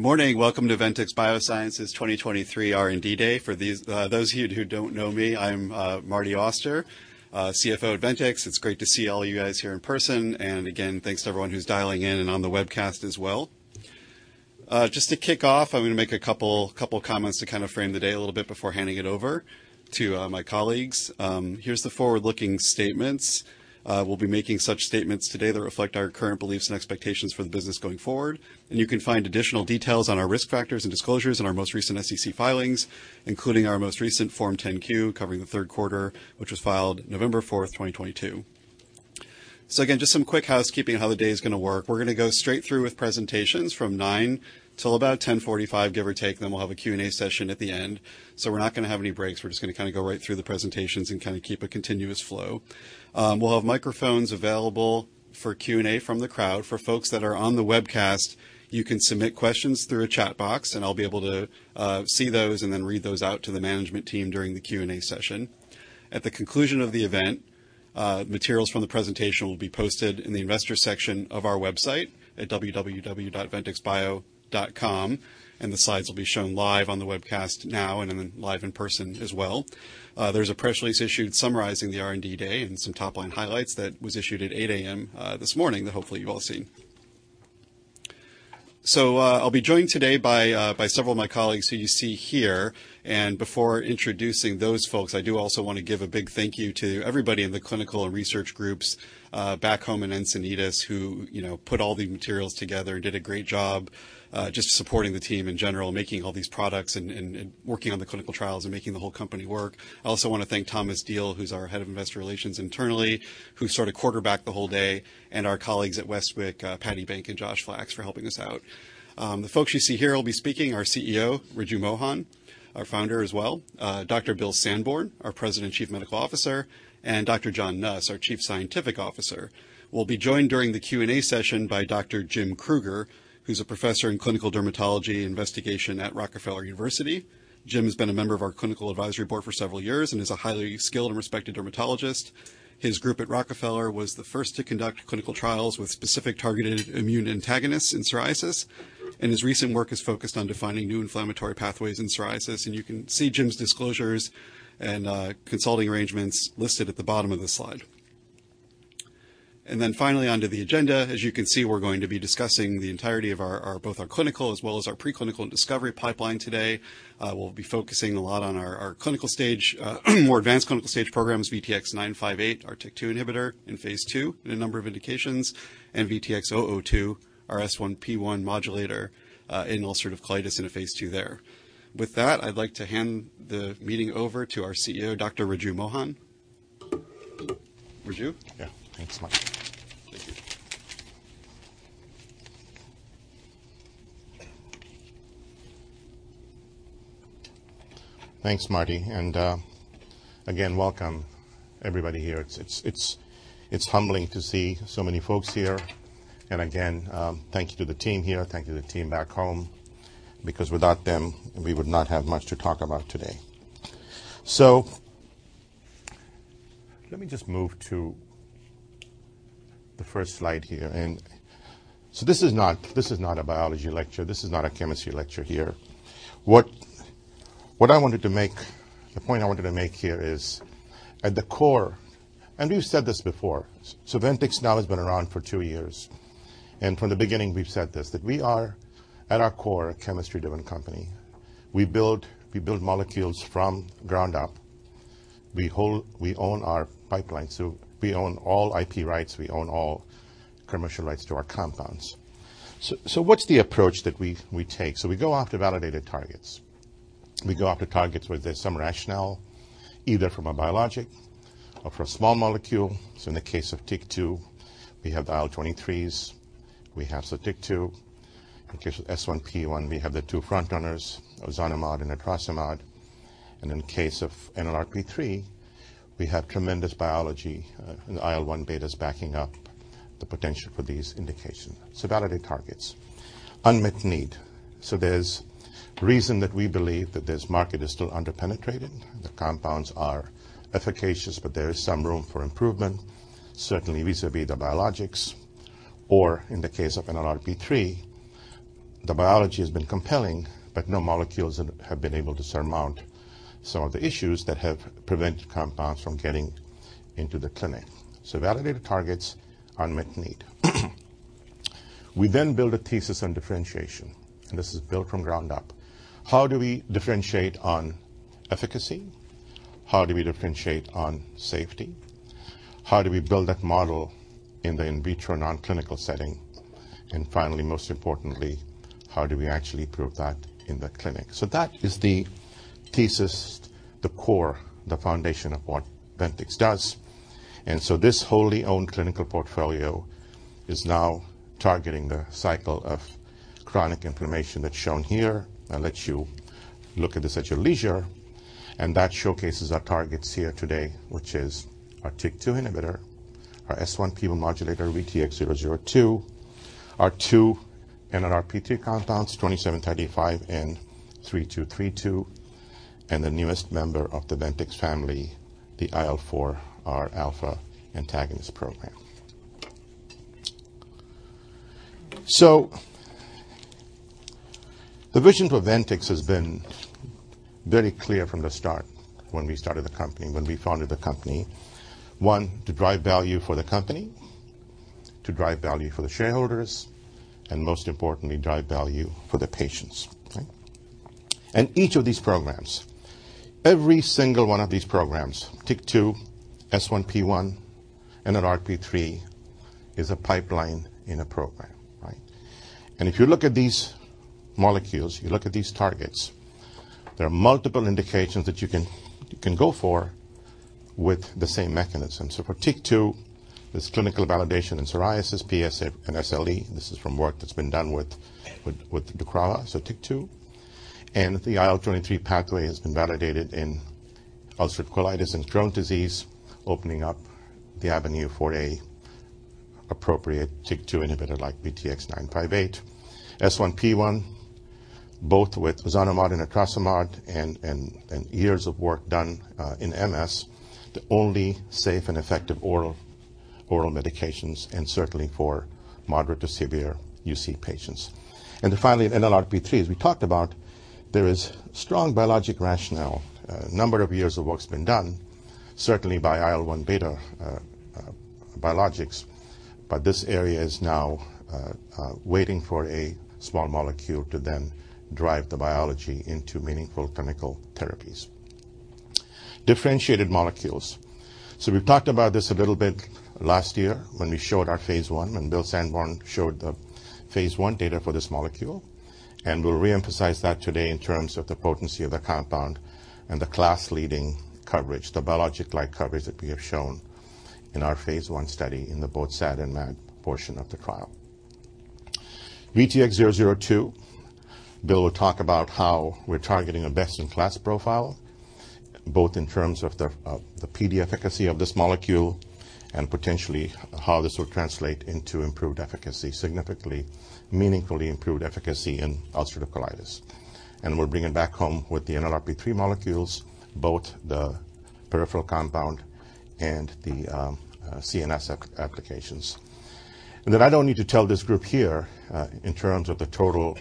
Good morning. Welcome to Ventyx Biosciences 2023 R&D day. For those of you who don't know me, I'm Martin Auster, CFO at Ventyx. It's great to see all you guys here in person. Again, thanks to everyone who's dialing in and on the webcast as well. Just to kick off, I'm gonna make a couple comments to kind of frame the day a little bit before handing it over to my colleagues. Here's the forward-looking statements. We'll be making such statements today that reflect our current beliefs and expectations for the business going forward. You can find additional details on our risk factors and disclosures in our most recent SEC filings, including our most recent Form 10-Q covering the third quarter, which was filed November 4th, 2022. Again, just some quick housekeeping on how the day is gonna work. We're gonna go straight through with presentations from 9:00 till about 10:45, give or take. We'll have a Q&A session at the end. We're not gonna have any breaks. We're just gonna kind of go right through the presentations and kind of keep a continuous flow. We'll have microphones available for Q&A from the crowd. For folks that are on the webcast, you can submit questions through a chat box, and I'll be able to see those and then read those out to the management team during the Q&A session. At the conclusion of the event, materials from the presentation will be posted in the investor section of our website at www.ventyxbio.com, and the slides will be shown live on the webcast now and then live in person as well. There's a press release issued summarizing the R&D day and some top-line highlights that was issued at 8:00 A.M. this morning that hopefully you've all seen. I'll be joined today by several of my colleagues who you see here. Before introducing those folks, I do also wanna give a big thank you to everybody in the clinical and research groups back home in Encinitas who, you know, put all the materials together, did a great job just supporting the team in general, making all these products and working on the clinical trials and making the whole company work. I also wanna thank Thomas Deal, who's our head of investor relations internally, who sort of quarterbacked the whole day, and our colleagues at Westwicke, Patti Bank and Josh Flax, for helping us out. The folks you see here will be speaking, our CEO, Raju Mohan, our founder as well, Dr. Bill Sandborn, our President, Chief Medical Officer, and Dr. John Nuss, our Chief Scientific Officer. We'll be joined during the Q&A session by Dr. Jim Krueger, who's a Professor in Clinical Dermatology Investigation at Rockefeller University. Jim has been a member of our clinical advisory board for several years and is a highly skilled and respected dermatologist. His group at Rockefeller was the first to conduct clinical trials with specific targeted immune antagonists in psoriasis, his recent work is focused on defining new inflammatory pathways in psoriasis. You can see Jim's disclosures and consulting arrangements listed at the bottom of the slide. Finally, onto the agenda. As you can see, we're going to be discussing the entirety of our both our clinical as well as our preclinical and discovery pipeline today. We'll be focusing a lot on our clinical stage, more advanced clinical stage programs, VTX958, our TYK2 inhibitor in phase II in a number of indications, and VTX002, our S1P1 modulator, in ulcerative colitis in a phase II there. With that, I'd like to hand the meeting over to our CEO, Dr. Raju Mohan. Raju? Yeah. Thanks, Marty. Thank you. Thanks, Marty. Again, welcome everybody here. It's humbling to see so many folks here. Again, thank you to the team here, thank you to the team back home, because without them, we would not have much to talk about today. Let me just move to the first slide here. This is not, this is not a biology lecture. This is not a chemistry lecture here. What, the point I wanted to make here is at the core, and we've said this before, Ventyx now has been around for two years, and from the beginning, we've said this, that we are at our core a chemistry-driven company. We build molecules from ground up. We own our pipeline. We own all IP rights, we own all commercial rights to our compounds. What's the approach that we take? We go after validated targets. We go after targets where there's some rationale, either from a biologic or from a small molecule. In the case of TYK2, we have the IL-23s, we have Sotyktu. In case of S1P1, we have the two front runners, ozanimod and etrasimod. In case of NLRP3, we have tremendous biology in the IL-1β's backing up the potential for these indications. Validated targets. Unmet need. There's reason that we believe that this market is still under-penetrated. The compounds are efficacious, but there is some room for improvement, certainly vis-à-vis the biologics. In the case of NLRP3, the biology has been compelling, but no molecules have been able to surmount some of the issues that have prevented compounds from getting into the clinic. Validated targets, unmet need. We then build a thesis on differentiation, and this is built from ground up. How do we differentiate on efficacy? How do we differentiate on safety? How do we build that model in the in vitro non-clinical setting? And finally, most importantly, how do we actually prove that in the clinic? That is the thesis, the core, the foundation of what Ventyx does. This wholly owned clinical portfolio is now targeting the cycle of chronic inflammation that's shown here. I'll let you look at this at your leisure. That showcases our targets here today, which is our TYK2 inhibitor, our S1P1 modulator, VTX002, our 2 NLRP3 compounds, VTX2735 and VTX3232, and the newest member of the Ventyx family, the IL-4Rα antagonist program. So the vision for Ventyx has been very clear from the start when we started the company, when we founded the company. One, to drive value for the company, to drive value for the shareholders, and most importantly, drive value for the patients, okay. Each of these programs, every single one of these programs, TYK2, S1P1, NLRP3, is a pipeline in a program, right. If you look at these molecules, you look at these targets, there are multiple indications that you can go for with the same mechanism. For TYK2, there's clinical validation in psoriasis, PSA, and SLE. This is from work that's been done with Dukoral. TYK2 and the IL-23 pathway has been validated in ulcerative colitis and Crohn's disease, opening up the avenue for a appropriate TYK2 inhibitor like VTX958. S1P1, both with ozanimod and etrasimod and years of work done in MS, the only safe and effective oral medications, and certainly for moderate to severe UC patients. Finally, NLRP3, as we talked about, there is strong biologic rationale. A number of years of work's been done, certainly by IL-1β biologics. This area is now waiting for a small molecule to then drive the biology into meaningful clinical therapies. Differentiated molecules. We've talked about this a little bit last year when we showed our phase I, when William Sandborn showed the phase I data for this molecule. We'll reemphasize that today in terms of the potency of the compound and the class leading coverage, the biologic-like coverage that we have shown in our phase I study in the both SAD and MAD portion of the trial. VTX002, Bill will talk about how we're targeting a best in class profile, both in terms of the PD efficacy of this molecule and potentially how this will translate into improved efficacy, significantly, meaningfully improved efficacy in ulcerative colitis. We're bringing it back home with the NLRP3 molecules, both the peripheral compound and the CNS applications. I don't need to tell this group here, in terms of the total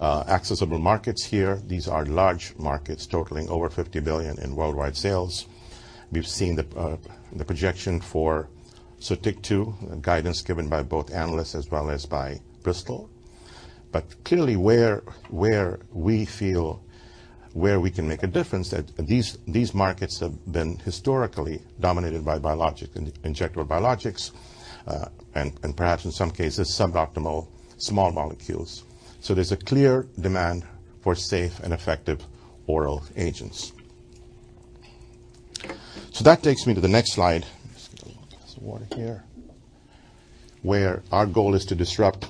accessible markets here, these are large markets totaling over $50 billion in worldwide sales. We've seen the projection for... TYK2, guidance given by both analysts as well as by Bristol. Clearly, where we feel where we can make a difference, that these markets have been historically dominated by biologic, injectable biologics, and perhaps in some cases, suboptimal small molecules. There's a clear demand for safe and effective oral agents. That takes me to the next slide. Just get a little glass of water here. Where our goal is to disrupt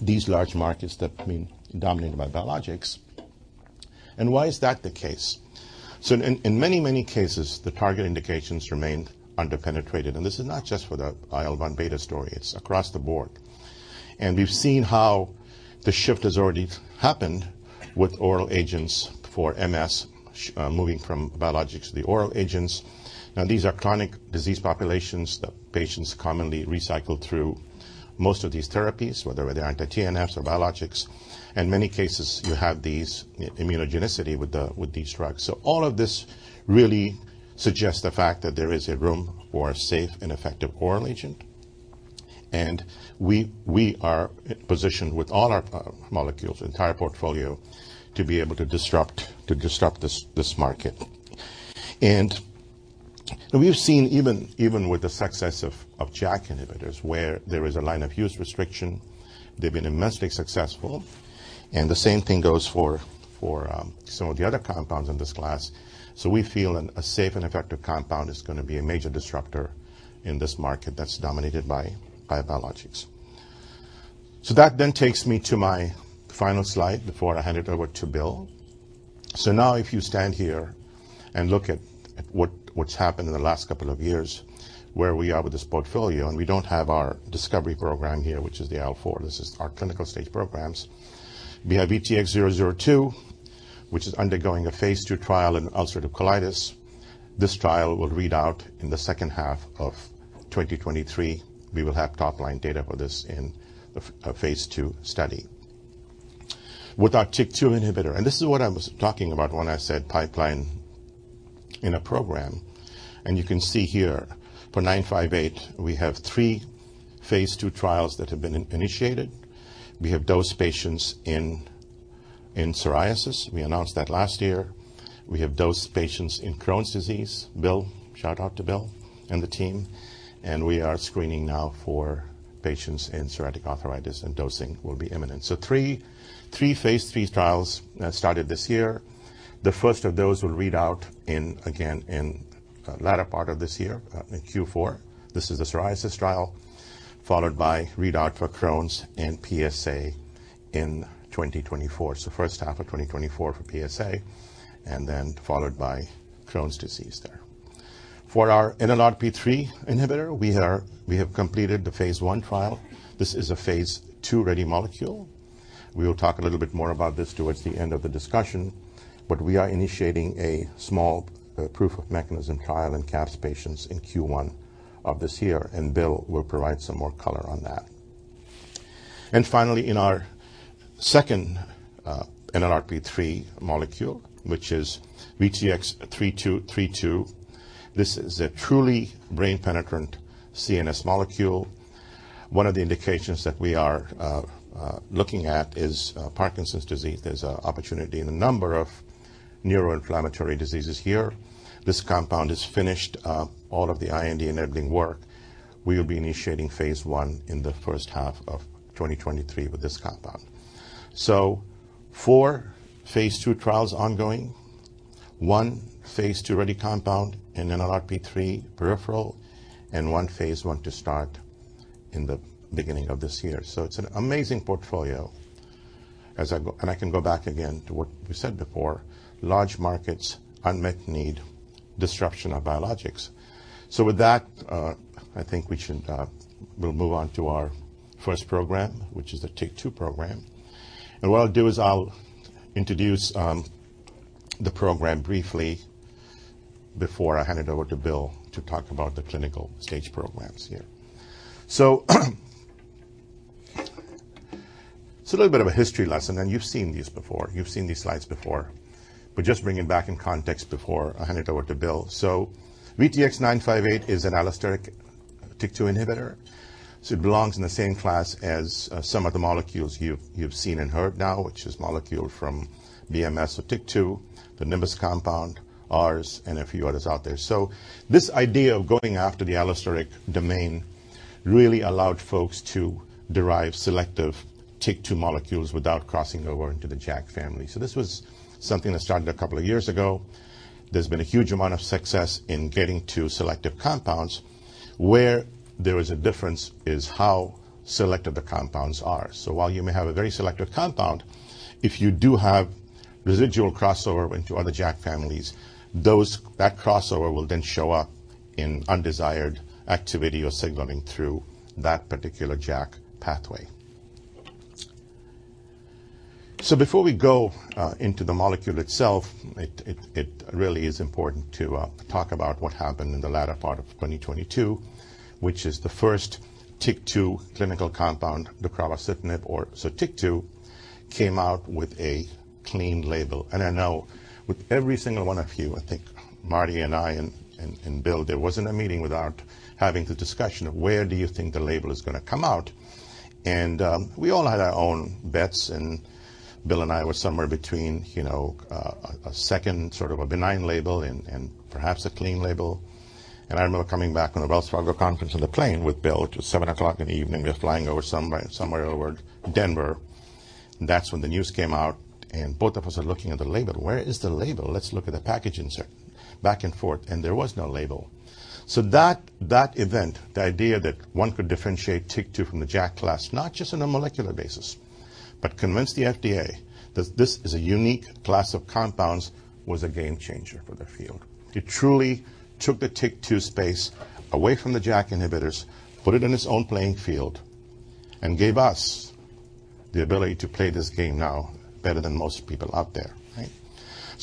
these large markets that have been dominated by biologics. Why is that the case? In many cases, the target indications remain under-penetrated. This is not just for the IL-1β story, it's across the board. We've seen how the shift has already happened with oral agents for MS, moving from biologics to the oral agents. Now, these are chronic disease populations. The patients commonly recycle through most of these therapies, whether they're anti-TNFs or biologics. In many cases, you have these immunogenicity with these drugs. All of this really suggests the fact that there is a room for a safe and effective oral agent. We are positioned with all our molecules, entire portfolio, to be able to disrupt this market. We've seen even with the success of JAK inhibitors, where there is a line of use restriction, they've been immensely successful. The same thing goes for some of the other compounds in this class. We feel a safe and effective compound is gonna be a major disruptor in this market that's dominated by biologics. That then takes me to my final slide before I hand it over to Bill. Now if you stand here and look at what's happened in the last couple of years, where we are with this portfolio, and we don't have our discovery program here, which is the IL-4. This is our clinical stage programs. We have VTX002, which is undergoing a phase II trial in ulcerative colitis. This trial will read out in the second half of 2023. We will have top-line data for this in a phase II study. With our TYK2 inhibitor, and this is what I was talking about when I said pipeline in a program. You can see here for 958, we have three phase II trials that have been initiated. We have dosed patients in psoriasis. We announced that last year. We have dosed patients in Crohn's disease. Bill, shout out to Bill and the team. We are screening now for patients in psoriatic arthritis and dosing will be imminent. Three phase III trials started this year. The first of those will read out in, again, in the latter part of this year, in Q4. This is the psoriasis trial followed by readout for Crohn's and PSA in 2024. First half of 2024 for PSA and then followed by Crohn's disease there. For our NLRP3 inhibitor, we have completed the phase I trial. This is a phase II-ready molecule. We will talk a little bit more about this towards the end of the discussion, but we are initiating a small proof of mechanism trial in CAPS patients in Q1 of this year, and Bill will provide some more color on that. Finally, in our second NLRP3 molecule, which is VTX3232. This is a truly brain penetrant CNS molecule. One of the indications that we are looking at is Parkinson's disease. There's a opportunity in a number of neuroinflammatory diseases here. This compound is finished all of the IND-enabling work. We will be initiating phase I in the first half of 2023 with this compound. Four phase II trials ongoing. One phase II-ready compound in NLRP3 peripheral, and one phase I to start in the beginning of this year. It's an amazing portfolio. Large markets, unmet need, disruption of biologics. With that, I think we should we'll move on to our first program, which is the TYK2 program. What I'll do is I'll introduce the program briefly before I hand it over to Bill to talk about the clinical stage programs here. It's a little bit of a history lesson, and you've seen these before. You've seen these slides before, just bring it back in context before I hand it over to Bill. VTX958 is an allosteric TYK2 inhibitor, so it belongs in the same class as some of the molecules you've seen and heard now, which is molecule from BMS or TYK2, the Nimbus compound, ours, and a few others out there. This idea of going after the allosteric domain really allowed folks to derive selective TYK2 molecules without crossing over into the JAK family. This was something that started a couple of years ago. There's been a huge amount of success in getting to selective compounds. Where there is a difference is how selective the compounds are. While you may have a very selective compound, if you do have residual crossover into other JAK families, that crossover will then show up in undesired activity or signaling through that particular JAK pathway. Before we go into the molecule itself, it really is important to talk about what happened in the latter part of 2022, which is the first TYK2 clinical compound, the deucravacitinib or Sotyktu, came out with a clean label. I know with every single one of you, I think Marty and I and Bill, there wasn't a meeting without having the discussion of where do you think the label is gonna come out. We all had our own bets, and Bill and I were somewhere between, you know, a second sort of a benign label and perhaps a clean label. I remember coming back from the Wells Fargo conference on the plane with Bill. It was 7:00 P.M. in the evening. We were flying over somewhere over Denver. That's when the news came out, and both of us are looking at the label. Where is the label? Let's look at the package insert back and forth, and there was no label. That, that event, the idea that one could differentiate TYK2 from the JAK class, not just on a molecular basis, but convince the FDA that this is a unique class of compounds, was a game changer for the field. It truly took the TYK2 space away from the JAK inhibitors, put it in its own playing field, and gave us the ability to play this game now better than most people out there, right?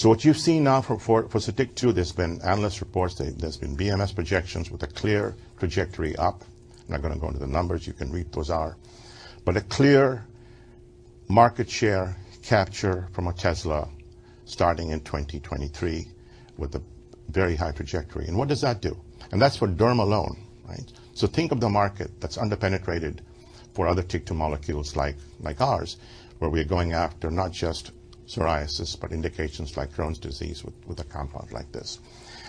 What you've seen now for Sotyktu, there's been analyst reports. There's been BMS projections with a clear trajectory up. I'm not gonna go into the numbers. You can read those are. A clear market share capture from Otezla starting in 2023 with a very high trajectory. What does that do? That's for derm alone, right? Think of the market that's under-penetrated for other TYK2 molecules like ours, where we're going after not just psoriasis but indications like Crohn's disease with a compound like this.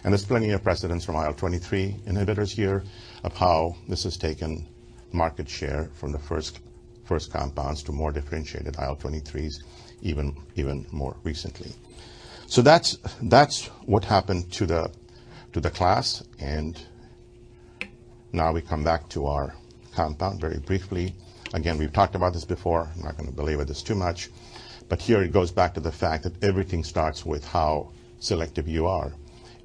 There's plenty of precedents from IL-23 inhibitors here of how this has taken market share from the first compounds to more differentiated IL-23s even more recently. That's what happened to the class, and now we come back to our compound very briefly. Again, we've talked about this before. I'm not gonna belabor this too much. Here it goes back to the fact that everything starts with how selective you are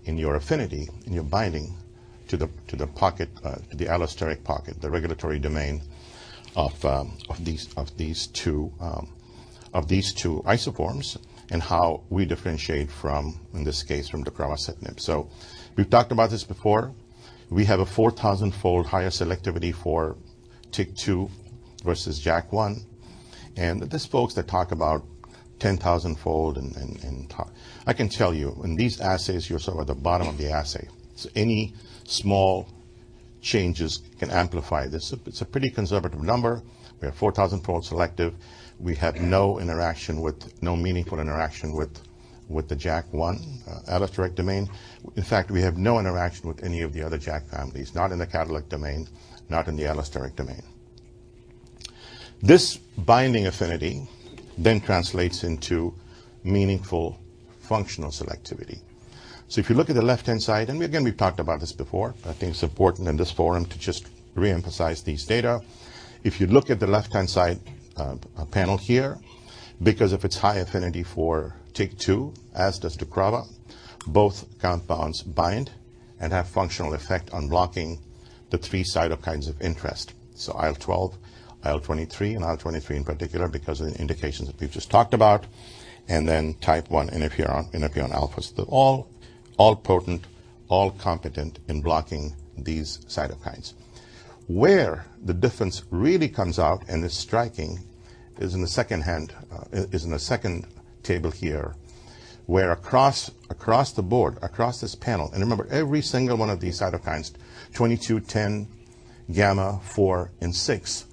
in your affinity, in your binding to the pocket, the allosteric pocket, the regulatory domain of these two isoforms and how we differentiate from, in this case, from the deucravacitinib. We've talked about this before. We have a 4,000 fold higher selectivity for TYK2 versus JAK1. There's folks that talk about 10,000 fold and. I can tell you, in these assays, you're sort of at the bottom of the assay. Any small changes can amplify this. It's a pretty conservative number. We have 4,000 fold selective. We have no meaningful interaction with the JAK1 allosteric domain. In fact, we have no interaction with any of the other JAK families, not in the catalytic domain, not in the allosteric domain. This binding affinity translates into meaningful functional selectivity. If you look at the left-hand side, and again, we've talked about this before, I think it's important in this forum to just re-emphasize these data. If you look at the left-hand side panel here, because of its high affinity for TYK2, as does the upaca, both compounds bind and have functional effect on blocking the three cytokine of interest. IL-12, IL-23, and IL-23 in particular because of the indications that we've just talked about, and then type 1 Interferon alphas. They're all potent, all competent in blocking these cytokines. Where the difference really comes out and is striking is in the second table here, where across the board, across this panel, and remember, every single one of these cytokines, 22, 10, gamma, four, and six,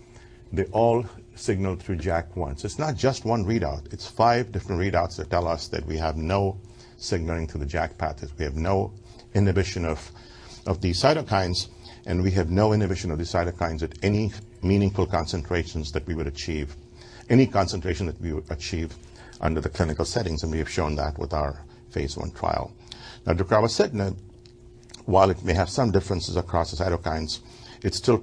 they all signal through JAK1. It's not just one readout. It's five different readouts that tell us that we have no signaling through the JAK path. We have no inhibition of these cytokines, and we have no inhibition of these cytokines at any meaningful concentrations that we would achieve any concentration that we would achieve under the clinical settings, and we have shown that with our phase I trial. Deucravacitinib, while it may have some differences across the cytokines, it still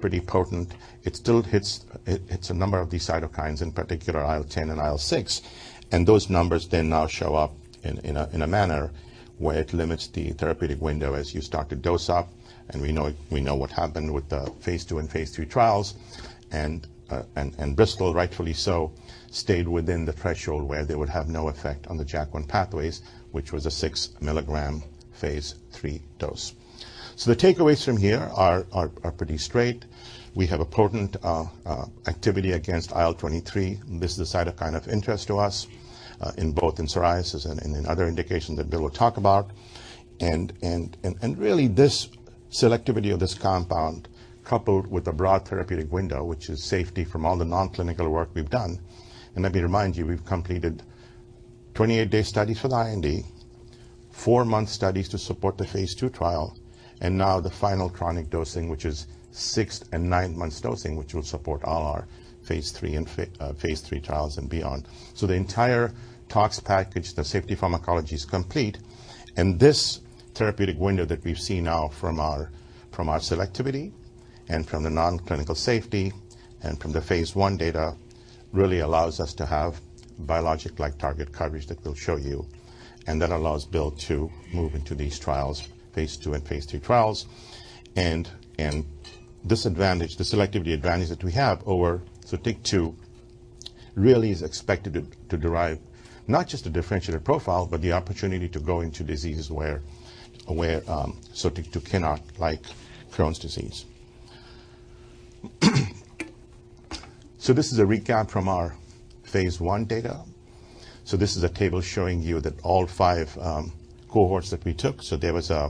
hits a number of these cytokines, in particular IL-10 and IL-6. Those numbers then now show up in a manner where it limits the therapeutic window as you start to dose up. We know what happened with the phase II and phase III trials. Bristol, rightfully so, stayed within the threshold where they would have no effect on the JAK1 pathways, which was a 6 mg phase III dose. The takeaways from here are pretty straight. We have a potent activity against IL-23. This is a cytokine of interest to us in both psoriasis and in other indications that Bill will talk about. Really this selectivity of this compound, coupled with a broad therapeutic window, which is safety from all the non-clinical work we've done. Let me remind you, we've completed 28-day studies for the IND, four-month studies to support the phase II trial, and now the final chronic dosing, which is six and nine months dosing, which will support all our phase III and phase III trials and beyond. The entire tox package, the safety pharmacology is complete. This therapeutic window that we've seen now from our, from our selectivity and from the non-clinical safety and from the phase I data really allows us to have biologic-like target coverage that we'll show you, and that allows Bill to move into these trials, phase II and phase III trials. This advantage, the selectivity advantage that we have over Sotyktu really is expected to derive not just a differentiated profile, but the opportunity to go into diseases where Sotyktu cannot, like Crohn's disease. This is a recap from our phase I data. This is a table showing you that all five cohorts that we took. There was a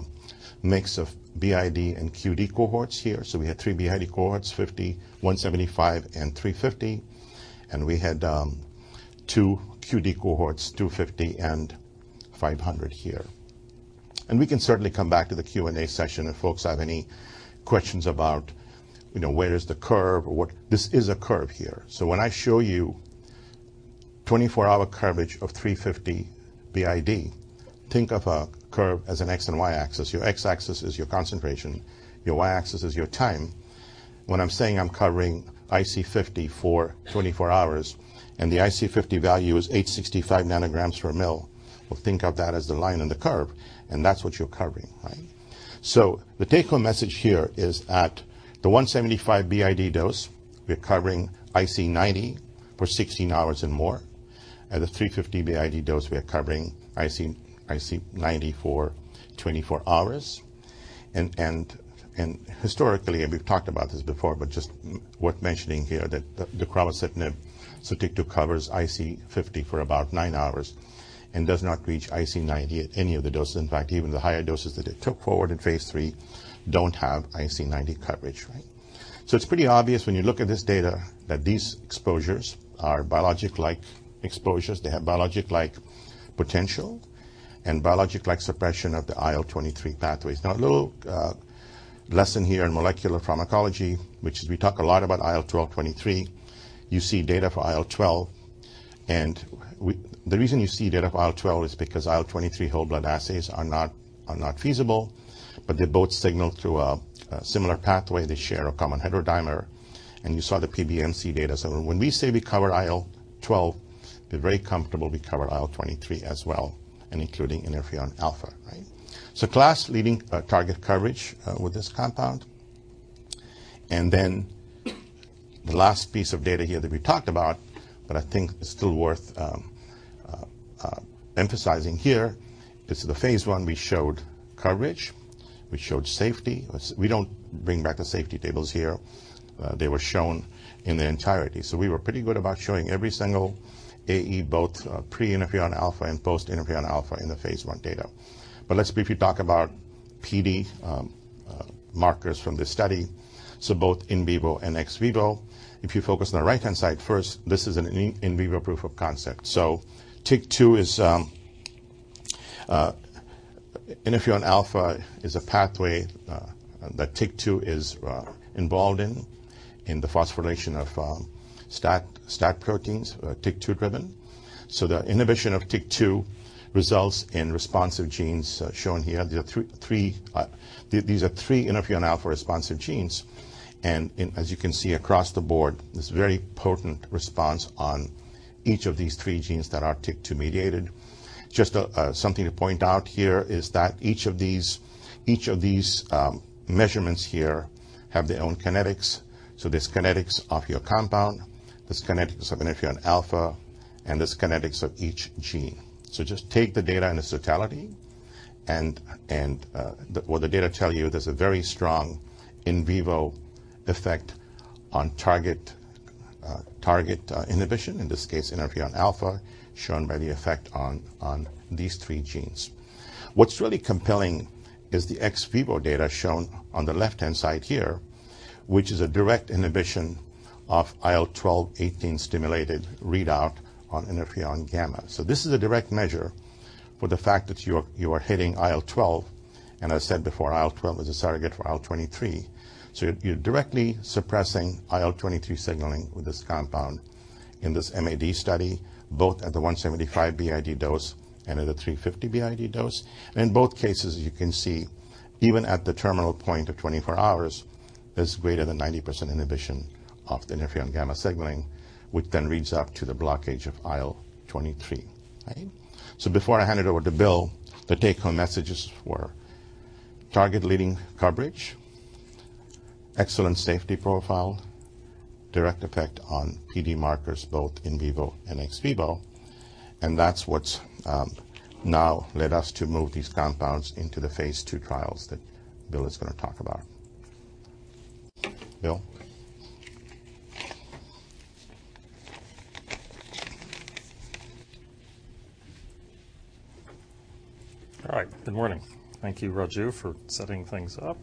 mix of BID and QD cohorts here. We had three BID cohorts, 50, 175, and 350. We had two QD cohorts, 250 and 500 here. We can certainly come back to the Q&A session if folks have any questions about, you know, where is the curve or what. This is a curve here. When I show you 24-hour coverage of 350 BID, think of a curve as an X and Y-axis. Your X-axis is your concentration, your Y-axis is your time. When I'm saying I'm covering IC50 for 24 hours and the IC50 value is 865 ng/mL, well, think of that as the line in the curve, and that's what you're covering, right? The take-home message here is at the 175 BID dose, we're covering IC90 for 16 hours and more. At the 350 BID dose, we are covering IC90 for 24 hours. Historically, we've talked about this before, just worth mentioning here that the deucravacitinib Sotyktu covers IC50 for about nine hours and does not reach IC90 at any of the doses. In fact, even the higher doses that it took forward in phase III don't have IC90 coverage, right? It's pretty obvious when you look at this data that these exposures are biologic-like exposures. They have biologic-like potential and biologic-like suppression of the IL-23 pathways. Now a little lesson here in molecular pharmacology, which is we talk a lot about IL-12, 23. You see data for IL-12, and the reason you see data for IL-12 is because IL-23 whole blood assays are not feasible, but they both signal through a similar pathway. They share a common heterodimer, and you saw the PBMC data. When we say we cover IL-12, we're very comfortable we cover IL-23 as well, and including Interferon alpha, right? Class-leading target coverage with this compound. Then the last piece of data here that we talked about, but I think it's still worth emphasizing here. This is the phase I. We showed coverage. We showed safety. We don't bring back the safety tables here. They were shown in their entirety. We were pretty good about showing every single AE, both pre-interferon alpha and post-interferon alpha in the phase I data. Let's briefly talk about PD markers from this study, both in vivo and ex vivo. If you focus on the right-hand side first, this is an in vivo proof of concept. Interferon alpha is a pathway that TYK2 is involved in the phosphorylation of STAT proteins, TYK2 driven. The inhibition of TYK2 results in responsive genes shown here. There are three. These are three interferon alpha responsive genes. As you can see across the board, this very potent response on each of these three genes that are TYK2 mediated. Just something to point out here is that each of these measurements here have their own kinetics. There's kinetics of your compound, there's kinetics of Interferon alpha, and there's kinetics of each gene. What's really compelling is the ex vivo data shown on the left-hand side here, which is a direct inhibition of IL-12, 18 stimulated readout on Interferon-gamma. This is a direct measure for the fact that you are hitting IL-12, and I said before, IL-12 is a surrogate for IL-23. You're directly suppressing IL-23 signaling with this compound in this MAD study, both at the 175 BID dose and at the 350 BID dose. In both cases, you can see even at the terminal point of 24 hours, there's greater than 90% inhibition of the Interferon-gamma signaling, which then reads out to the blockage of IL-23. Okay? Before I hand it over to Bill, the take-home messages were target-leading coverage, excellent safety profile, direct effect on PD markers both in vivo and ex vivo, and that's what's now led us to move these compounds into the phase II trials that Bill is gonna talk about. Bill? All right. Good morning. Thank you Raju for setting things up.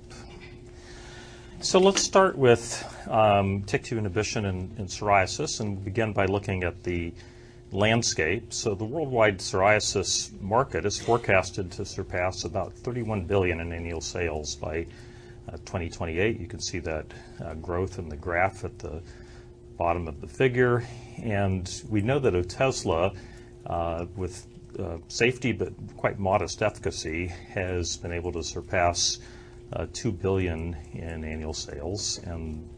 Let's start with TYK2 inhibition in psoriasis, and begin by looking at the landscape. The worldwide psoriasis market is forecasted to surpass about $31 billion in annual sales by 2028. You can see that growth in the graph at the bottom of the figure. We know that Otezla, with safety but quite modest efficacy, has been able to surpass $2 billion in annual sales.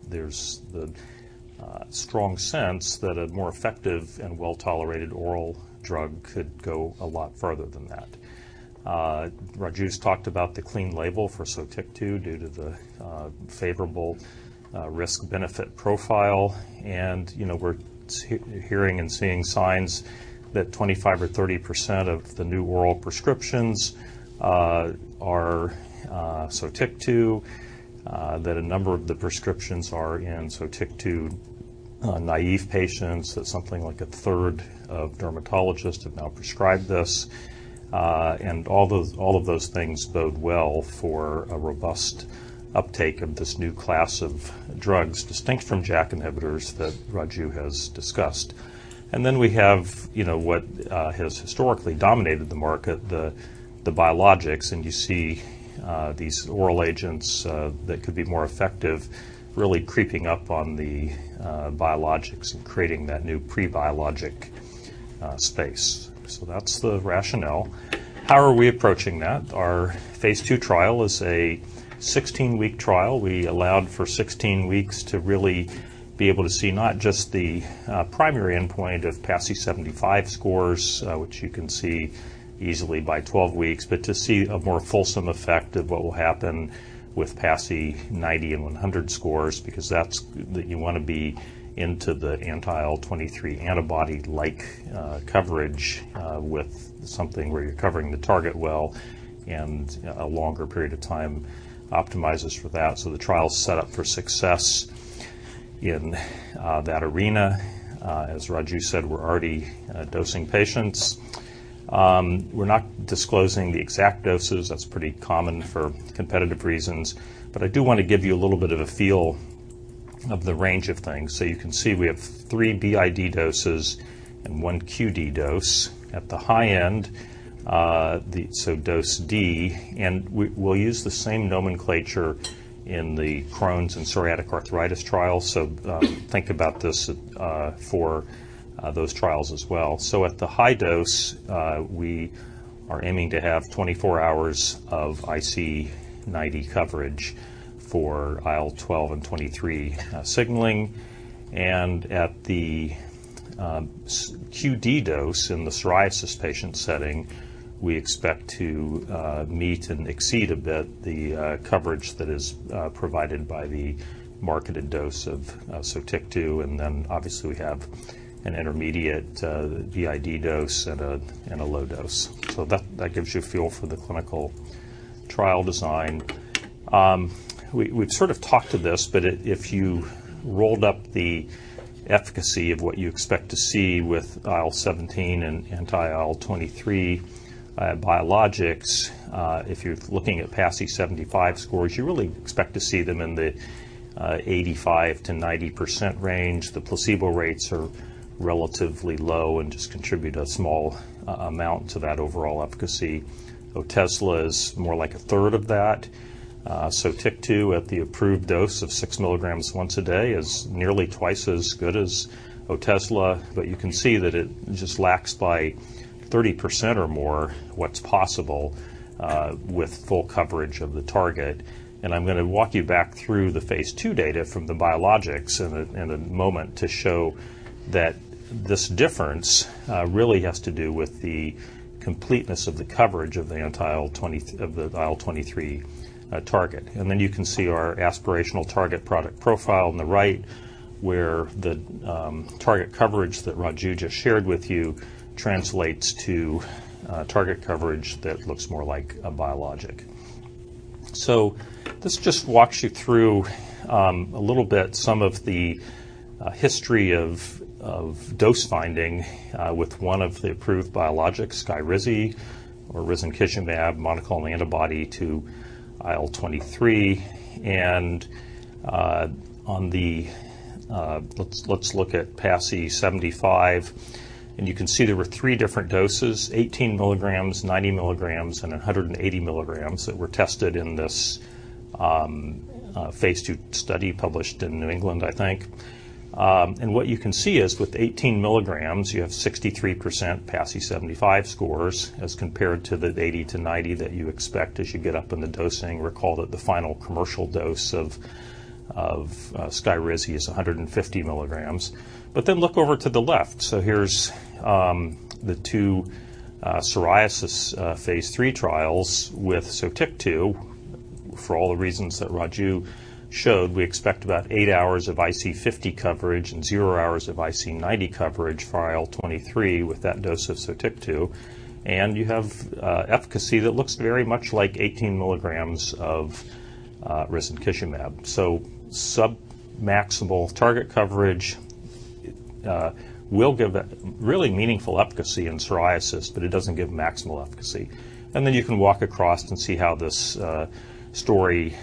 There's the strong sense that a more effective and well-tolerated oral drug could go a lot further than that. Raju's talked about the clean label for Sotyktu due to the favorable risk-benefit profile. You know, we're hearing and seeing signs that 25% or 30% of the new world prescriptions are Sotyktu, that a number of the prescriptions are in Sotyktu naive patients, that something like a third of dermatologists have now prescribed this. All of those things bode well for a robust uptake of this new class of drugs, distinct from JAK inhibitors that Raju has discussed. Then we have, you know, what has historically dominated the market, the biologics, and you see these oral agents that could be more effective really creeping up on the biologics and creating that new pre-biologic space. That's the rationale. How are we approaching that? Our phase II trial is a 16-week trial. We allowed for 16 weeks to really be able to see not just the primary endpoint of PASI 75 scores, which you can see easily by 12 weeks, but to see a more fulsome effect of what will happen with PASI 90 and 100 scores because that's. You wanna be into the anti-IL-23 antibody-like coverage with something where you're covering the target well, and a longer period of time optimizes for that. The trial's set up for success in that arena. As Raju said, we're already dosing patients. We're not disclosing the exact doses. That's pretty common for competitive reasons. I do wanna give you a little bit of a feel of the range of things. You can see we have three BID doses and one QD dose. At the high end, the. Dose D, and we'll use the same nomenclature in the Crohn's and psoriatic arthritis trials. Think about this for those trials as well. At the high dose, we are aiming to have 24 hours of IC90 coverage for IL-12 and 23 signaling. At the QD dose in the psoriasis patient setting, we expect to meet and exceed a bit the coverage that is provided by the marketed dose of Sotyktu. Obviously, we have an intermediate BID dose and a low dose. That gives you a feel for the clinical trial design. We've sort of talked to this, but if you rolled up the efficacy of what you expect to see with IL-17 and anti-IL-23 biologics, if you're looking at PASI 75 scores, you really expect to see them in the 85%-90% range. The placebo rates are relatively low and just contribute a small amount to that overall efficacy. Otezla is more like a third of that. Sotyktu at the approved dose of 6 mg once a day is nearly twice as good as Otezla, but you can see that it just lacks by 30% or more what's possible with full coverage of the target. I'm gonna walk you back through the phase II data from the biologics in a moment to show that this difference really has to do with the completeness of the coverage of the IL-23 target. You can see our aspirational target product profile on the right, where the target coverage that Raju just shared with you translates to target coverage that looks more like a biologic. This just walks you through a little bit some of the history of dose finding with one of the approved biologics, Skyrizi or risankizumab monoclonal antibody to IL-23. Let's look at PASI 75, and you can see there were three different doses, 18 mg, 90 mg, and 180 mg that were tested in this phase II study published in New England, I think. What you can see is with 18 mg, you have 63% PASI 75 scores as compared to the 80%-90% that you expect as you get up in the dosing. Recall that the final commercial dose of Skyrizi is 150 mg. Look over to the left. Here's the two psoriasis phase III trials with Sotyktu. For all the reasons that Raju showed, we expect about eight hours of IC50 coverage and zero hours of IC90 coverage for IL-23 with that dose of Sotyktu. You have efficacy that looks very much like 18 mg of risankizumab. Submaximal target coverage will give a really meaningful efficacy in psoriasis, but it doesn't give maximal efficacy. You can walk across and see how this story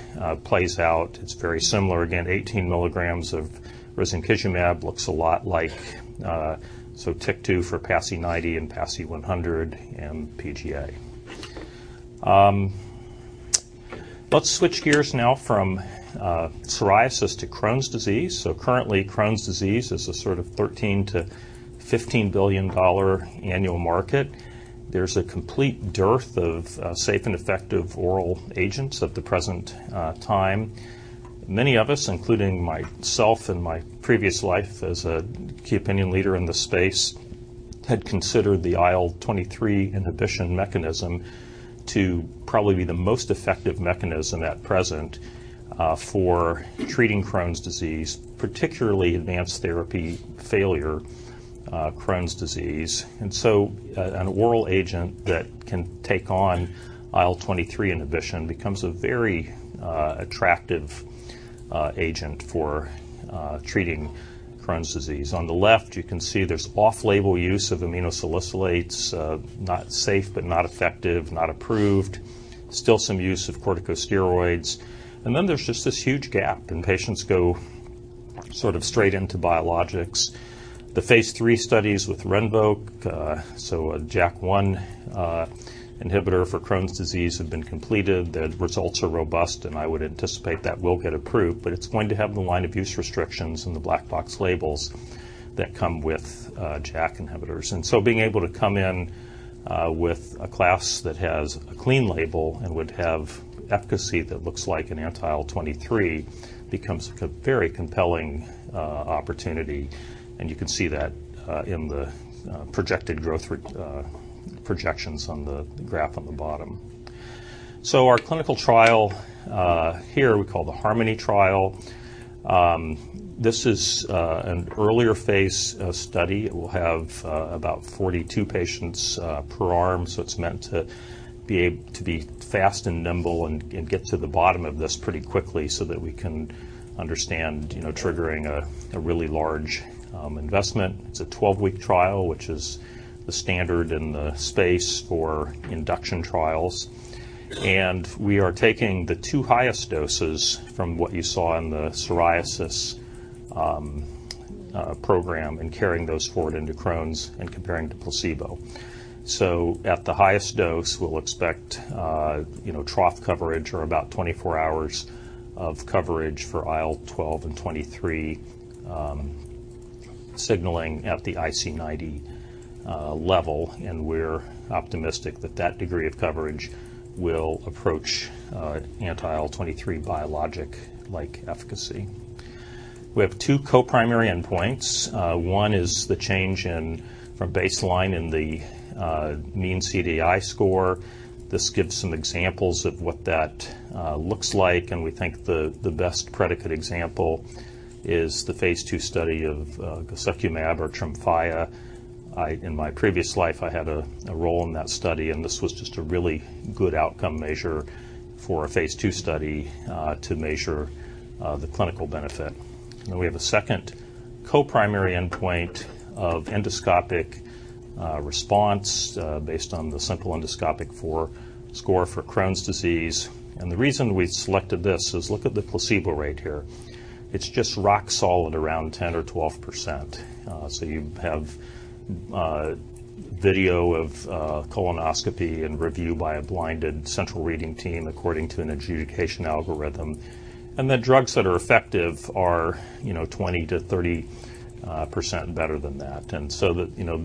plays out. It's very similar. Again, 18 mg of risankizumab looks a lot like Sotyktu for PASI 90 and PASI 100 and PGA. Let's switch gears now from psoriasis to Crohn's disease. Currently, Crohn's disease is a sort of $13 billion-$15 billion annual market. There's a complete dearth of safe and effective oral agents at the present time. Many of us, including myself in my previous life as a key opinion leader in the space, had considered the IL-23 inhibition mechanism to probably be the most effective mechanism at present for treating Crohn's disease, particularly advanced therapy failure, Crohn's disease. An oral agent that can take on IL-23 inhibition becomes a very attractive agent for treating Crohn's disease. On the left, you can see there's off-label use of aminosalicylates, not safe but not effective, not approved. Still some use of corticosteroids. There's just this huge gap, and patients go sort of straight into biologics. The phase III studies with RINVOQ, so a JAK1 inhibitor for Crohn's disease have been completed. The results are robust, I would anticipate that will get approved, but it's going to have the line of use restrictions and the black box labels that come with JAK inhibitors. Being able to come in with a class that has a clean label and would have efficacy that looks like an anti-IL-23 becomes a very compelling opportunity. You can see that in the projected growth projections on the graph on the bottom. Our clinical trial here we call the HARMONY trial. This is an earlier phase study. It will have about 42 patients per arm. It's meant to be able to be fast and nimble and get to the bottom of this pretty quickly so that we can understand, you know, triggering a really large investment. It's a 12-week trial, which is the standard in the space for induction trials. We are taking the two highest doses from what you saw in the psoriasis program and carrying those forward into Crohn's and comparing to placebo. At the highest dose, we'll expect, you know, trough coverage or about 24 hours of coverage for IL-12 and 23 signaling at the IC90 level. We're optimistic that that degree of coverage will approach anti-IL-23 biologic-like efficacy. We have two co-primary endpoints. One is the change in from baseline in the mean CDAI score. This gives some examples of what that looks like, and we think the best predicate example is the phase II study of guselkumab or Tremfya. In my previous life, I had a role in that study, this was just a really good outcome measure for a phase II study to measure the clinical benefit. We have a second co-primary endpoint of endoscopic response based on the simple endoscopic 4 score for Crohn's disease. The reason we selected this is look at the placebo rate here. It's just rock solid around 10% or 12%. You have video of colonoscopy and review by a blinded central reading team according to an adjudication algorithm. The drugs that are effective are, you know, 20%-30% better than that. You know,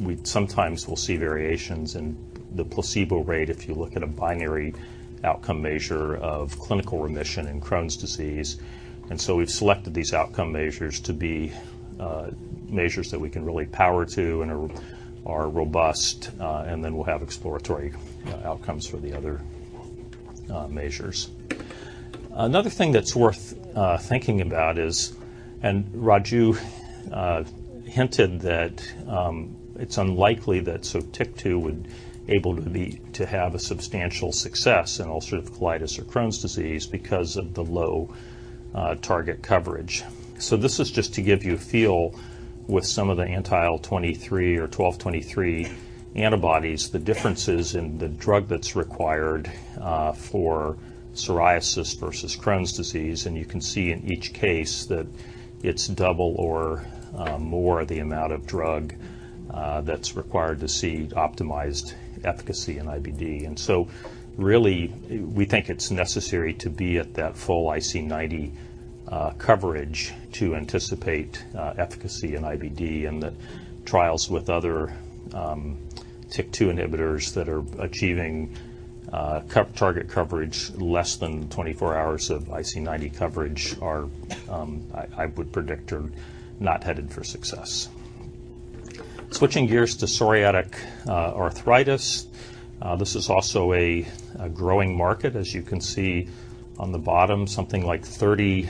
we sometimes will see variations in the placebo rate if you look at a binary outcome measure of clinical remission in Crohn's disease. We've selected these outcome measures to be measures that we can really power to and are robust, and then we'll have exploratory outcomes for the other measures. Another thing that's worth thinking about is Raju hinted that it's unlikely that Sotyktu would to have a substantial success in ulcerative colitis or Crohn's disease because of the low target coverage. This is just to give you a feel with some of the anti-IL-23 or 12/23 antibodies, the differences in the drug that's required for psoriasis versus Crohn's disease. You can see in each case that it's double or more the amount of drug that's required to see optimized efficacy in IBD. Really, we think it's necessary to be at that full IC90 coverage to anticipate efficacy in IBD, and the trials with other TYK2 inhibitors that are achieving target coverage less than 24 hours of IC90 coverage are, I would predict, are not headed for success. Switching gears to psoriatic arthritis. This is also a growing market. As you can see on the bottom, something like 30%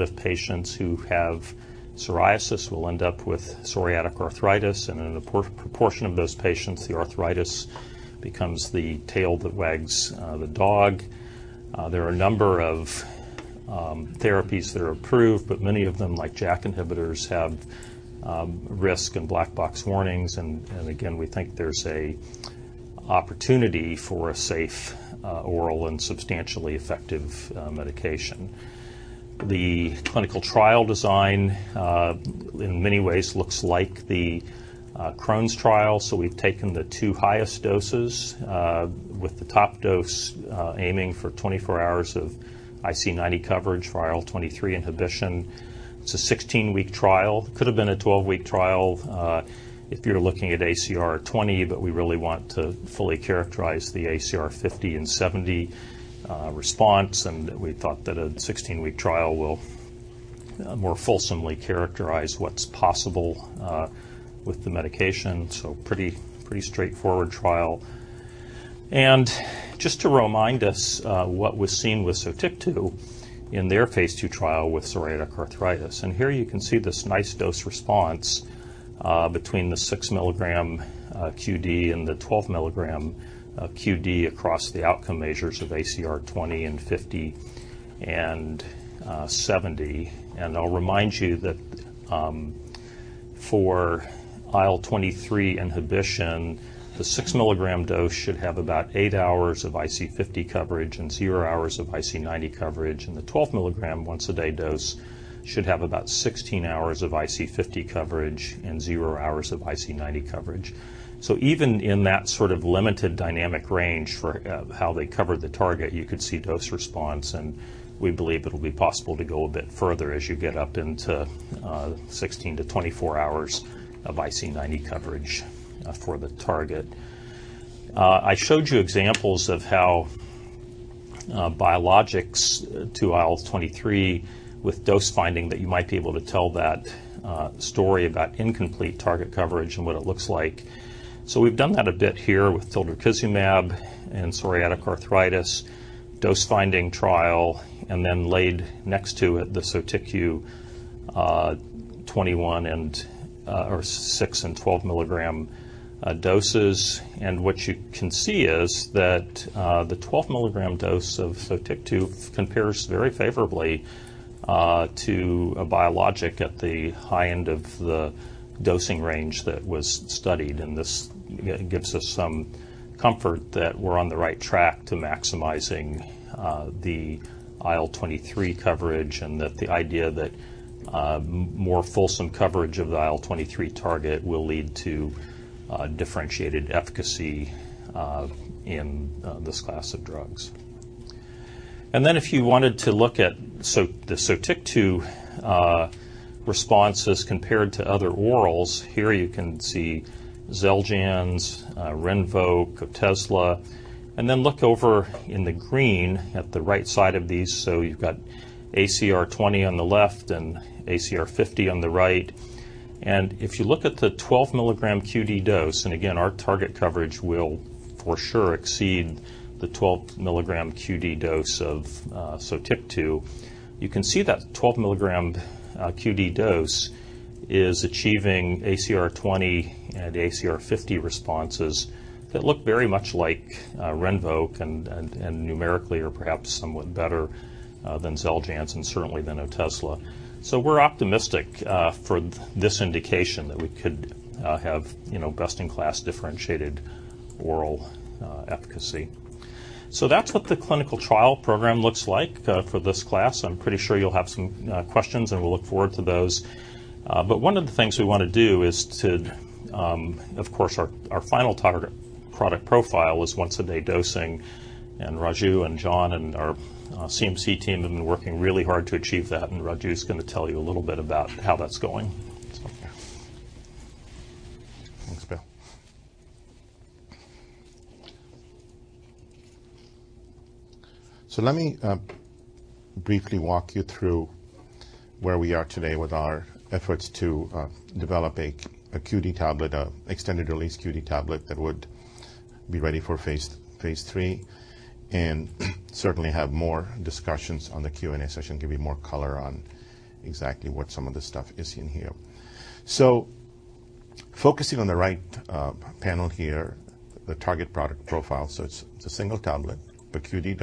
of patients who have psoriasis will end up with psoriatic arthritis, and in a proportion of those patients, the arthritis becomes the tail that wags the dog. There are a number of therapies that are approved, but many of them, like JAK inhibitors, have risk and black box warnings. Again, we think there's a opportunity for a safe, oral and substantially effective medication. The clinical trial design, in many ways looks like the Crohn's trial, so we've taken the two highest doses, with the top dose, aiming for 24 hours of IC90 coverage for IL-23 inhibition. It's a 16-week trial. Could have been a 12-week trial, if you're looking at ACR20, but we really want to fully characterize the ACR50 and 70 response, and we thought that a 16-week trial will more fulsomely characterize what's possible with the medication. Pretty straightforward trial. Just to remind us what was seen with Sotyktu in their phase II trial with psoriatic arthritis. Here you can see this nice dose response between the 6 mg QD and the 12 mg QD across the outcome measures of ACR20 and 50 and 70. I'll remind you that for IL-23 inhibition, the 6 mg dose should have about eight hours of IC50 coverage and zero hours of IC90 coverage. The 12 mg once-a-day dose should have about 16 hours of IC50 coverage and zero hours of IC90 coverage. Even in that sort of limited dynamic range for how they cover the target, you could see dose response, and we believe it'll be possible to go a bit further as you get up into 16-24 hours of IC90 coverage for the target. I showed you examples of how biologics to IL-23 with dose finding that you might be able to tell that story about incomplete target coverage and what it looks like. We've done that a bit here with Tildrakizumab and psoriatic arthritis dose-finding trial, and then laid next to it, the Sotyktu, 21 and or 6 mg and 12 mg doses. What you can see is that the 12 mg dose of Sotyktu compares very favorably to a biologic at the high end of the dosing range that was studied, and this gives us some comfort that we're on the right track to maximizing the IL-23 coverage and that the idea that more fulsome coverage of the IL-23 target will lead to differentiated efficacy in this class of drugs. If you wanted to look at the Sotyktu responses compared to other orals, here you can see XELJANZ, RINVOQ, Cosela, look over in the green at the right side of these. You've got ACR20 on the left and ACR50 on the right. If you look at the 12 mg QD dose, and again, our target coverage will for sure exceed the 12 mg QD dose of Sotyktu, you can see that 12 mg QD dose is achieving ACR20 and ACR50 responses that look very much like RINVOQ and numerically or perhaps somewhat better than XELJANZ and certainly than Cosela. We're optimistic for this indication that we could have, you know, best-in-class differentiated oral efficacy. That's what the clinical trial program looks like for this class. I'm pretty sure you'll have some questions, and we'll look forward to those. One of the things we wanna do is to, of course, our final target product profile is once-a-day dosing. Raju and John and our CMC team have been working really hard to achieve that, and Raju's gonna tell you a little bit about how that's going. Thanks Bill. Let me briefly walk you through where we are today with our efforts to develop a QD tablet, extended release QD tablet that would be ready for phase III, and certainly have more discussions on the Q&A session, give you more color on exactly what some of the stuff is in here. Focusing on the right panel here, the target product profile. It's a single tablet, the QD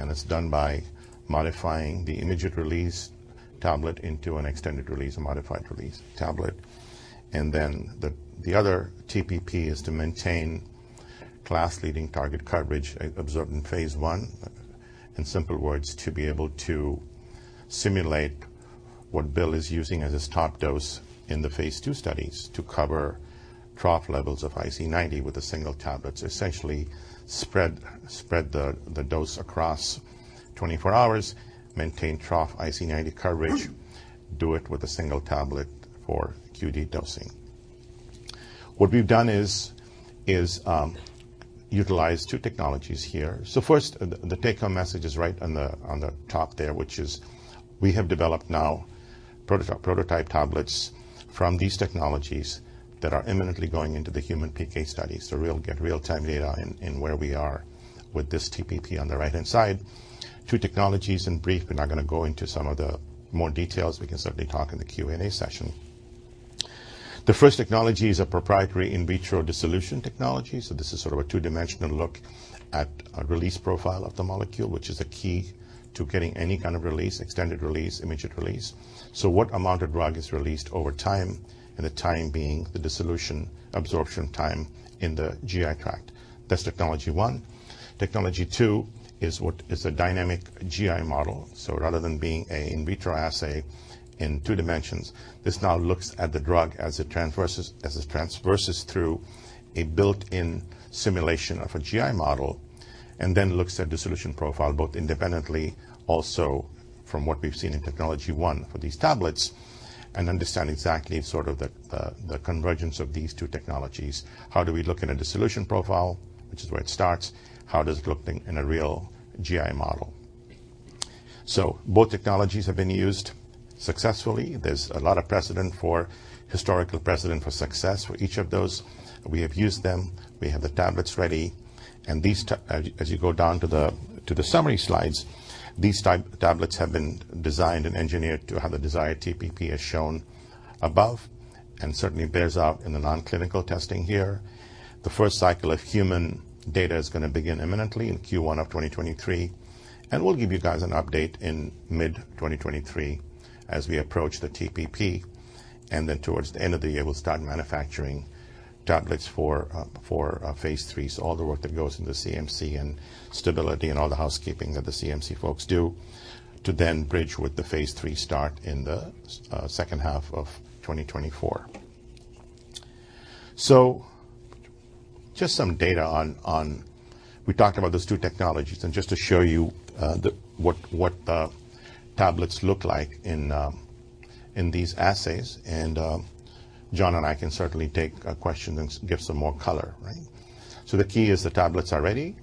dosing, and it's done by modifying the immediate release tablet into an extended release, a modified release tablet. The other TPP is to maintain class-leading target coverage observed in phase I. In simple words, to be able to simulate what Bill is using as his top dose in the phase II studies to cover trough levels of IC90 with the single tablets, essentially spread the dose across 24 hours, maintain trough IC90 coverage, do it with a single tablet for QD dosing. What we've done is utilized two technologies here. First, the take-home message is right on the top there, which is we have developed now proto-prototype tablets from these technologies that are imminently going into the human PK study. get real-time data in where we are with this TPP. On the right-hand side, two technologies in brief. We're not gonna go into some of the more details. We can certainly talk in the Q&A session. The first technology is a proprietary in vitro dissolution technology. This is sort of a two-dimensional look at a release profile of the molecule, which is the key to getting any kind of release, extended release, immediate release. What amount of drug is released over time, and the time being the dissolution absorption time in the GI tract. That's technology 1. Technology 2 is what is a dynamic GI model. Rather than being a in vitro assay in two dimensions, this now looks at the drug as it transverses through a built-in simulation of a GI model and then looks at dissolution profile both independently, also from what we've seen in technology 1 for these tablets, and understand exactly sort of the convergence of these two technologies. How do we look in a dissolution profile, which is where it starts? How does it look in a real GI model? Both technologies have been used successfully. There's a lot of precedent for historical precedent for success for each of those. We have used them. We have the tablets ready. As you go down to the summary slides, these tablets have been designed and engineered to have the desired TPP as shown above, and certainly bears out in the non-clinical testing here. The first cycle of human data is going to begin imminently in Q1 of 2023. We'll give you guys an update in mid 2023 as we approach the TPP. Towards the end of the year, we'll start manufacturing tablets for phase III. All the work that goes into CMC and stability and all the housekeeping that the CMC folks do to then bridge with the phase III start in the second half of 2024. Just some data. We talked about those two technologies and just to show you what tablets look like in these assays. John and I can certainly take a question and give some more color, right? The key is the tablets are ready.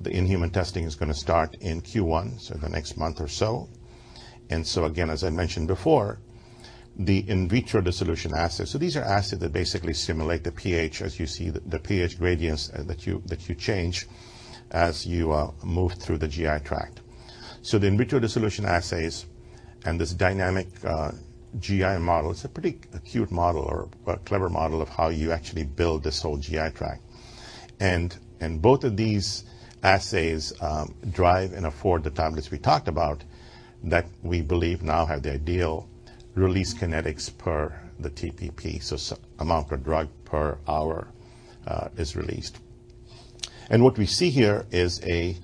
The in-human testing is gonna start in Q1, so in the next month or so. Again, as I mentioned before, the in vitro dissolution assays. These are assays that basically simulate the pH as you see the pH gradients that you change as you move through the GI tract. The in vitro dissolution assays and this dynamic GI model, it's a pretty acute model or a clever model of how you actually build this whole GI tract. Both of these assays drive and afford the tablets we talked about that we believe now have the ideal release kinetics per the TPP. Amount of drug per hour is released. What we see here is a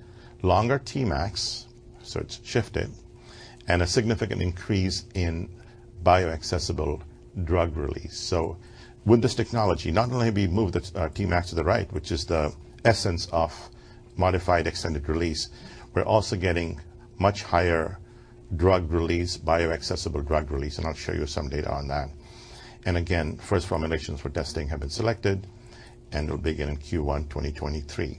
longer T-max, so it's shifted, and a significant increase in bioaccessible drug release. With this technology, not only have we moved the T-max to the right, which is the essence of modified extended release, we're also getting much higher drug release, bioaccessible drug release, and I'll show you some data on that. Again, first formulations for testing have been selected, and we'll begin in Q1 2023.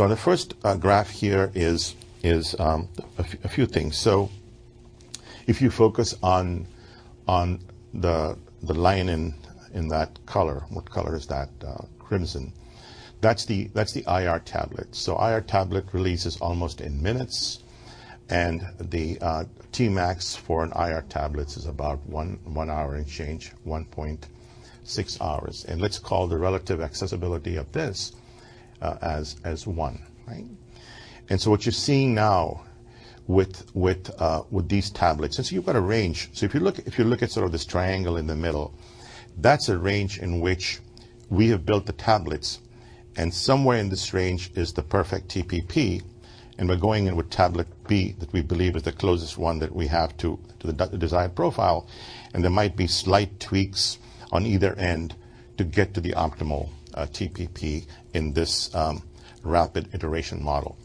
On the first graph here is a few things. If you focus on the line in that color. What color is that? Crimson. That's the IR tablet. IR tablet releases almost in minutes, and the T-max for an IR tablet is about one hour and change, 1.6 hours. Let's call the relative accessibility of this as one, right? What you're seeing now with these tablets, you've got a range. If you look at sort of this triangle in the middle, that's a range in which we have built the tablets, and somewhere in this range is the perfect TPP, and we're going in with tablet B that we believe is the closest one that we have to the desired profile. There might be slight tweaks on either end to get to the optimal TPP in this rapid iteration model.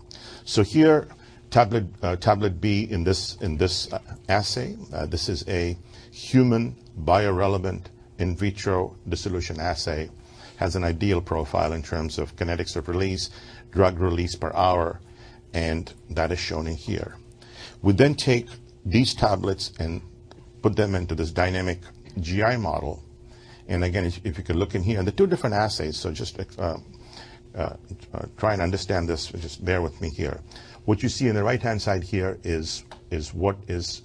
Here, tablet B in this assay, this is a human bio-relevant in vitro dissolution assay, has an ideal profile in terms of kinetics of release, drug release per hour, and that is shown in here. We then take these tablets and put them into this dynamic GI model. Again, if you could look in here. The two different assays, just try and understand this, just bear with me here. What you see in the right-hand side here is what is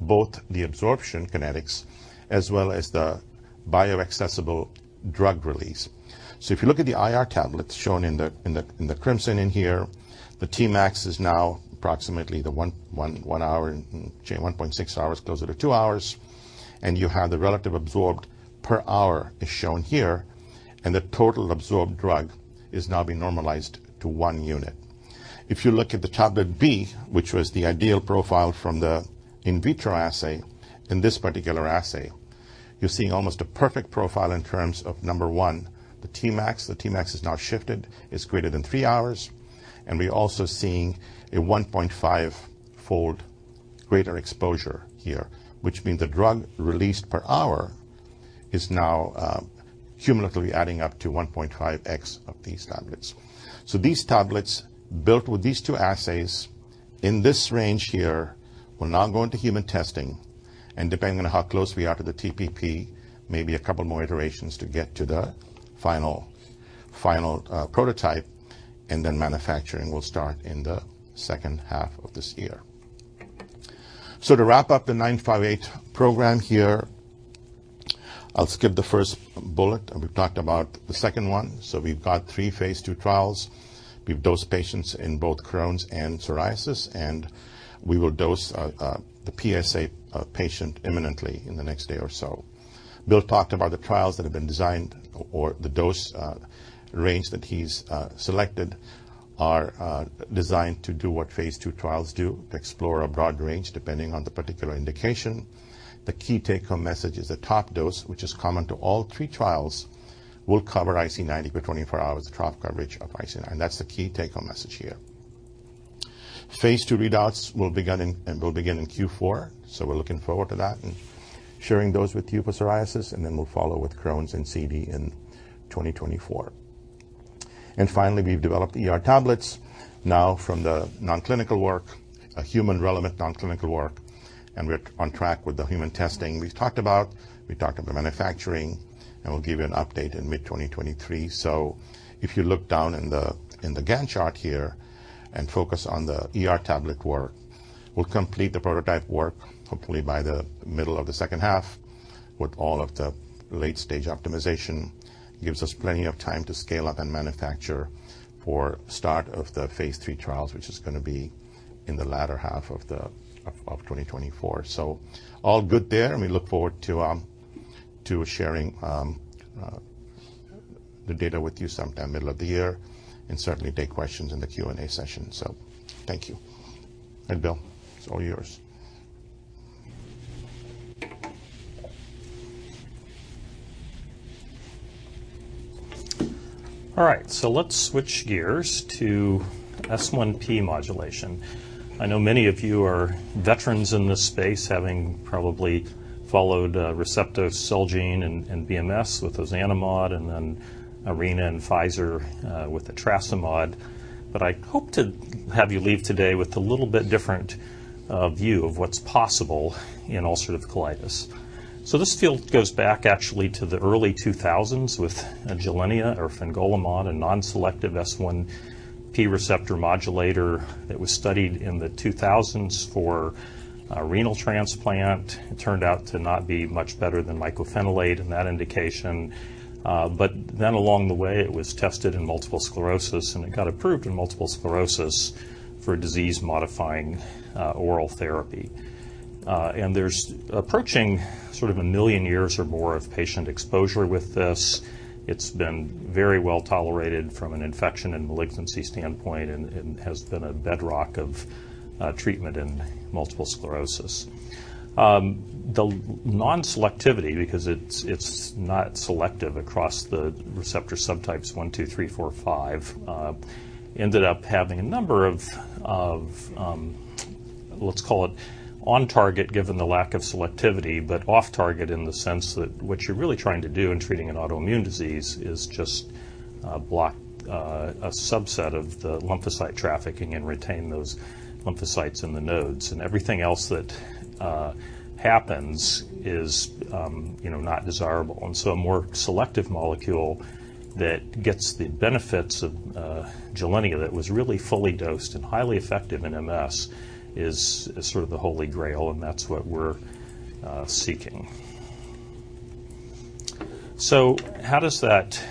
both the absorption kinetics as well as the bioaccessible drug release. If you look at the IR tablets shown in the crimson in here, the Tmax is now approximately the one hour and chain 1.6 hours closer to two hours. You have the relative absorbed per hour is shown here, and the total absorbed drug is now being normalized to one unit. If you look at the tablet B, which was the ideal profile from the in vitro assay, in this particular assay, you're seeing almost a perfect profile in terms of number one, the Tmax. The Tmax has now shifted, is greater than three hours, and we're also seeing a 1.5-fold greater exposure here, which means the drug released per hour is now cumulatively adding up to 1.5x of these tablets. These tablets built with these two assays in this range here will now go into human testing. Depending on how close we are to the TPP, maybe a couple more iterations to get to the final prototype, and then manufacturing will start in the second half of this year. To wrap up the VTX958 program here, I'll skip the first bullet, and we've talked about the second one. We've got three phase II trials. We've dosed patients in both Crohn's and psoriasis, and we will dose the PSA patient imminently in the next day or so. Bill talked about the trials that have been designed or the dose range that he's selected are designed to do what phase II trials do, to explore a broad range depending on the particular indication. The key take home message is the top dose, which is common to all three trials, will cover IC90 for 24 hours, the trough coverage of IC nine. That's the key take home message here. Phase II readouts will begin in Q4, we're looking forward to that and sharing those with you for psoriasis. Then we'll follow with Crohn's and CD in 2024. Finally, we've developed ER tablets now from the non-clinical work, a human-relevant non-clinical work, and we're on track with the human testing we've talked about. We talked about manufacturing, we'll give you an update in mid-2023. If you look down in the Gantt chart here and focus on the ER tablet work, we'll complete the prototype work hopefully by the middle of the second half with all of the late-stage optimization. Gives us plenty of time to scale up and manufacture for start of the phase III trials, which is gonna be in the latter half of 2024. All good there, and we look forward to sharing the data with you sometime middle of the year, and certainly take questions in the Q&A session. Thank you Bill it's all yours. All right, let's switch gears to S1P modulation. I know many of you are veterans in this space, having probably followed Receptos, Celgene, and BMS with ozanimod, and then Arena and Pfizer with etrasimod. I hope to have you leave today with a little bit different view of what's possible in ulcerative colitis. This field goes back actually to the early 2000s with Gilenya or fingolimod, a non-selective S1P receptor modulator that was studied in the 2000s for renal transplant. It turned out to not be much better than mycophenolate in that indication. Then along the way, it was tested in multiple sclerosis, and it got approved in multiple sclerosis for disease-modifying oral therapy. There's approaching sort of 1 million years or more of patient exposure with this. It's been very well tolerated from an infection and malignancy standpoint and has been a bedrock of treatment in multiple sclerosis. The non-selectivity, because it's not selective across the receptor subtypes one, two, three, four, five, ended up having a number of, let's call it on target, given the lack of selectivity, but off target in the sense that what you're really trying to do in treating an autoimmune disease is just block a subset of the lymphocyte trafficking and retain those lymphocytes in the nodes. Everything else that happens is, you know, not desirable. A more selective molecule that gets the benefits of Gilenya that was really fully dosed and highly effective in MS is sort of the holy grail, and that's what we're seeking. How does that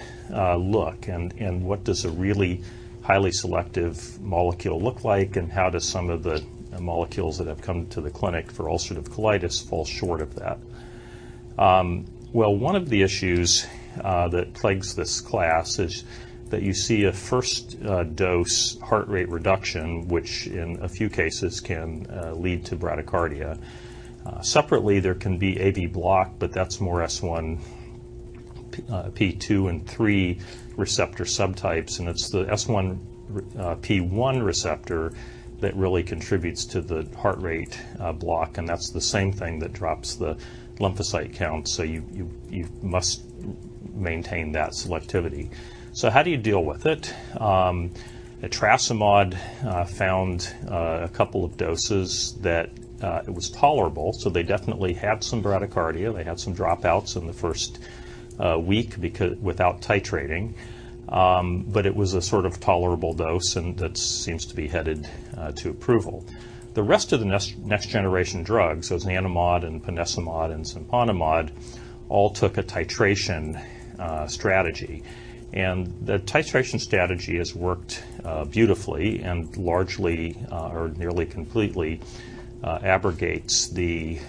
look, and what does a really highly selective molecule look like, and how do some of the molecules that have come to the clinic for ulcerative colitis fall short of that? Well, one of the issues that plagues this class is that you see a first dose heart rate reduction, which in a few cases can lead to bradycardia. Separately, there can be AV block, but that's more S1, P2 and three receptor subtypes. It's the S1P1 receptor that really contributes to the heart rate block, and that's the same thing that drops the lymphocyte count. You must maintain that selectivity. How do you deal with it? Etrasimod found a couple of doses that it was tolerable, so they definitely had some bradycardia. They had some dropouts in the first week without titrating. It was a sort of tolerable dose, and that seems to be headed to approval. The rest of the next-generation drugs, ozanimod and ponesimod and siponimod, all took a titration strategy. The titration strategy has worked beautifully and largely or nearly completely abrogates the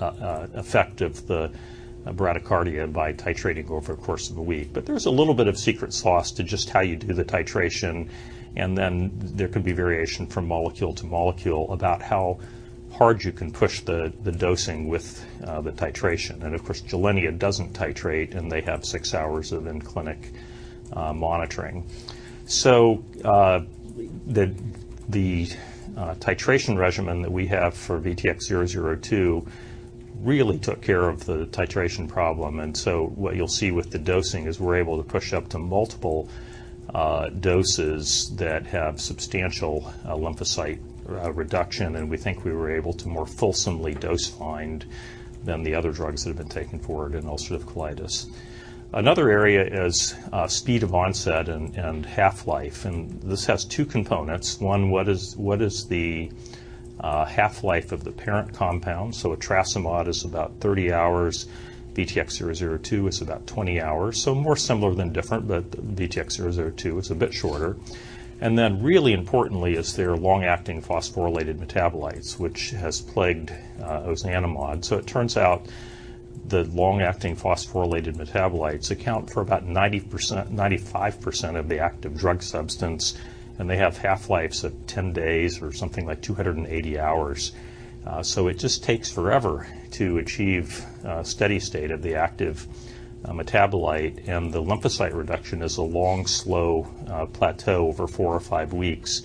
effect of the bradycardia by titrating over the course of a week. There's a little bit of secret sauce to just how you do the titration, and then there could be variation from molecule to molecule about how hard you can push the dosing with the titration. Of course, Gilenya doesn't titrate, and they have six hours of in-clinic monitoring. The titration regimen that we have for VTX002 really took care of the titration problem. What you'll see with the dosing is we're able to push up to multiple doses that have substantial lymphocyte reduction. We think we were able to more fulsomely dose find than the other drugs that have been taken forward in ulcerative colitis. Another area is speed of onset and half-life, and this has two components. What is the half-life of the parent compound? Etrasimod is about 30 hours. VTX002 is about 20 hours. More similar than different, but VTX002 is a bit shorter. Really importantly is their long-acting phosphorylated metabolites, which has plagued ozanimod. It turns out the long-acting phosphorylated metabolites account for about 90%, 95% of the active drug substance, and they have half-lives of 10 days or something like 280 hours. It just takes forever to achieve a steady state of the active metabolite, and the lymphocyte reduction is a long, slow plateau over four or five weeks.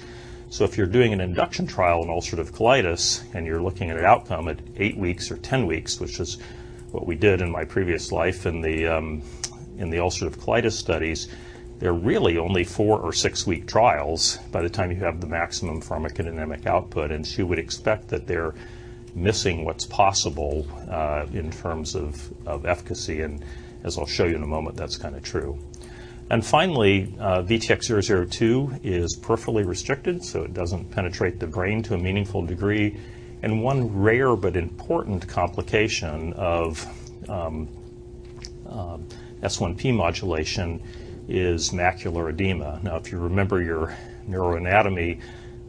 If you're doing an induction trial in ulcerative colitis and you're looking at an outcome at eight weeks or 10 weeks, which is what we did in my previous life in the ulcerative colitis studies, they're really only four or six-week trials by the time you have the maximum pharmacokinetic output. You would expect that they're missing what's possible in terms of efficacy. As I'll show you in a moment, that's kind of true. Finally, VTX002 is peripherally restricted, so it doesn't penetrate the brain to a meaningful degree. One rare but important complication of S1P modulation is macular edema. Now, if you remember your neuroanatomy,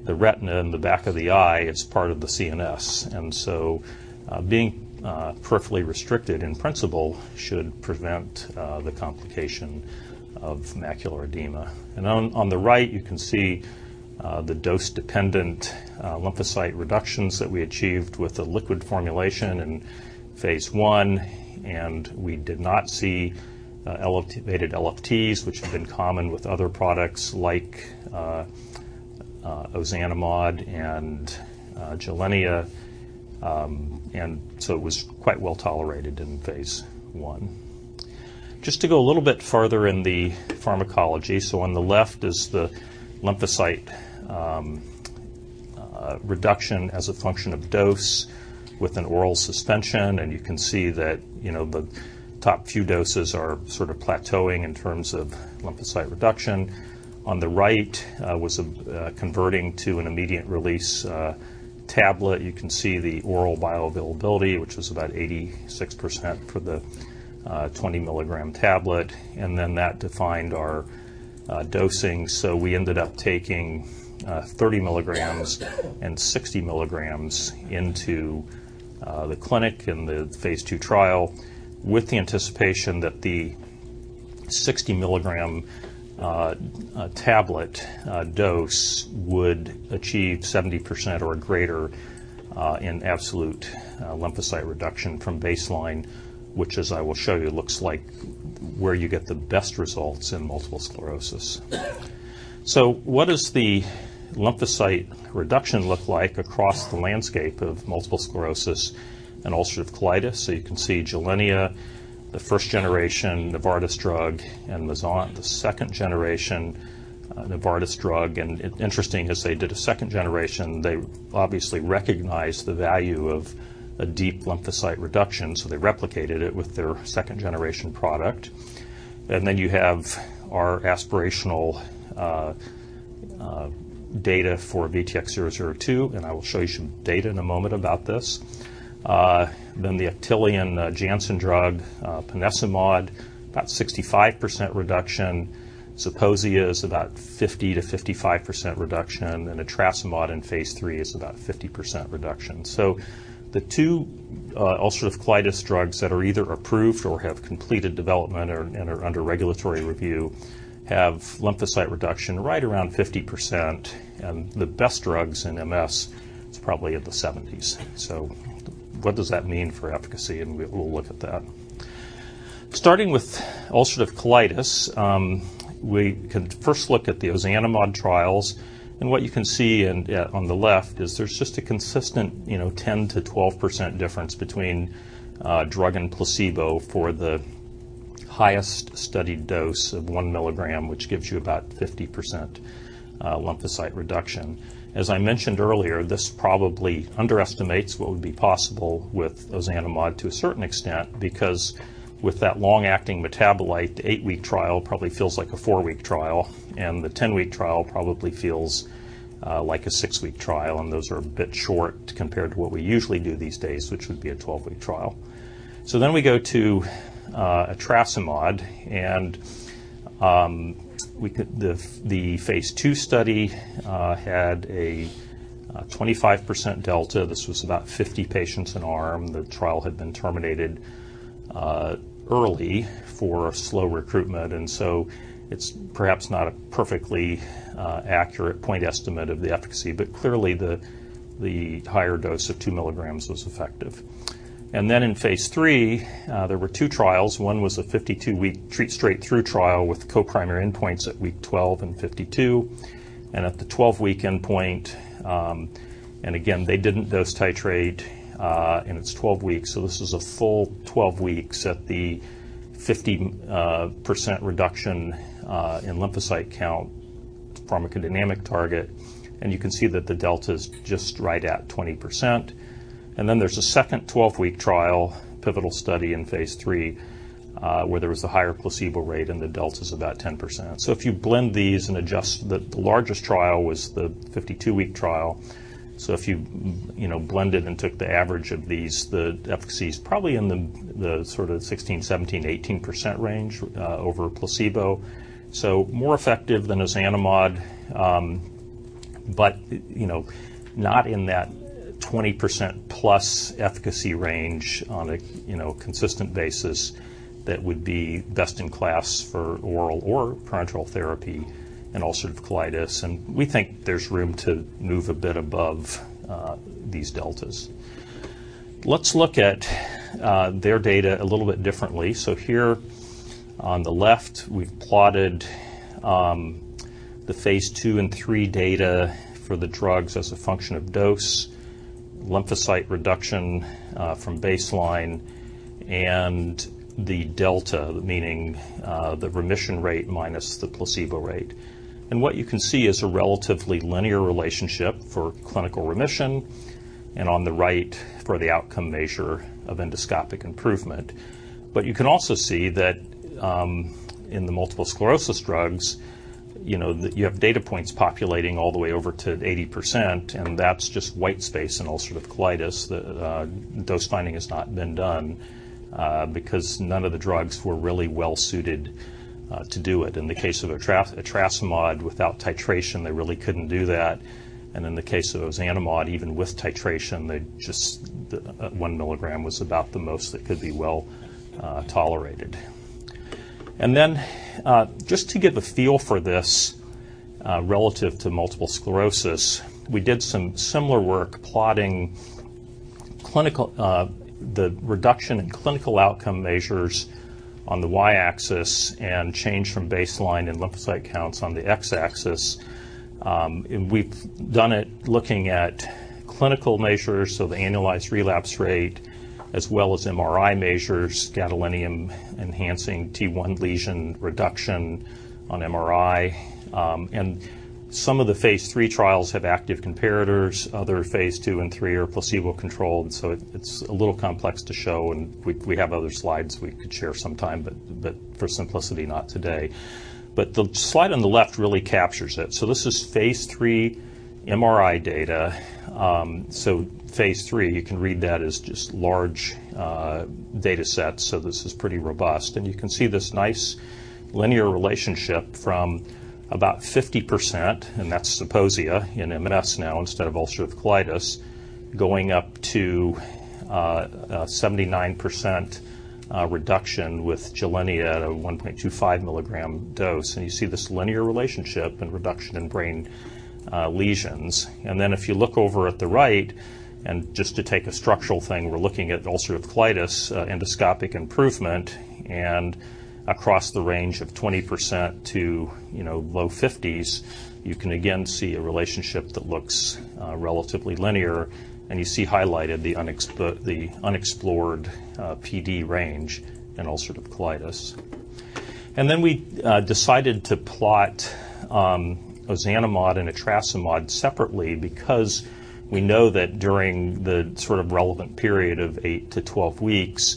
the retina in the back of the eye, it's part of the CNS. Being peripherally restricted in principle should prevent the complication of macular edema. On the right, you can see the dose-dependent lymphocyte reductions that we achieved with the liquid formulation in phase I, and we did not see elevated LFTs, which have been common with other products like ozanimod and Gilenya. It was quite well-tolerated in phase I. Just to go a little bit further in the pharmacology. On the left is the lymphocyte reduction as a function of dose with an oral suspension, and you can see that, you know, the top few doses are sort of plateauing in terms of lymphocyte reduction. On the right was converting to an immediate-release tablet. You can see the oral bioavailability, which was about 86% for the 20 mg tablet. That defined our dosing. We ended up taking 30 mg and 60 mg into the clinic in the phase II trial with the anticipation that the 60 mg tablet dose would achieve 70% or greater in absolute lymphocyte reduction from baseline, which, as I will show you, looks like where you get the best results in multiple sclerosis. What does the lymphocyte reduction look like across the landscape of multiple sclerosis and ulcerative colitis? You can see Gilenya, the first-generation Novartis drug, and Mayzent, the second-generation Novartis drug. Interesting as they did a second generation, they obviously recognized the value of a deep lymphocyte reduction, so they replicated it with their second-generation product. Then you have our aspirational data for VTX002, and I will show you some data in a moment about this. Then the Actelion Janssen drug, ponesimod, about 65% reduction. Zeposia is about 50%-55% reduction, and etrasimod in phase III is about 50% reduction. The two ulcerative colitis drugs that are either approved or have completed development and are under regulatory review have lymphocyte reduction right around 50%, and the best drugs in MS is probably in the 70s. What does that mean for efficacy? We'll look at that. Starting with ulcerative colitis, we can first look at the ozanimod trials, and what you can see on the left is there's just a consistent, you know, 10%-12% difference between drug and placebo for the highest studied dose of 1 mg, which gives you about 50% lymphocyte reduction. As I mentioned earlier, this probably underestimates what would be possible with ozanimod to a certain extent, because with that long-acting metabolite, the eight-week trial probably feels like a four-week trial, and the 10-week trial probably feels like a six-week trial, and those are a bit short compared to what we usually do these days, which would be a 12-week trial. We go to etrasimod. The phase II study had a 25% delta. This was about 50 patients in arm. The trial had been terminated early for slow recruitment, it's perhaps not a perfectly accurate point estimate of the efficacy. Clearly, the higher dose of 2 mg was effective. In phase III, there were two trials. One was a 52-week treat straight through trial with co-primary endpoints at week 12 and 52. At the 12-week endpoint, and again, they didn't dose titrate, and it's 12 weeks, so this is a full 12 weeks at the 50% reduction in lymphocyte count pharmacodynamic target. You can see that the delta's just right at 20%. Then there's a second 12-week trial pivotal study in phase III, where there was the higher placebo rate, and the delta's about 10%. If you blend these. The largest trial was the 52-week trial. If you know, blended and took the average of these, the efficacy is probably in the sort of 16%, 17%, 18% range over placebo, more effective than ozanimod, but, you know, not in that 20%+ efficacy range on a, you know, consistent basis that would be best in class for oral or parenteral therapy in ulcerative colitis. We think there's room to move a bit above these deltas. Let's look at their data a little bit differently. Here on the left, we've plotted the phase II and III data for the drugs as a function of dose, lymphocyte reduction from baseline, and the delta, meaning the remission rate minus the placebo rate. What you can see is a relatively linear relationship for clinical remission, and on the right, for the outcome measure of endoscopic improvement. You can also see that, you know, you have data points populating all the way over to 80%, and that's just white space in ulcerative colitis. The dose finding has not been done, because none of the drugs were really well suited to do it. In the case of etrasimod, without titration, they really couldn't do that. In the case of ozanimod, even with titration, The 1 mg was about the most that could be well tolerated. Just to get the feel for this, relative to multiple sclerosis, we did some similar work plotting clinical, the reduction in clinical outcome measures on the y-axis and change from baseline in lymphocyte counts on the x-axis. We've done it looking at clinical measures, so the annualized relapse rate, as well as MRI measures, gadolinium enhancing T1 lesion reduction on MRI. Some of the phase III trials have active comparators. Other phase II and III are placebo-controlled, so it's a little complex to show, and we have other slides we could share sometime, but for simplicity, not today. The slide on the left really captures it. This is phase III MRI data. Phase III, you can read that as just large datasets, so this is pretty robust. You can see this nice linear relationship from about 50%, and that's Zeposia in MS now instead of ulcerative colitis, going up to a 79% reduction with Gilenia at a 1.25 mg dose. You see this linear relationship and reduction in brain lesions. If you look over at the right, just to take a structural thing, we're looking at ulcerative colitis endoscopic improvement, across the range of 20% to, you know, low 50s, you can again see a relationship that looks relatively linear, you see highlighted the unexplored PD range in ulcerative colitis. We decided to plot ozanimod and etrasimod separately because we know that during the sort of relevant period of 8-12 weeks,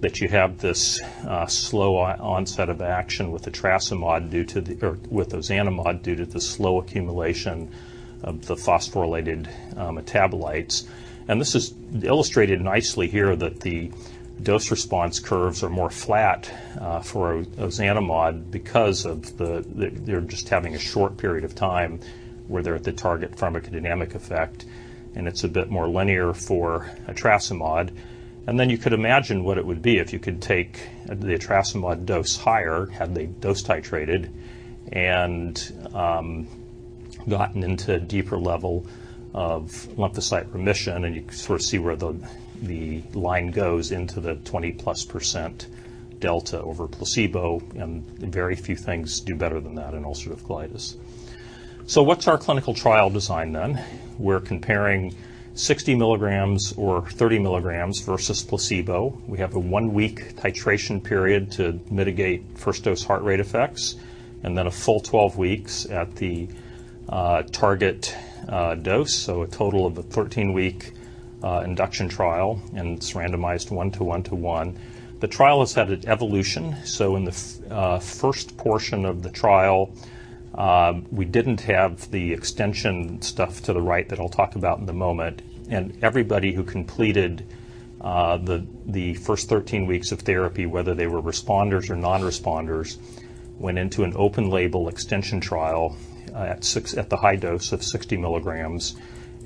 that you have this slow onset of action with ozanimod due to the slow accumulation of the phosphorylated metabolites. This is illustrated nicely here that the dose response curves are more flat for ozanimod because they're just having a short period of time where they're at the target pharmacodynamic effect, and it's a bit more linear for etrasimod. You could imagine what it would be if you could take the etrasimod dose higher, had they dose titrated, and Gotten into a deeper level of lymphocyte remission, and you can sort of see where the line goes into the 20%+ delta over placebo, and very few things do better than that in ulcerative colitis. What's our clinical trial design then? We're comparing 60 mg or 30 mg versus placebo. We have a one-week titration period to mitigate first dose heart rate effects. A full 12 weeks at the target dose, so a total of a 13-week induction trial. It's randomized one-to-one-to-one. The trial has had an evolution. In the first portion of the trial, we didn't have the extension stuff to the right that I'll talk about in a moment. Everybody who completed the first 13 weeks of therapy, whether they were responders or non-responders, went into an open label extension trial at the high dose of 60 mg,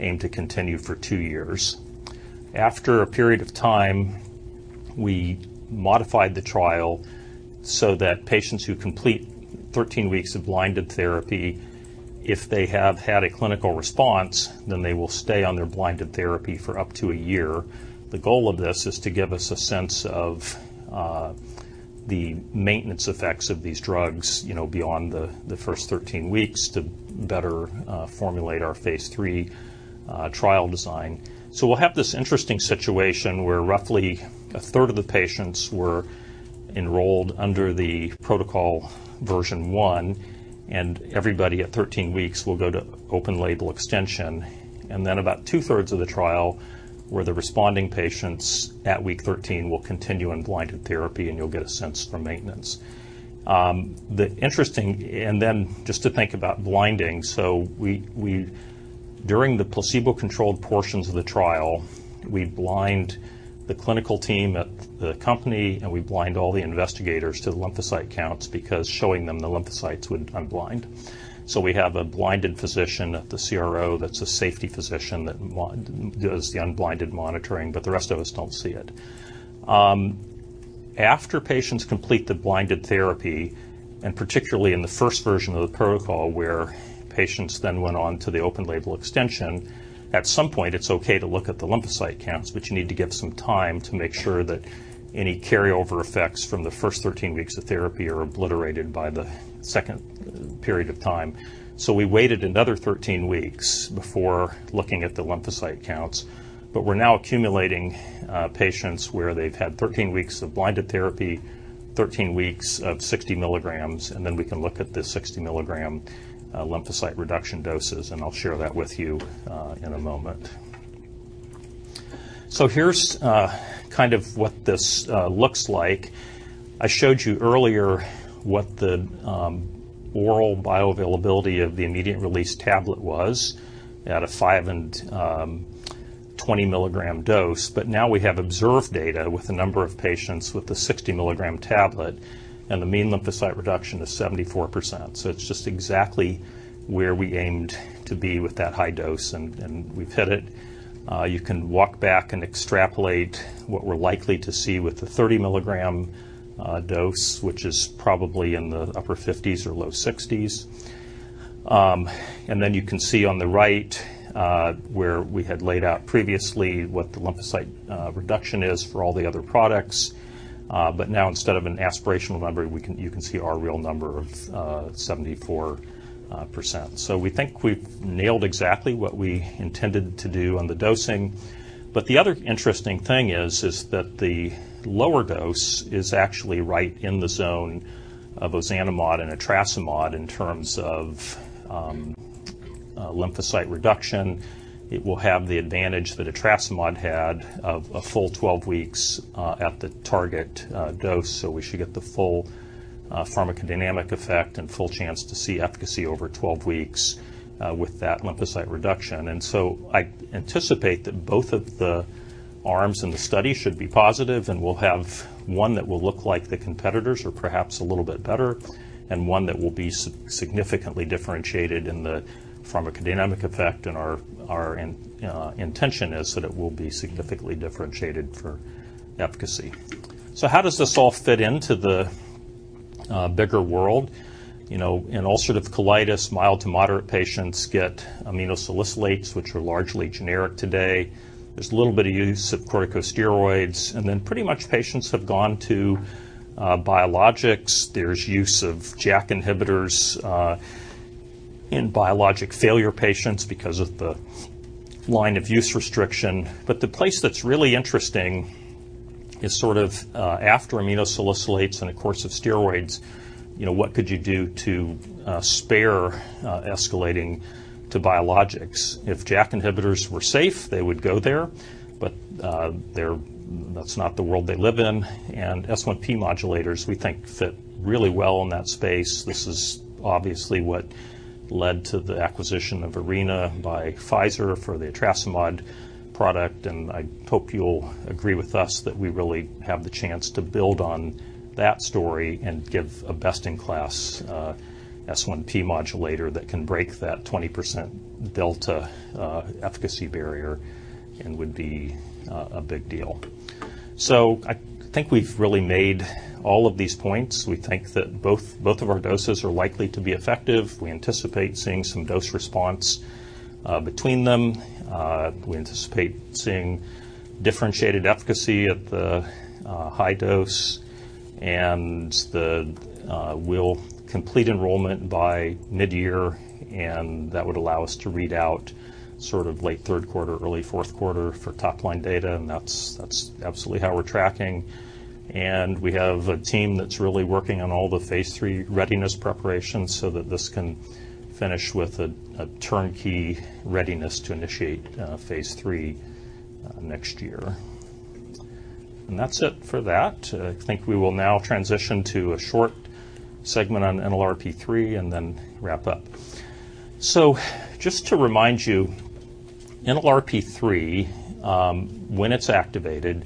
aimed to continue for two years. After a period of time, we modified the trial so that patients who complete 13 weeks of blinded therapy, if they have had a clinical response, then they will stay on their blinded therapy for up to one year. The goal of this is to give us a sense of the maintenance effects of these drugs, you know, beyond the first 13 weeks to better formulate our phase III trial design. We'll have this interesting situation where roughly a third of the patients were enrolled under the protocol version 1, and everybody at 13 weeks will go to open label extension. About two-thirds of the trial, where the responding patients at week 13 will continue in blinded therapy, and you'll get a sense for maintenance. Just to think about blinding, during the placebo-controlled portions of the trial, we blind the clinical team at the company, and we blind all the investigators to the lymphocyte counts because showing them the lymphocytes would unblind. We have a blinded physician at the CRO that's a safety physician that does the unblinded monitoring, but the rest of us don't see it. After patients complete the blinded therapy, and particularly in the first version of the protocol, where patients then went on to the open label extension, at some point, it's okay to look at the lymphocyte counts, but you need to give some time to make sure that any carryover effects from the first 13 weeks of therapy are obliterated by the second period of time. We waited another 13 weeks before looking at the lymphocyte counts, but we're now accumulating patients where they've had 13 weeks of blinded therapy, 13 weeks of 60 mg, and then we can look at the 60 mg lymphocyte reduction doses, and I'll share that with you in a moment. Here's kind of what this looks like. I showed you earlier what the oral bioavailability of the immediate release tablet was at a 5 mg and 20 mg dose. Now we have observed data with a number of patients with the 60 mg tablet, and the mean lymphocyte reduction is 74%. It's just exactly where we aimed to be with that high dose, and we've hit it. You can walk back and extrapolate what we're likely to see with the 30 mg dose, which is probably in the upper 50s or low 60s. You can see on the right, where we had laid out previously what the lymphocyte reduction is for all the other products. Now instead of an aspirational number, you can see our real number of 74%. We think we've nailed exactly what we intended to do on the dosing. The other interesting thing is that the lower dose is actually right in the zone of ozanimod and etrasimod in terms of lymphocyte reduction. It will have the advantage that etrasimod had of a full 12 weeks at the target dose, so we should get the full pharmacodynamic effect and full chance to see efficacy over 12 weeks with that lymphocyte reduction. I anticipate that both of the arms in the study should be positive, and we'll have one that will look like the competitors or perhaps a little bit better, and one that will be significantly differentiated in the pharmacodynamic effect, and our intention is that it will be significantly differentiated for efficacy. How does this all fit into the bigger world? You know, in ulcerative colitis, mild to moderate patients get aminosalicylates, which are largely generic today. There's a little bit of use of corticosteroids, pretty much patients have gone to biologics. There's use of JAK inhibitors in biologic failure patients because of the line of use restriction. The place that's really interesting is sort of after aminosalicylates and a course of steroids, you know, what could you do to spare escalating to biologics? If JAK inhibitors were safe, they would go there, but that's not the world they live in. S1P modulators, we think fit really well in that space. This is obviously what led to the acquisition of Arena by Pfizer for the etrasimod product. I hope you'll agree with us that we really have the chance to build on that story and give a best-in-class S1P modulator that can break that 20% delta efficacy barrier and would be a big deal. I think we've really made all of these points. We think that both of our doses are likely to be effective. We anticipate seeing some dose response between them. We anticipate seeing differentiated efficacy at the high dose. We'll complete enrollment by mid-year, and that would allow us to read out sort of late third quarter, early fourth quarter for top-line data. That's absolutely how we're tracking. We have a team that's really working on all the phase III readiness preparations so that this can finish with a turnkey readiness to initiate phase III next year. That's it for that. I think we will now transition to a short segment on NLRP3 and then wrap up. Just to remind you, NLRP3, when it's activated,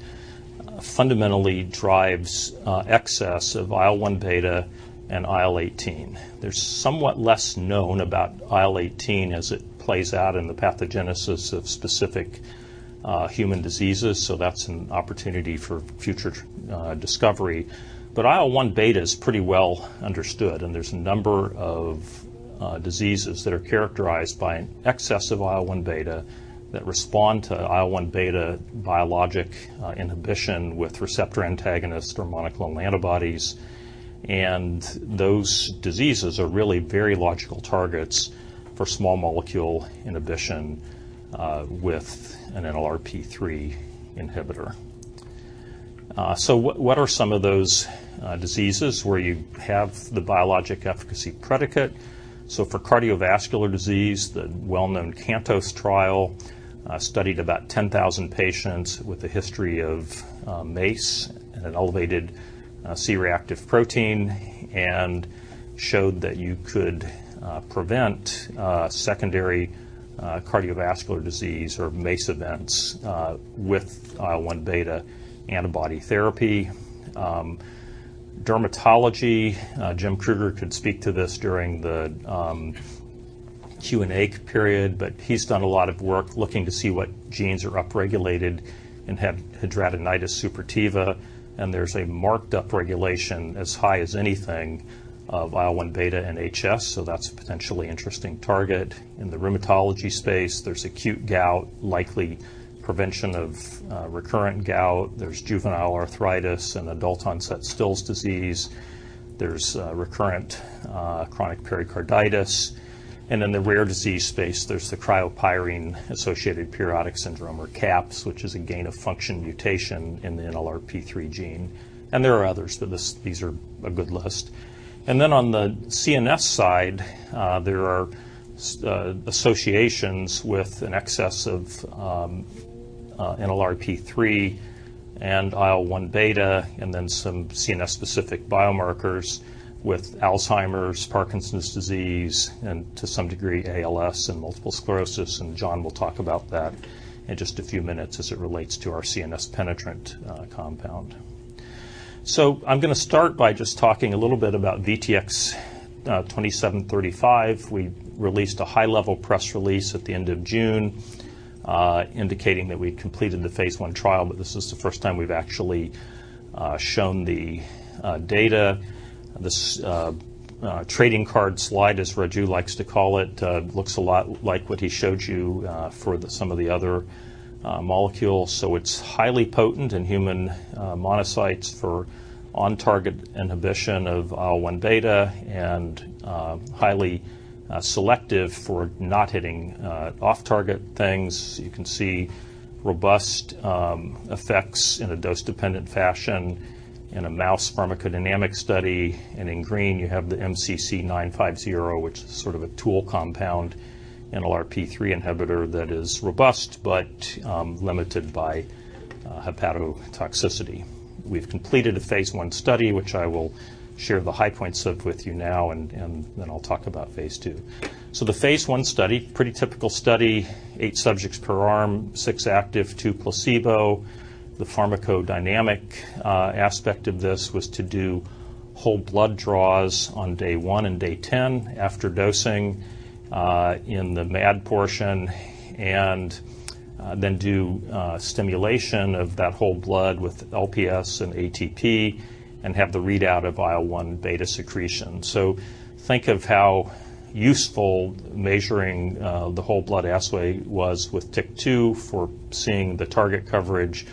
fundamentally drives excess of IL-1 beta and IL-18. There's somewhat less known about IL-18 as it plays out in the pathogenesis of specific human diseases, so that's an opportunity for future discovery. IL-1 beta is pretty well understood, and there's a number of diseases that are characterized by an excess of IL-1 beta that respond to IL-1 beta biologic inhibition with receptor antagonists or monoclonal antibodies. Those diseases are really very logical targets for small molecule inhibition with an NLRP3 inhibitor. What are some of those diseases where you have the biologic efficacy predicate? For cardiovascular disease, the well-known CANTOS trial studied about 10,000 patients with a history of MACE and an elevated C-reactive protein and showed that you could prevent secondary cardiovascular disease or MACE events with IL-1 beta antibody therapy. Dermatology, Jim Krueger could speak to this during the Q&A period, but he's done a lot of work looking to see what genes are upregulated and have hidradenitis suppurativa, and there's a marked upregulation as high as anything of IL-1 beta and HS, so that's a potentially interesting target. In the rheumatology space, there's acute gout, likely prevention of recurrent gout. There's juvenile arthritis and adult-onset Still's disease. There's recurrent chronic pericarditis. In the rare disease space, there's the Cryopyrin-associated periodic syndrome, or CAPS, which is a gain-of-function mutation in the NLRP3 gene. There are others, but these are a good list. On the CNS side, there are associations with an excess of NLRP3 and IL-1 beta, and then some CNS-specific biomarkers with Alzheimer's, Parkinson's disease, and to some degree ALS and multiple sclerosis, and John will talk about that in just a few minutes as it relates to our CNS penetrant compound. I'm gonna start by just talking a little bit about VTX2735. We released a high-level press release at the end of June, indicating that we'd completed the phase I trial, but this is the first time we've actually shown the data. This trading card slide, as Raju likes to call it, looks a lot like what he showed you for some of the other molecules. It's highly potent in human monocytes for on-target inhibition of IL-1β and highly selective for not hitting off-target things. You can see robust effects in a dose-dependent fashion in a mouse pharmacodynamic study. In green, you have the MCC950, which is sort of a tool compound NLRP3 inhibitor that is robust, but limited by hepatotoxicity. We've completed a phase I study, which I will share the high points of with you now, and then I'll talk about phase II. The phase I study, pretty typical study, eight subjects per arm, six active, two placebo. The pharmacodynamic aspect of this was to do whole blood draws on day one and day 10 after dosing in the MAD portion, and then do stimulation of that whole blood with LPS and ATP and have the readout of IL-1 beta secretion. Think of how useful measuring the whole blood assay was with TYK2 for seeing the target coverage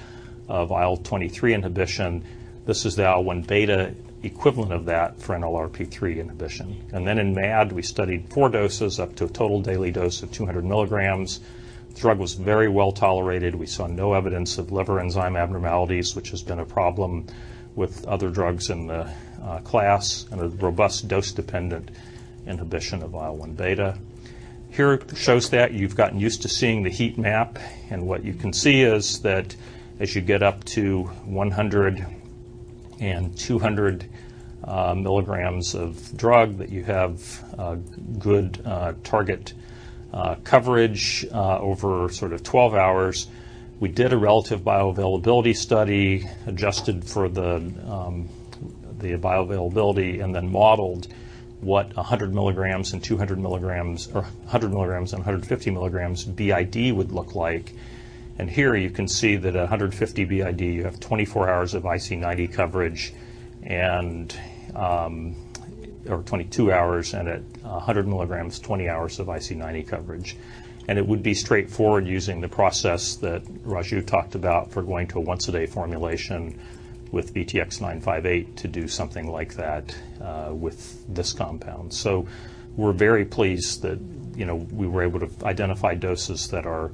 of IL-23 inhibition. This is the IL-1 beta equivalent of that for NLRP3 inhibition. Then in MAD, we studied four doses up to a total daily dose of 200 mg. The drug was very well tolerated. We saw no evidence of liver enzyme abnormalities, which has been a problem with other drugs in the class, and a robust dose-dependent inhibition of IL-1 beta. Here it shows that you've gotten used to seeing the heat map, and what you can see is that as you get up to 100 and 200 mg of drug, that you have good target coverage over sort of 12 hrs. We did a relative bioavailability study, adjusted for the bioavailability, and then modeled what 100 mg and 200 mg or 100 mg and 150 mg BID would look like. Here you can see that at 150 BID, you have 24 hrs of IC90 coverage Or 22 hrs and at 100 mg, 20 hrs of IC90 coverage. It would be straightforward using the process that Raju talked about for going to a once-a-day formulation with VTX958 to do something like that with this compound. We're very pleased that, you know, we were able to identify doses that are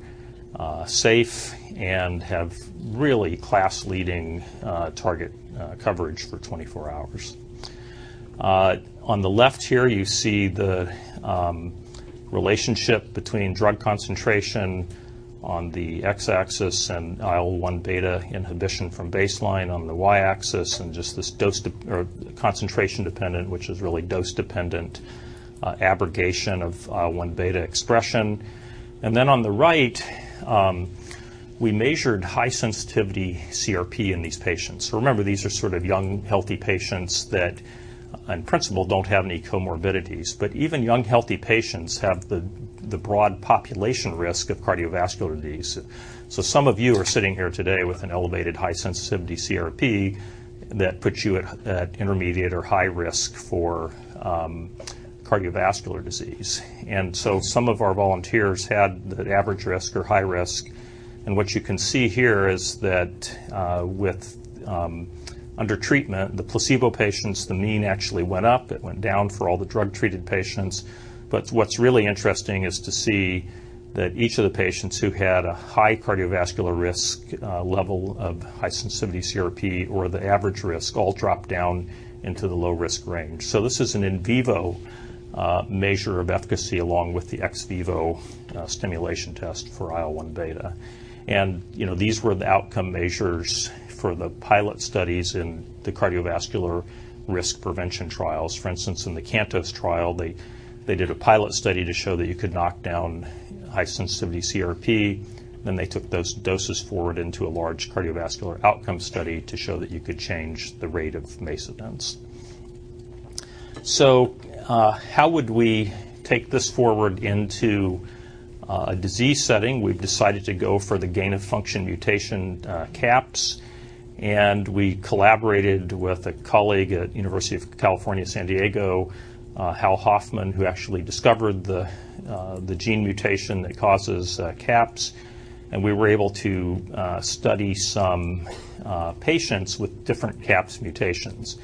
safe and have really class-leading target coverage for 24 hours. On the left here, you see the relationship between drug concentration on the x-axis and IL-1β inhibition from baseline on the y-axis and just this dose- or concentration dependent, which is really dose-dependent, abrogation of 1 beta expression. On the right, we measured high-sensitivity CRP in these patients. Remember, these are sort of young, healthy patients that, in principle, don't have any comorbidities. Even young, healthy patients have the broad population risk of cardiovascular disease. Some of you are sitting here today with an elevated high-sensitivity CRP that puts you at intermediate or high risk for cardiovascular disease. Some of our volunteers had the average risk or high risk, and what you can see here is that with under treatment, the placebo patients, the mean actually went up. It went down for all the drug-treated patients. What's really interesting is to see that each of the patients who had a high cardiovascular risk level of high-sensitivity CRP or the average risk all dropped down into the low-risk range. This is an in vivo measure of efficacy along with the ex vivo stimulation test for IL-1β. You know, these were the outcome measures for the pilot studies in the cardiovascular risk prevention trials. For instance, in the CANTOS trial, they did a pilot study to show that you could knock down high-sensitivity CRP. They took those doses forward into a large cardiovascular outcome study to show that you could change the rate of MACE events. How would we take this forward into a disease setting? We've decided to go for the gain-of-function mutation, CAPS, we collaborated with a colleague at University of California San Diego, Hal Hoffman, who actually discovered the gene mutation that causes CAPS. We were able to study some patients with different CAPS mutations.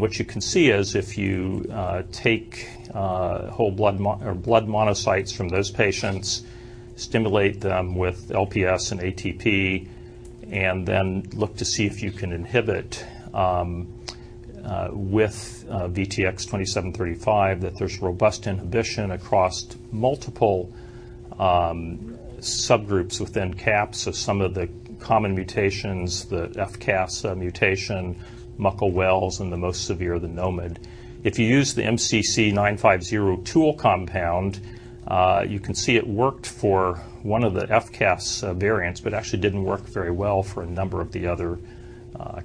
What you can see is if you take whole blood monocytes from those patients, stimulate them with LPS and ATP, and then look to see if you can inhibit with VTX2735, that there's robust inhibition across multiple subgroups within CAPS. Some of the common mutations, the FCAS mutation, Muckle-Wells, and the most severe, the NOMID. If you use the MCC950 tool compound, you can see it worked for one of the FCAS variants, but actually didn't work very well for a number of the other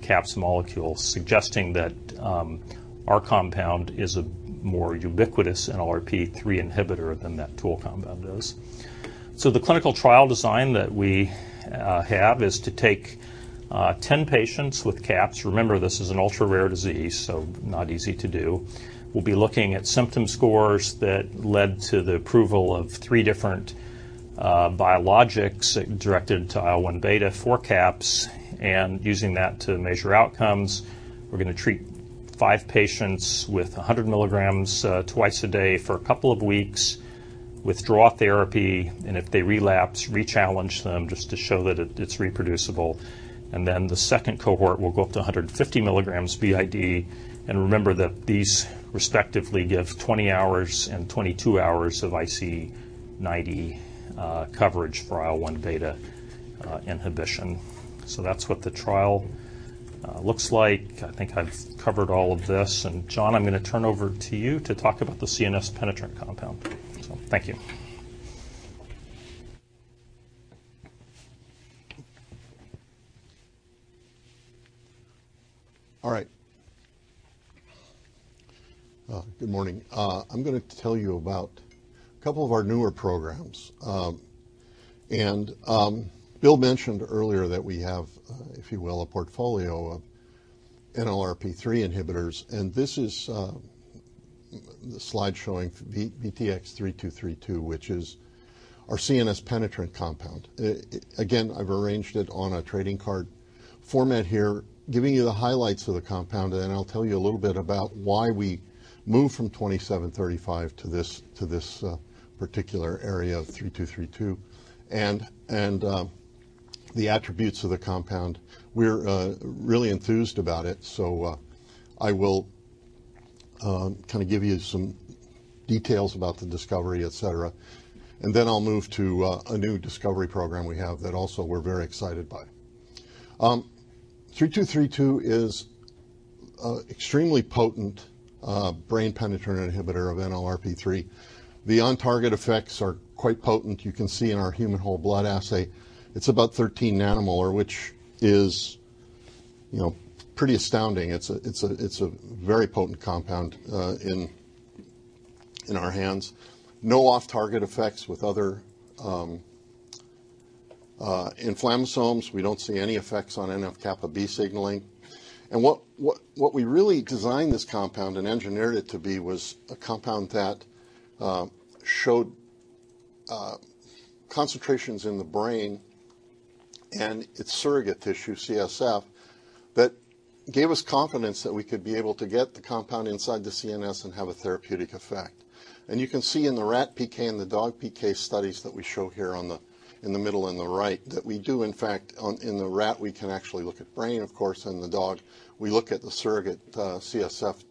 CAPS molecules, suggesting that our compound is a more ubiquitous NLRP3 inhibitor than that tool compound does. The clinical trial design that we have is to take 10 patients with CAPS. Remember, this is an ultra-rare disease, so not easy to do. We'll be looking at symptom scores that led to the approval of three different biologics directed to IL-1β for CAPS and using that to measure outcomes. We're gonna treat five patients with 100 mg, twice a day for a couple of weeks, withdraw therapy, and if they relapse, re-challenge them just to show that it's reproducible. Then the second cohort will go up to 150 mg BID. Remember that these respectively give 20 hours and 22 hours of IC90 coverage for IL-1β inhibition. That's what the trial looks like. I think I've covered all of this. John, I'm gonna turn over to you to talk about the CNS penetrant compound. Thank you. All right good morning I'm gonna tell you about a couple of our newer programs. Bill mentioned earlier that we have, if you will, a portfolio of NLRP3 inhibitors, and this is the slide showing VTX3232, which is our CNS penetrant compound. Again, I've arranged it on a trading card format here, giving you the highlights of the compound, and I'll tell you a little bit about why we moved from VTX2735 to this particular area of VTX3232 and the attributes of the compound. We're really enthused about it, I will kind of give you some details about the discovery, et cetera. Then I'll move to a new discovery program we have that also we're very excited by. VTX3232 is an extremely potent brain penetrant inhibitor of NLRP3. The on-target effects are quite potent. You can see in our human whole blood assay, it's about 13 nanomolar, which is, you know, pretty astounding. It's a very potent compound in our hands. No off-target effects with other inflammasomes, we don't see any effects on NF-κB signaling. What we really designed this compound and engineered it to be was a compound that showed concentrations in the brain and its surrogate tissue, CSF, that gave us confidence that we could be able to get the compound inside the CNS and have a therapeutic effect. You can see in the rat PK and the dog PK studies that we show here in the middle and the right, that we do, in fact, in the rat, we can actually look at brain, of course. In the dog, we look at the surrogate CSF,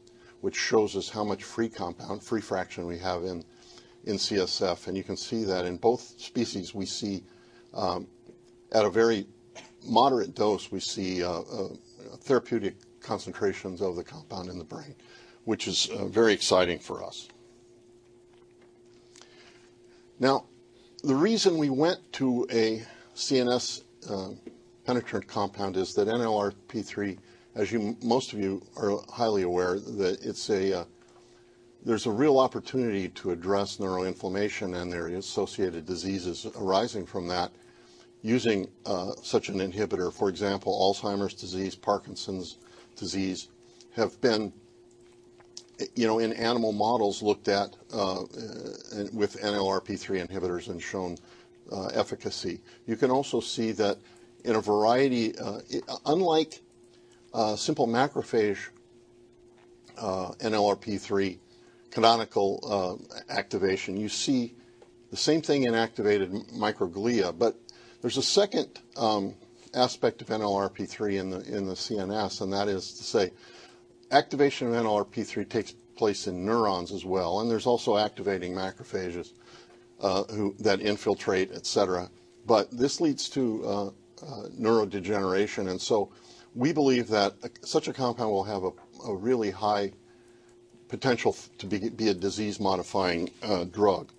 which shows us how much free compound, free fraction we have in CSF. You can see that in both species, we see at a very moderate dose, we see therapeutic concentrations of the compound in the brain, which is very exciting for us. The reason we went to a CNS penetrant compound is that NLRP3, as most of you are highly aware that it's a, there's a real opportunity to address neural inflammation and their associated diseases arising from that using such an inhibitor. For example Alzheimer's disease, Parkinson's disease, have been, you know, in animal models, looked at with NLRP3 inhibitors and shown efficacy. You can also see that in a variety. Unlike simple macrophage NLRP3 canonical activation, you see the same thing in activated microglia. There's a second aspect of NLRP3 in the CNS, and that is to say, activation of NLRP3 takes place in neurons as well, and there's also activating macrophages that infiltrate, et cetera. This leads to neurodegeneration. We believe that such a compound will have a really high potential to be a disease-modifying drug.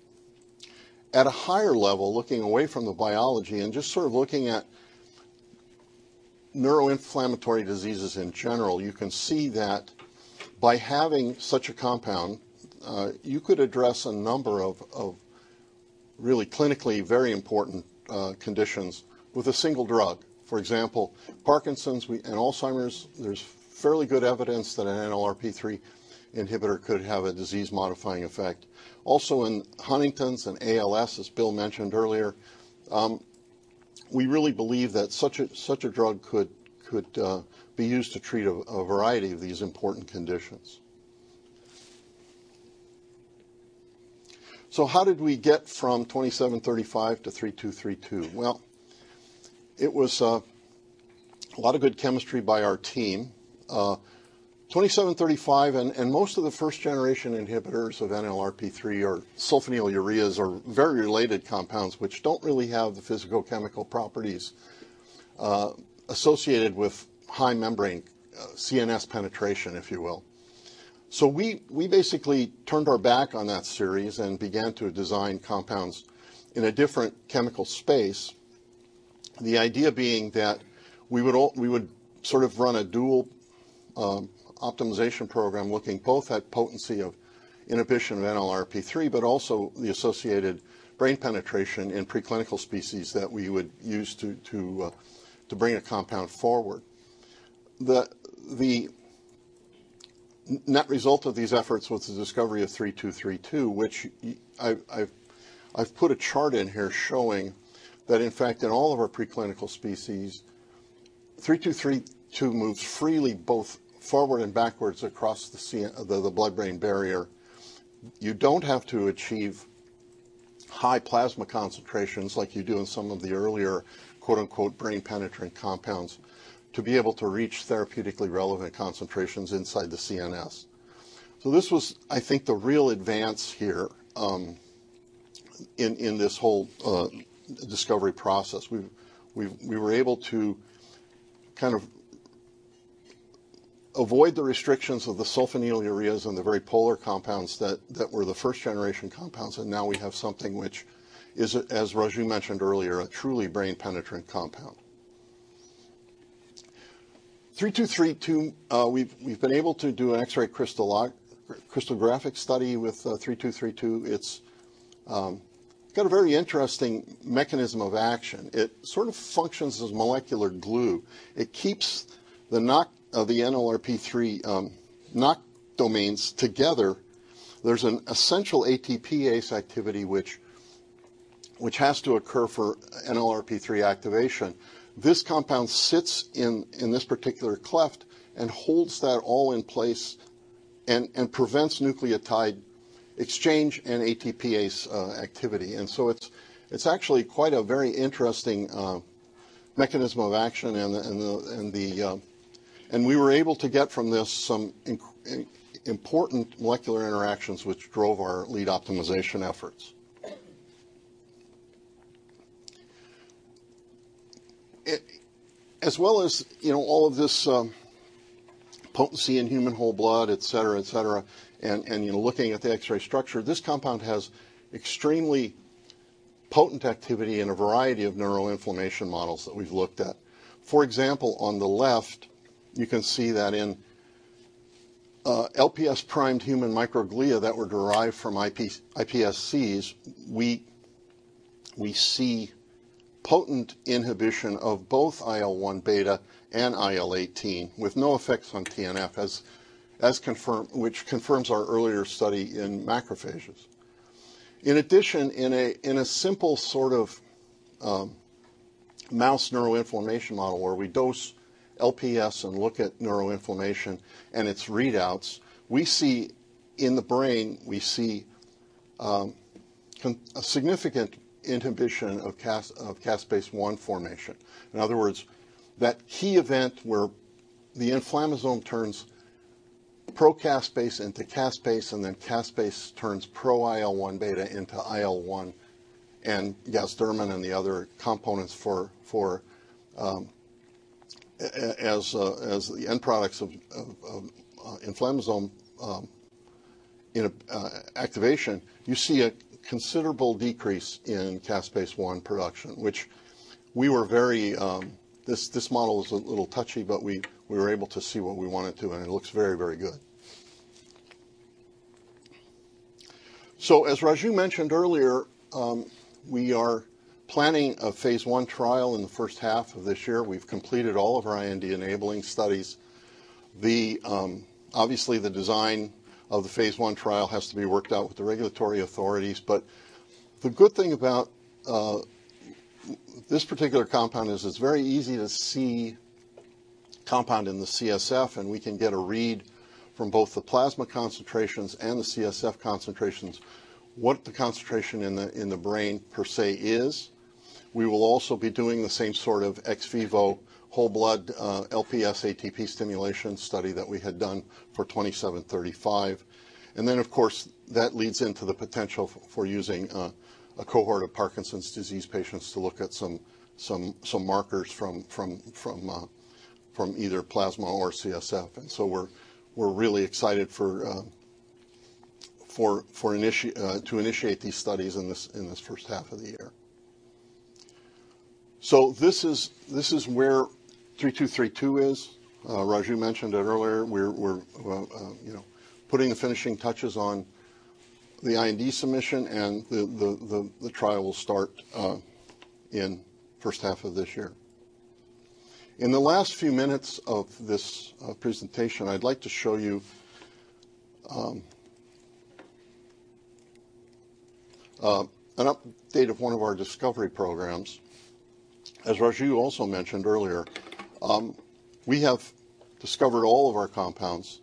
At a higher level, looking away from the biology and just sort of looking at neuroinflammatory diseases in general, you can see that by having such a compound, you could address a number of really clinically very important conditions with a single drug. For example, Parkinson's and Alzheimer's, there's fairly good evidence that an NLRP3 inhibitor could have a disease-modifying effect. Also, in Huntington's and ALS, as Bill mentioned earlier, we really believe that such a drug could be used to treat a variety of these important conditions. How did we get from VTX2735 to VTX3232? It was a lot of good chemistry by our team. VTX2735 and most of the first generation inhibitors of NLRP3 are sulfonylureas or very related compounds, which don't really have the physicochemical properties associated with high membrane, CNS penetration, if you will. We basically turned our back on that series and began to design compounds in a different chemical space. The idea being that we would sort of run a dual optimization program looking both at potency of inhibition of NLRP3, but also the associated brain penetration in preclinical species that we would use to bring a compound forward. The net result of these efforts was the discovery of VTX3232, which I've put a chart in here showing that, in fact, in all of our preclinical species, VTX3232 moves freely both forward and backwards across the blood-brain barrier. You don't have to achieve high plasma concentrations like you do in some of the earlier, quote-unquote, "brain-penetrant compounds" to be able to reach therapeutically relevant concentrations inside the CNS. This was, I think, the real advance here in this whole discovery process. We were able to kind of avoid the restrictions of the sulfonylureas and the very polar compounds that were the first generation compounds, now we have something which is, as Raju mentioned earlier, a truly brain-penetrant compound. VTX3232, we've been able to do an X-ray crystallographic study with VTX3232. It's got a very interesting mechanism of action. It sort of functions as molecular glue. It keeps the NACHT of the NLRP3 NACHT domains together. There's an essential ATPase activity which has to occur for NLRP3 activation. This compound sits in this particular cleft and holds that all in place and prevents nucleotide exchange and ATPase activity. It's actually quite a very interesting mechanism of action. We were able to get from this some important molecular interactions which drove our lead optimization efforts. As well as, you know, all of this, potency in human whole blood, et cetera, et cetera, you know, looking at the X-ray structure, this compound has extremely potent activity in a variety of neuroinflammation models that we've looked at. For example, on the left, you can see that in LPS-primed human microglia that were derived from iPSCs, we see potent inhibition of both IL-1β and IL-18 with no effects on TNF which confirms our earlier study in macrophages. In addition, in a, in a simple sort of, mouse neuroinflammation model where we dose LPS and look at neuroinflammation and its readouts, in the brain, we see a significant inhibition of caspase-1 formation. In other words, that key event where the inflammasome turns pro-caspase into caspase, and then caspase turns pro-IL-1β into IL-1β and gasdermin and the other components for as the end products of inflammasome in a activation, you see a considerable decrease in caspase-1 production, which we were very. This model is a little touchy, we were able to see what we wanted to, it looks very, very good. As Raju mentioned earlier, we are planning a phase I trial in the first half of this year. We've completed all of our IND-enabling studies. The obviously, the design of the phase I trial has to be worked out with the regulatory authorities. The good thing about this particular compound is it's very easy to see compound in the CSF, and we can get a read from both the plasma concentrations and the CSF concentrations, what the concentration in the brain per se is. We will also be doing the same sort of ex vivo whole blood LPS ATP stimulation study that we had done for VTX2735. Then, of course, that leads into the potential for using a cohort of Parkinson's disease patients to look at some markers from either plasma or CSF. So we're really excited to initiate these studies in this first half of the year. This is where VTX3232 is. Raju mentioned it earlier. We're, you know, putting the finishing touches on the IND submission, and the trial will start in first half of this year. In the last few minutes of this presentation, I'd like to show you an update of one of our discovery programs. As Raju also mentioned earlier, we have discovered all of our compounds.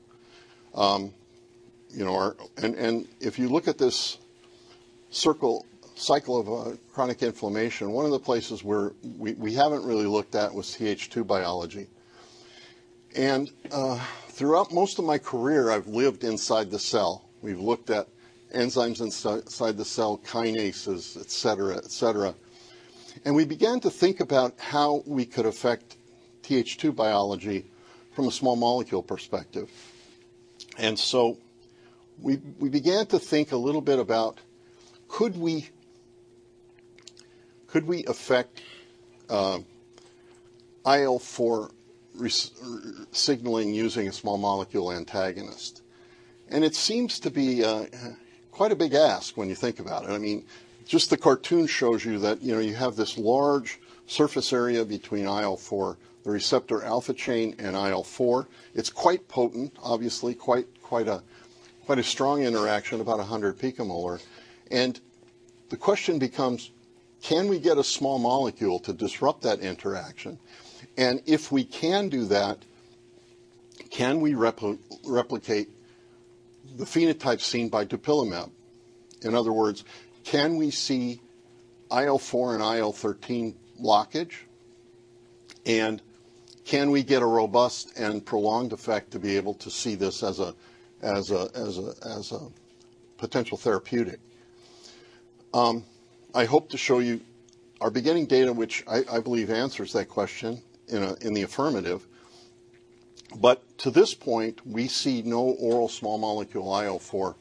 You know, our. If you look at this cycle of chronic inflammation, one of the places where we haven't really looked at was Th2 biology. Throughout most of my career, I've lived inside the cell. We've looked at enzymes inside the cell, kinases, et cetera, et cetera. We began to think about how we could affect Th2 biology from a small molecule perspective. We began to think a little bit about could we affect IL-4 signaling using a small molecule antagonist? It seems to be quite a big ask when you think about it. I mean, just the cartoon shows you that, you know, you have this large surface area between IL-4, the receptor alpha chain, and IL-4. It's quite potent, obviously quite a strong interaction, about 100 picomolar. The question becomes: Can we get a small molecule to disrupt that interaction? If we can do that, can we replicate the phenotype seen by Dupilumab? In other words, can we see IL-4 and IL-13 blockage? Can we get a robust and prolonged effect to be able to see this as a potential therapeutic? I hope to show you our beginning data, which I believe answers that question in a, in the affirmative. To this point, we see no oral small molecule IL-4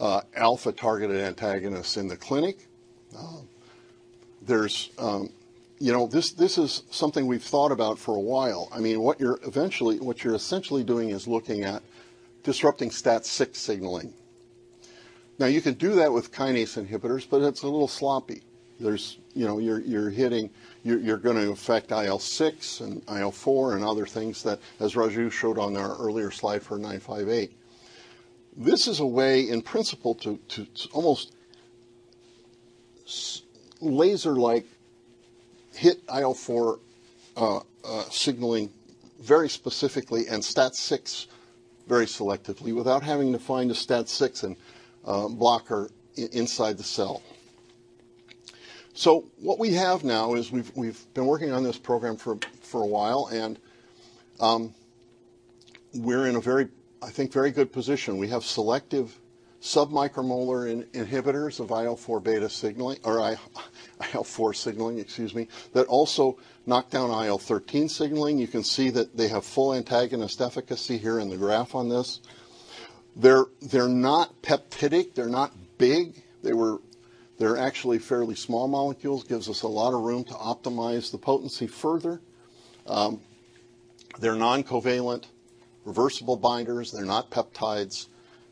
alpha-targeted antagonists in the clinic. There's, you know, this is something we've thought about for a while. I mean, what you're essentially doing is looking at disrupting STAT6 signaling. Now, you could do that with kinase inhibitors, but it's a little sloppy. There's, you know, you're gonna affect IL-6 and IL-4 and other things that, as Raju showed on our earlier slide for VTX958. This is a way, in principle, to almost laser-like hit IL-4 signaling very specifically and STAT6 very selectively without having to find a STAT6 and blocker inside the cell. What we have now is we've been working on this program for a while, and we're in a very, I think, very good position. We have selective submicromolar inhibitors of IL-4 signaling, excuse me, that also knock down IL-13 signaling. You can see that they have full antagonist efficacy here in the graph on this. They're not peptidic, they're not big. They're actually fairly small molecules, gives us a lot of room to optimize the potency further. They're non-covalent reversible binders. They're not peptides.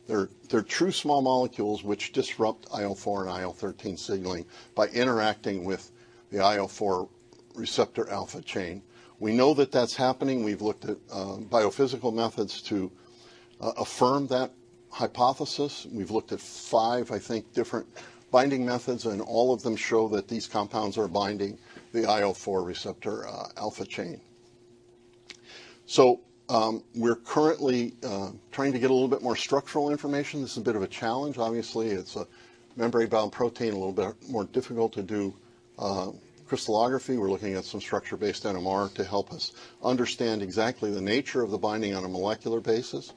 They're true small molecules which disrupt IL-4 and IL-13 signaling by interacting with the IL-4 receptor alpha chain. We know that that's happening. We've looked at biophysical methods to affirm that hypothesis. We've looked at five, I think, different binding methods, and all of them show that these compounds are binding the IL-4 receptor alpha chain. We're currently trying to get a little bit more structural information. This is a bit of a challenge. Obviously, it's a membrane-bound protein, a little bit more difficult to do crystallography. We're looking at some structure-based NMR to help us understand exactly the nature of the binding on a molecular basis.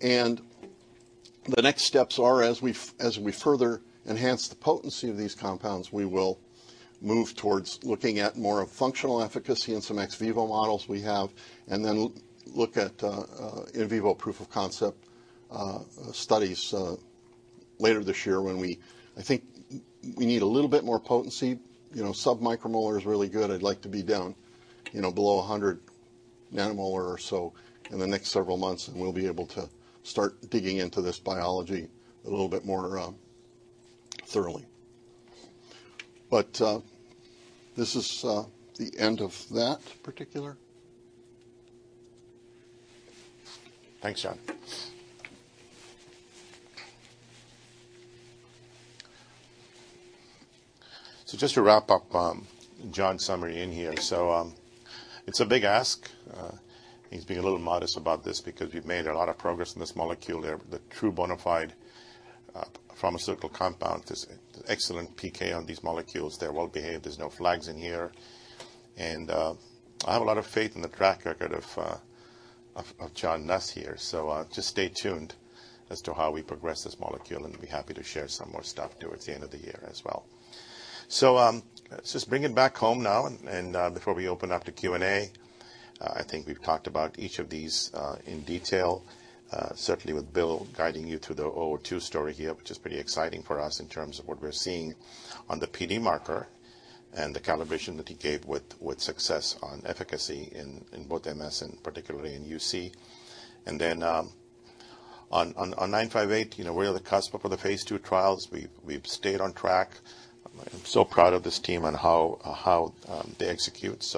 The next steps are, as we further enhance the potency of these compounds, we will move towards looking at more of functional efficacy in some ex vivo models we have, and then look at in vivo proof of concept studies later this year. I think we need a little bit more potency. You know, sub-micromolar is really good. I'd like to be down, you know, below 100 nanomolar or so in the next several months, and we'll be able to start digging into this biology a little bit more, thoroughly. This is the end of that particular. Thanks John just to wrap up, John's summary in here. It's a big ask. He's being a little modest about this because we've made a lot of progress in this molecule. They're the true bona fide, pharmaceutical compound. There's excellent PK on these molecules. They're well-behaved. There's no flags in here. I have a lot of faith in the track record of John Nuss here. Just stay tuned as to how we progress this molecule, and we'll be happy to share some more stuff towards the end of the year as well. Let's just bring it back home now and before we open up to Q&A. I think we've talked about each of these in detail, certainly with Bill guiding you through the VTX002 story here, which is pretty exciting for us in terms of what we're seeing on the PD marker and the calibration that he gave with success on efficacy in both MS and particularly in UC. On VTX958, you know, we're at the cusp of the phase II trials. We've stayed on track. I'm so proud of this team on how they execute.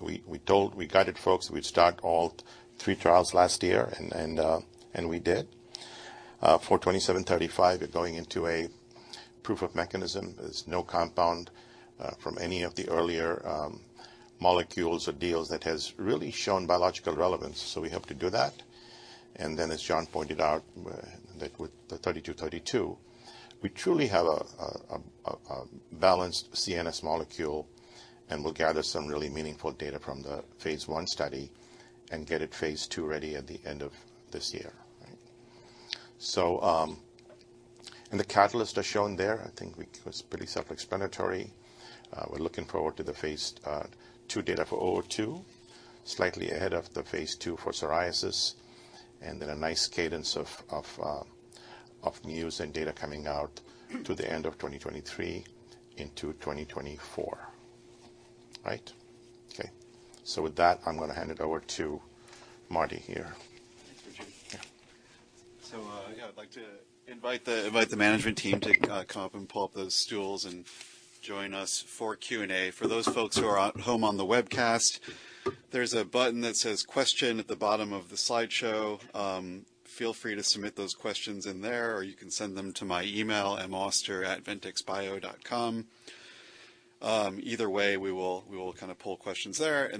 We guided folks that we'd start all three trials last year, and we did. VTX2735, we're going into a proof of mechanism. There's no compound from any of the earlier molecules or deals that has really shown biological relevance, so we have to do that. Then, as John pointed out, that with the VTX3232, we truly have a balanced CNS molecule, and we'll gather some really meaningful data from the phase I study and get it phase II ready at the end of this year. Right? The catalysts are shown there. I think it was pretty self-explanatory. We're looking forward to the phase II data for VTX002, slightly ahead of the phase II for psoriasis, and then a nice cadence of news and data coming out to the end of 2023 into 2024. Right? Okay. With that, I'm gonna hand it over to Marty here. Thanks Raju. Yeah. Yeah, I'd like to invite the management team to come up and pull up those stools and join us for Q&A. For those folks who are at home on the webcast, there's a button that says Question at the bottom of the slideshow. Feel free to submit those questions in there, or you can send them to my email, ir@ventyxbio.com. Either way, we will kind of pull questions there.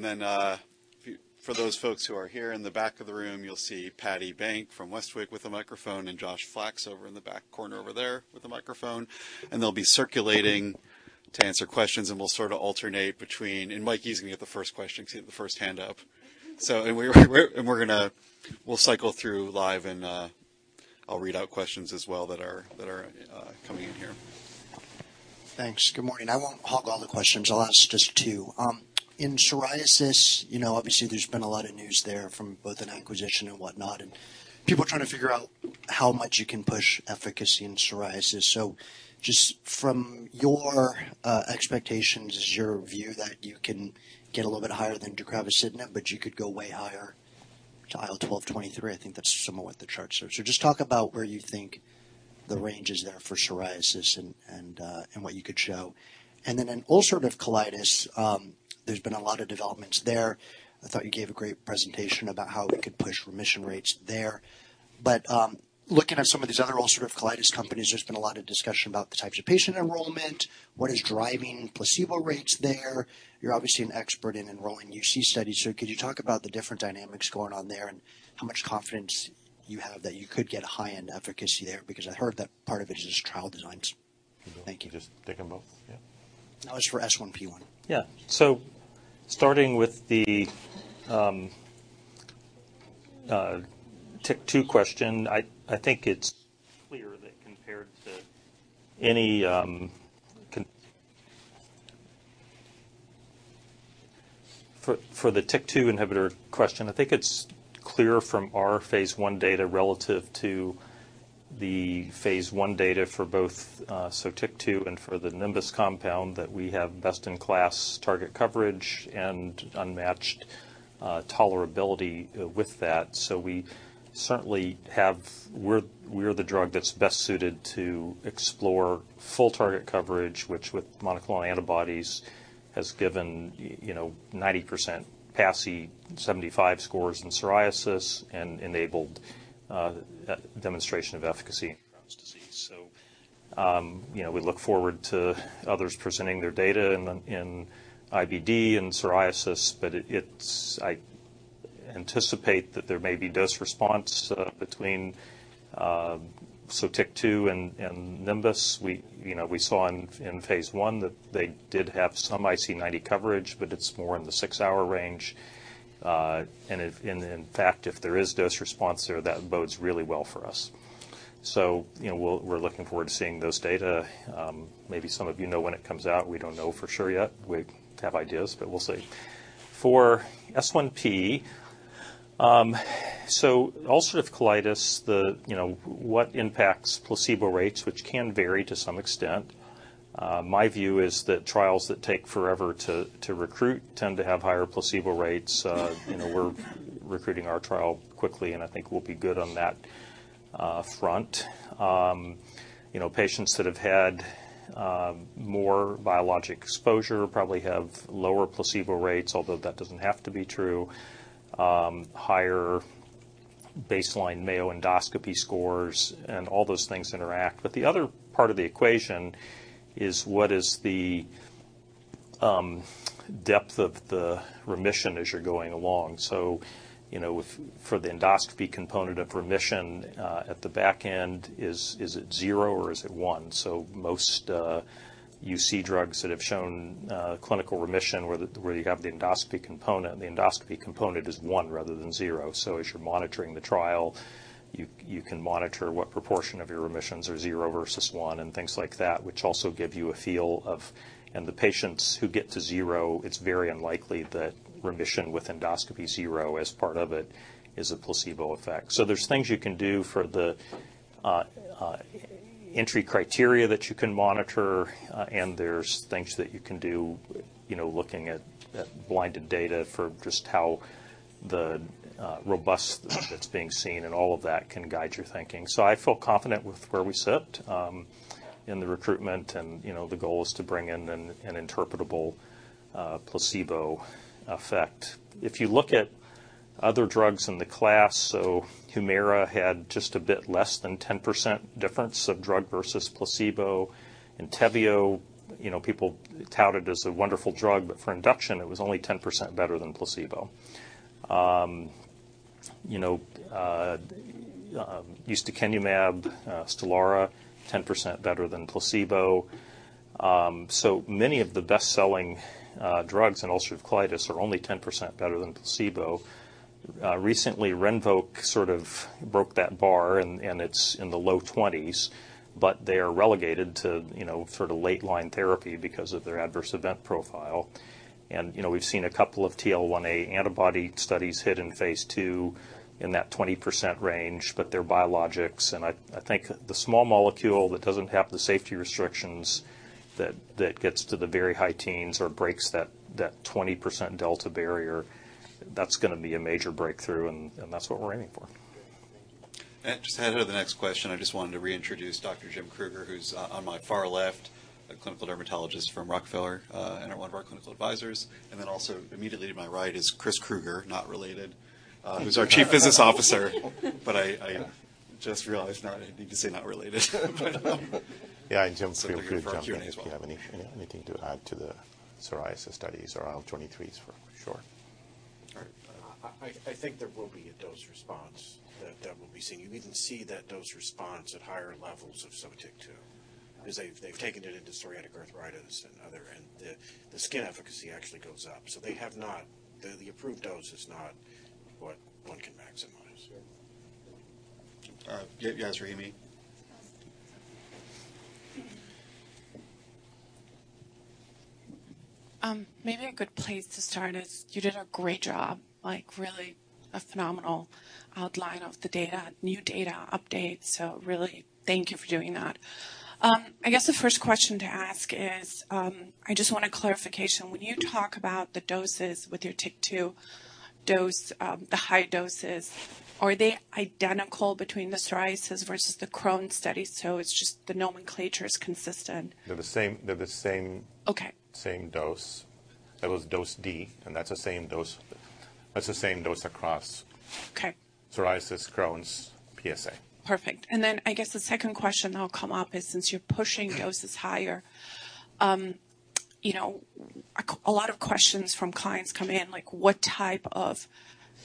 For those folks who are here in the back of the room, you'll see Patti Bank from Westwicke with a microphone and Josh Flax over in the back corner over there with a microphone. They'll be circulating to answer questions, and we'll sort of alternate between. Mike, he's gonna get the first question 'cause he had the first hand up. We'll cycle through live, and I'll read out questions as well that are coming in here. Thanks good morning I won't hog all the questions. I'll ask just two. In psoriasis, you know, obviously there's been a lot of news there from both an acquisition and whatnot, and people are trying to figure out how much you can push efficacy in psoriasis. Just from your expectations, is your view that you can get a little bit higher than deucravacitinib, but you could go way higher to IL-12 23? I think that's somewhat what the charts are. Just talk about where you think the range is there for psoriasis and what you could show. In ulcerative colitis, there's been a lot of developments there. I thought you gave a great presentation about how we could push remission rates there. Looking at some of these other ulcerative colitis companies, there's been a lot of discussion about the types of patient enrollment, what is driving placebo rates there. You're obviously an expert in enrolling UC studies, so could you talk about the different dynamics going on there and how much confidence you have that you could get high-end efficacy there? Because I heard that part of it is just trial designs. Thank you. Just take them both? Yeah. That was for S1P1. Yeah. starting with the TYK2 question, I think it's clear that compared to any. For the TYK2 inhibitor question, I think it's clear from our phase I data relative to the phase I data for both Sotyktu and for the Nimbus compound, that we have best in class target coverage and unmatched tolerability with that. We're the drug that's best suited to explore full target coverage, which with monoclonal antibodies has given you know, 90% PASI 75 scores in psoriasis, and enabled demonstration of efficacy in Crohn's disease. You know, we look forward to others presenting their data in IBD and psoriasis, but it's I anticipate that there may be dose response between Sotyktu and Nimbus. We saw in phase I that they did have some IC90 coverage, but it's more in the six-hour range. In fact, if there is dose response there, that bodes really well for us. You know, we're looking forward to seeing those data. Maybe some of you know when it comes out. We don't know for sure yet. We have ideas, but we'll see. For S1P, ulcerative colitis, the, you know, what impacts placebo rates, which can vary to some extent, my view is that trials that take forever to recruit tend to have higher placebo rates. You know, we're recruiting our trial quickly, and I think we'll be good on that front. You know, patients that have had more biologic exposure probably have lower placebo rates, although that doesn't have to be true. Higher baseline Mayo Endoscopic Score and all those things interact. The other part of the equation is what is the depth of the remission as you're going along. You know, for the endoscopy component of remission, at the back end, is it zero or is it one? Most UC drugs that have shown clinical remission where you have the endoscopy component, the endoscopy component is one rather than zero. As you're monitoring the trial, you can monitor what proportion of your remissions are zero versus one and things like that, which also give you a feel of. The patients who get to zero, it's very unlikely that remission with endoscopy zero as part of it is a placebo effect. There's things you can do for the entry criteria that you can monitor, and there's things that you can do, you know, looking at blinded data for just how the robust that's being seen, and all of that can guide your thinking. I feel confident with where we sit in the recruitment and, you know, the goal is to bring in an interpretable placebo effect. If you look at other drugs in the class, Humira had just a bit less than 10% difference of drug versus placebo. Entyvio, you know, people touted as a wonderful drug, but for induction, it was only 10% better than placebo. You know, ustekinumab, Stelara, 10% better than placebo. Many of the best-selling drugs in ulcerative colitis are only 10% better than placebo. Recently, Rinvoq sort of broke that bar and it's in the low 20s. They are relegated to, you know, sort of late line therapy because of their adverse event profile. You know, we've seen a couple of TL1A antibody studies hit in phase II in that 20% range. They're biologics and I think the small molecule that doesn't have the safety restrictions that gets to the very high teens or breaks that 20% delta barrier, that's gonna be a major breakthrough. That's what we're aiming for. Just ahead of the next question, I just wanted to reintroduce Dr. Jim Kruger, who's on my far left, a clinical dermatologist from Rockefeller, and one of our clinical advisors. Also immediately to my right is Christopher Krueger, not related, who's our Chief Business Officer. I just realized now I need to say not related. Yeah Jim if you have anything to add to the psoriasis studies or IL-23s for sure. All right. I think there will be a dose response that will be seen. You even see that dose response at higher levels of Sotyktu. 'Cause they've taken it into psoriatic arthritis and other. The skin efficacy actually goes up. They have not. The approved dose is not what one can maximize. Yeah Yasmeen Rahimi. Maybe a good place to start is you did a great job, like really a phenomenal outline of the data, new data update, really thank you for doing that. I guess the first question to ask is, I just want a clarification. When you talk about the doses with your TYK2 dose, the high doses, are they identical between the psoriasis versus the Crohn's studies, so it's just the nomenclature is consistent? They're the same. Okay. Same dose. That was dose D. That's the same dose across-. Okay. Psoriasis, Crohn's, PSA. Perfect. I guess the second question that will come up is since you're pushing doses higher, you know, a lot of questions from clients come in, like what type of,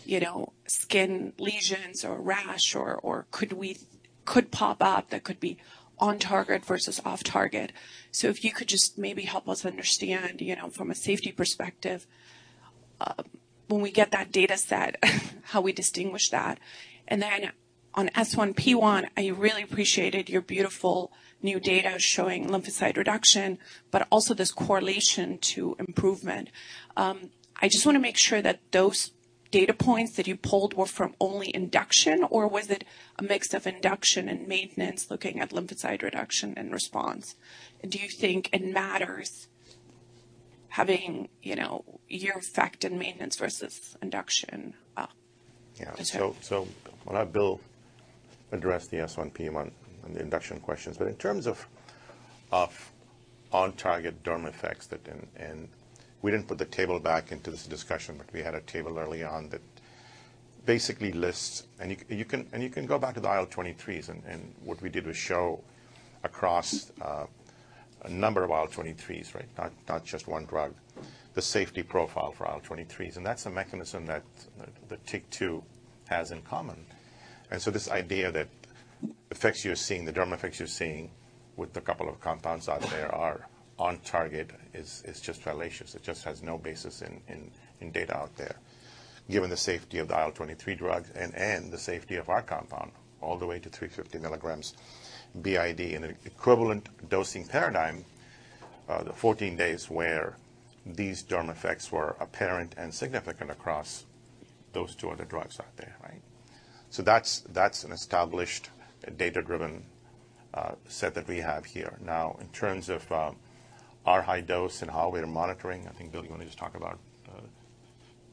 you know, skin lesions or rash or could pop up that could be on target versus off target. If you could just maybe help us understand, you know, from a safety perspective, When we get that data set, how we distinguish that. On S1P1, I really appreciated your beautiful new data showing lymphocyte reduction, but also this correlation to improvement. I just wanna make sure that those data points that you pulled were from only induction or was it a mix of induction and maintenance looking at lymphocyte reduction and response? Do you think it matters having, you know, your effect in maintenance versus induction? I'll let Bill address the S1P1 and the induction questions. In terms of on-target derm effects, we didn't put the table back into this discussion, but we had a table early on that basically lists, and you can go back to the IL-23s and what we did was show across a number of IL-23s, right? Not just one drug. The safety profile for IL-23s. That's a mechanism that the TYK2 has in common. This idea that effects you're seeing, the derm effects you're seeing with a couple of compounds out there are on target is just fallacious. It just has no basis in data out there, given the safety of the IL-23 drug and the safety of our compound all the way to 350 mg BID in an equivalent dosing paradigm, the 14 days where these derm effects were apparent and significant across those two other drugs out there, right? That's an established data-driven set that we have here. In terms of our high dose and how we are monitoring, I think, Bill, you wanna just talk about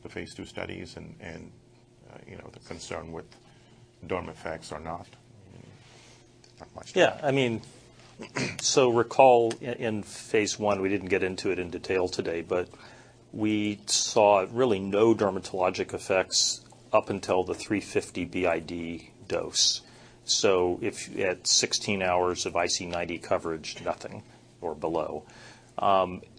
the phase II studies and, you know, the concern with derm effects or not? Yeah, I mean, recall in phase I, we didn't get into it in detail today, but we saw really no dermatologic effects up until the 350 BID dose. If you had 16 hours of IC90 coverage, nothing or below.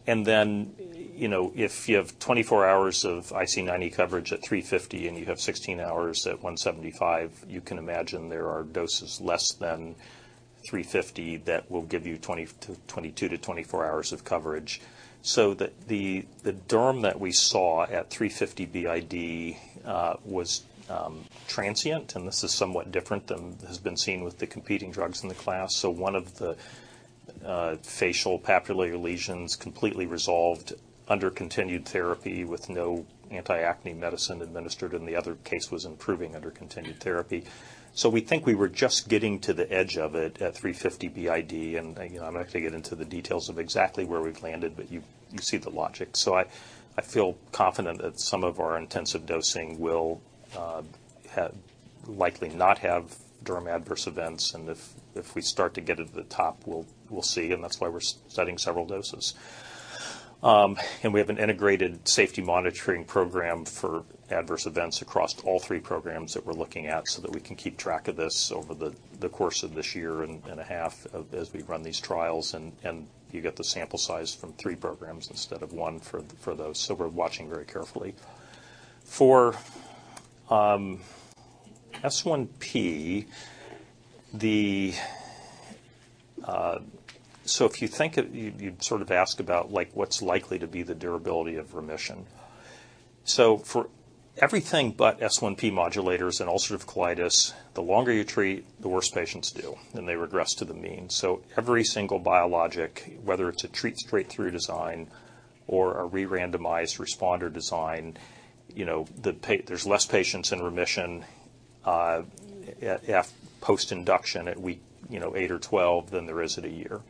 You know, if you have 24 hours of IC90 coverage at 350 and you have 16 hours at 175, you can imagine there are doses less than 350 that will give you 20-22-24 hours of coverage. The derm that we saw at 350 BID was transient, and this is somewhat different than has been seen with the competing drugs in the class. One of the facial papular lesions completely resolved under continued therapy with no anti-acne medicine administered, and the other case was improving under continued therapy. We think we were just getting to the edge of it at 350 BID, and, you know, I'm not gonna get into the details of exactly where we've landed, but you see the logic. I feel confident that some of our intensive dosing will likely not have derm adverse events. If we start to get at the top, we'll see, and that's why we're studying several doses. We have an integrated safety monitoring program for adverse events across all three programs that we're looking at so that we can keep track of this over the course of this year and a half of as we run these trials and you get the sample size from three programs instead of one for those. We're watching very carefully. For S1P, the... If you'd sort of ask about like what's likely to be the durability of remission. For everything but S1P modulators and ulcerative colitis, the longer you treat, the worse patients do, and they regress to the mean. Every single biologic, whether it's a treat straight through design or a re-randomized responder design, you know, there's less patients in remission at post-induction at week, you know, eight or 12 than there is at a year.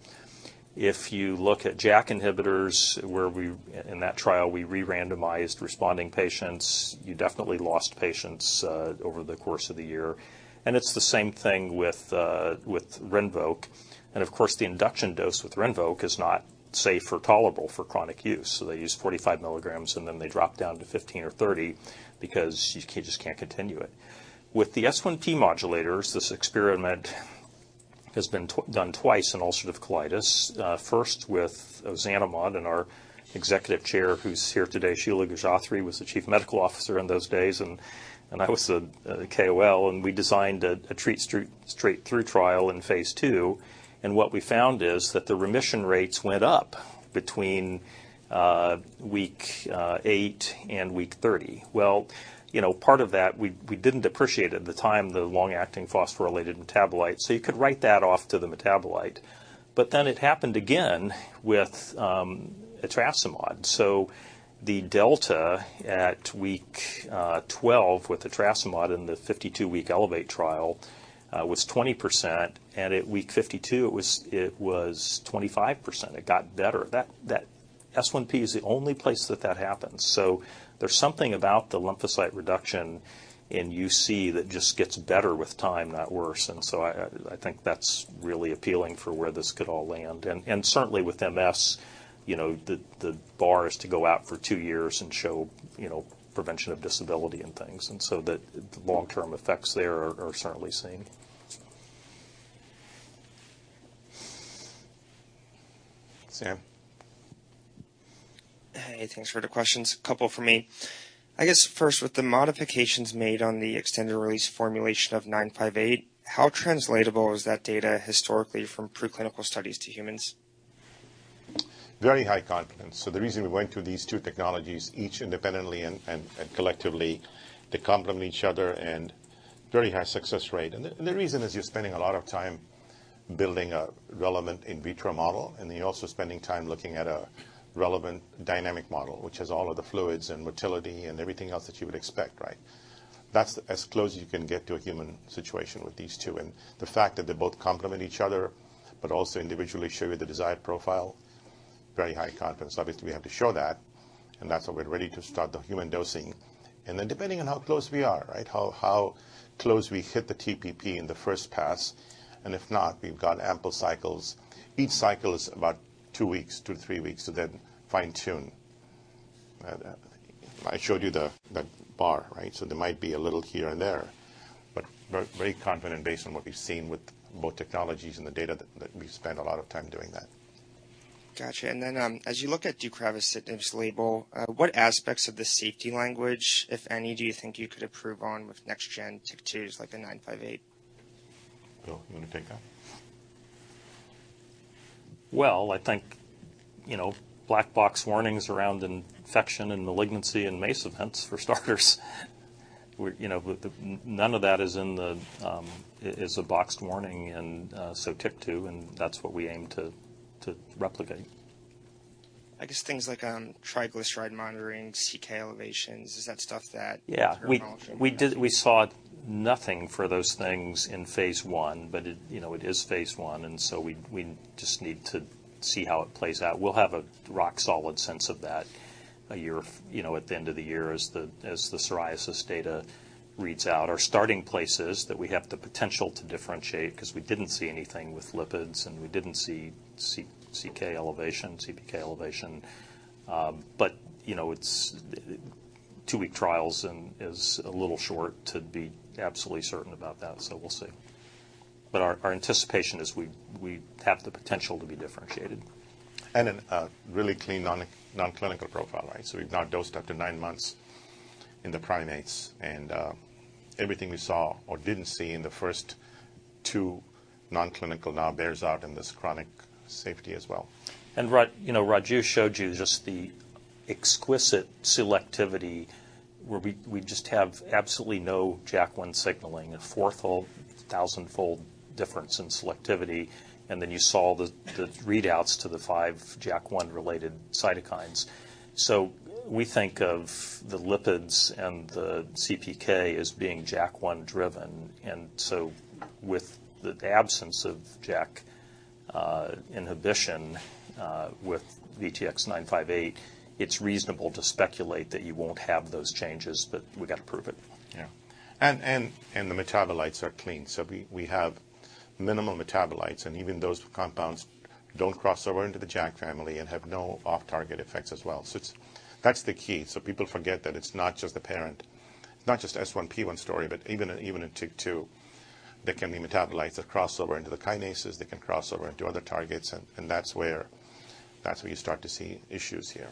If you look at JAK inhibitors, where we, in that trial, we re-randomized responding patients. You definitely lost patients over the course of the year. It's the same thing with RINVOQ. Of course, the induction dose with RINVOQ is not safe or tolerable for chronic use. They use 45 mg, and then they drop down to 15 or 30 because you just can't continue it. With the S1P modulators, this experiment has been done twice in ulcerative colitis, first with ozanimod and our executive chair who's here today, Sheila Gujrathi, was the chief medical officer in those days, and I was the KOL, and we designed a straight through trial in phase II, and what we found is that the remission rates went up between week eight and week 30. You know, part of that we didn't appreciate at the time the long-acting phosphorylated metabolite, you could write that off to the metabolite. It happened again with etrasimod. The delta at week 12 with etrasimod in the 52 week ELEVATE trial was 20%, and at week 52, it was 25%. It got better. That S1P is the only place that that happens. There's something about the lymphocyte reduction in UC that just gets better with time, not worse. I, I think that's really appealing for where this could all land. Certainly with MS, you know, the bar is to go out for two years and show, you know, prevention of disability and things. The long-term effects there are certainly seen. Sam. Hey thanks for the questions a couple for me I guess first, with the modifications made on the extended release formulation of VTX958, how translatable is that data historically from preclinical studies to humans? Very high confidence. The reason we went through these two technologies, each independently and collectively, they complement each other and very high success rate. The reason is you're spending a lot of time building a relevant in vitro model, and then you're also spending time looking at a relevant dynamic model, which has all of the fluids and motility and everything else that you would expect, right? That's as close as you can get to a human situation with these two. The fact that they both complement each other but also individually show you the desired profile, very high confidence. Obviously, we have to show that, and that's why we're ready to start the human dosing. Then depending on how close we are, right? How close we hit the TPP in the first pass, and if not, we've got ample cycles. Each cycle is about two weeks, 2-3 weeks to then fine-tune. I showed you the bar, right? There might be a little here and there, but very confident based on what we've seen with both technologies and the data that we've spent a lot of time doing that. Gotcha. As you look at deucravacitinib's label, what aspects of the safety language, if any, do you think you could improve on with next gen TYK2s like the 958? Bill, you wanna take that? I think, you know, black box warnings around infection and malignancy and MACE events, for starters. We're, you know, none of that is in the boxed warning. TYK2, and that's what we aim to replicate. I guess things like, triglyceride monitoring, CK elevations, is that stuff? Yeah. You're monitoring. We saw nothing for those things in phase I. It, you know, it is phase I. We just need to see how it plays out. We'll have a rock solid sense of that a year, you know, at the end of the year as the psoriasis data reads out. Our starting place is that we have the potential to differentiate 'cause we didn't see anything with lipids, and we didn't see CK elevation, CPK elevation. you know, it's two-week trials and is a little short to be absolutely certain about that. We'll see. Our anticipation is we have the potential to be differentiated. Then a really clean non-clinical profile, right? We've now dosed up to nine months in the primates and everything we saw or didn't see in the first two non-clinical now bears out in this chronic safety as well. Raj you know Raju showed you just the exquisite selectivity where we just have absolutely no JAK1 signaling, a fourth whole, thousandfold difference in selectivity, and then you saw the readouts to the 5 JAK1 related cytokines. We think of the lipids and the CPK as being JAK1 driven. With the absence of JAK inhibition with VTX958, it's reasonable to speculate that you won't have those changes, but we gotta prove it. Yeah. The metabolites are clean, so we have minimal metabolites. Even those compounds don't cross over into the JAK family and have no off-target effects as well. That's the key. People forget that it's not just the parent, not just S1P1 story, but even in TYK2, there can be metabolites that cross over into the kinases, that can cross over into other targets and that's where you start to see issues here.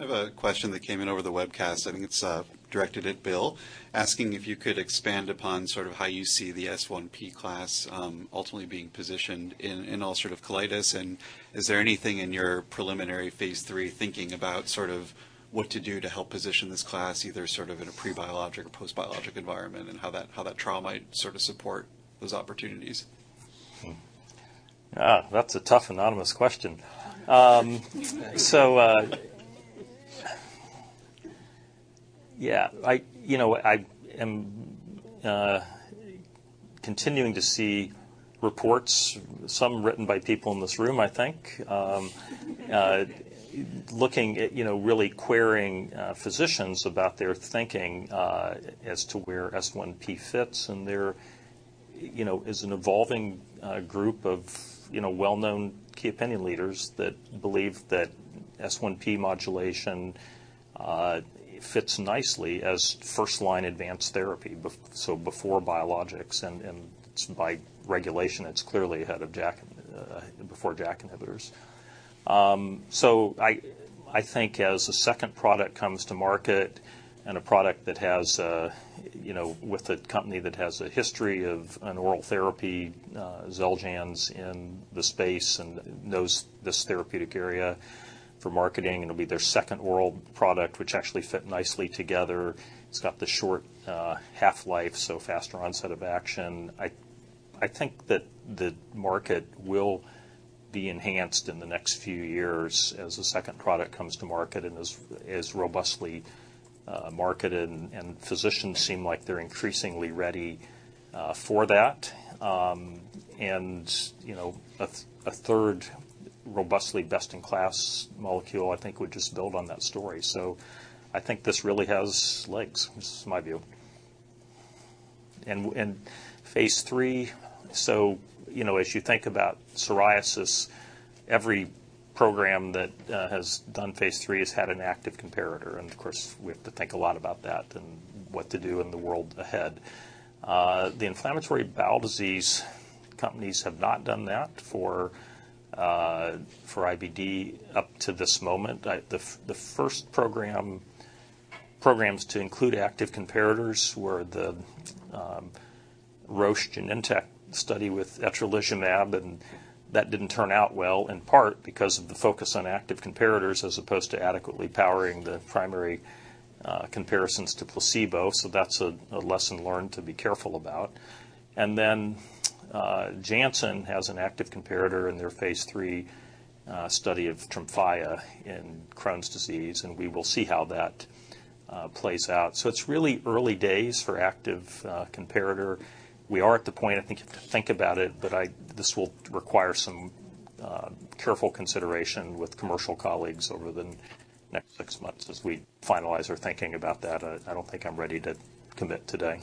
I have a question that came in over the webcast, I think it's directed at Bill, asking if you could expand upon sort of how you see the S1P class ultimately being positioned in ulcerative colitis. Is there anything in your preliminary phase III thinking about sort of what to do to help position this class either sort of in a pre-biologic or post-biologic environment, and how that trial might sort of support those opportunities? That's a tough anonymous question. Yeah, I, you know, I am continuing to see reports, some written by people in this room, I think, looking at, you know, really querying physicians about their thinking as to where S1P fits. There, you know, is an evolving group of, you know, well-known key opinion leaders that believe that S1P modulation fits nicely as first line advanced therapy, so before biologics, and by regulation, it's clearly ahead of JAK inhibitors. I think as a second product comes to market and a product that has a, you know, with a company that has a history of an oral therapy, Xeljanz in the space and knows this therapeutic area for marketing, it'll be their second oral product which actually fit nicely together. It's got the short, half-life, so faster onset of action. I think that the market will be enhanced in the next few years as a second product comes to market and is robustly marketed, and physicians seem like they're increasingly ready for that. You know, a third robustly best-in-class molecule I think would just build on that story. I think this really has legs. This is my view. Phase III, so, you know, as you think about psoriasis, every program that has done phase III has had an active comparator, and of course, we have to think a lot about that and what to do in the world ahead. The inflammatory bowel disease companies have not done that for IBD up to this moment. The first programs to include active comparators were the Roche Genentech study with etrolizumab. That didn't turn out well, in part because of the focus on active comparators as opposed to adequately powering the primary comparisons to placebo. Janssen has an active comparator in their phase III study of Tremfya in Crohn's disease. We will see how that plays out. It's really early days for active comparator. We are at the point, I think, to think about it, but this will require some careful consideration with commercial colleagues over the next six months as we finalize our thinking about that. I don't think I'm ready to commit today.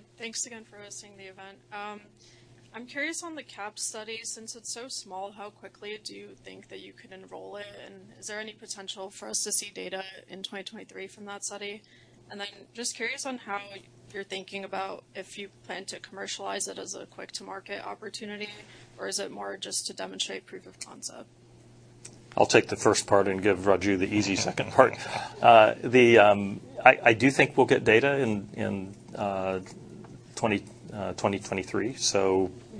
Hi thanks again for hosting the event. I'm curious on the CAP study. Since it's so small, how quickly do you think that you could enroll it? Is there any potential for us to see data in 2023 from that study? Just curious on how you're thinking about if you plan to commercialize it as a quick-to-market opportunity, or is it more just to demonstrate proof of concept? I'll take the first part and give Raju the easy second part. I do think we'll get data in 2023.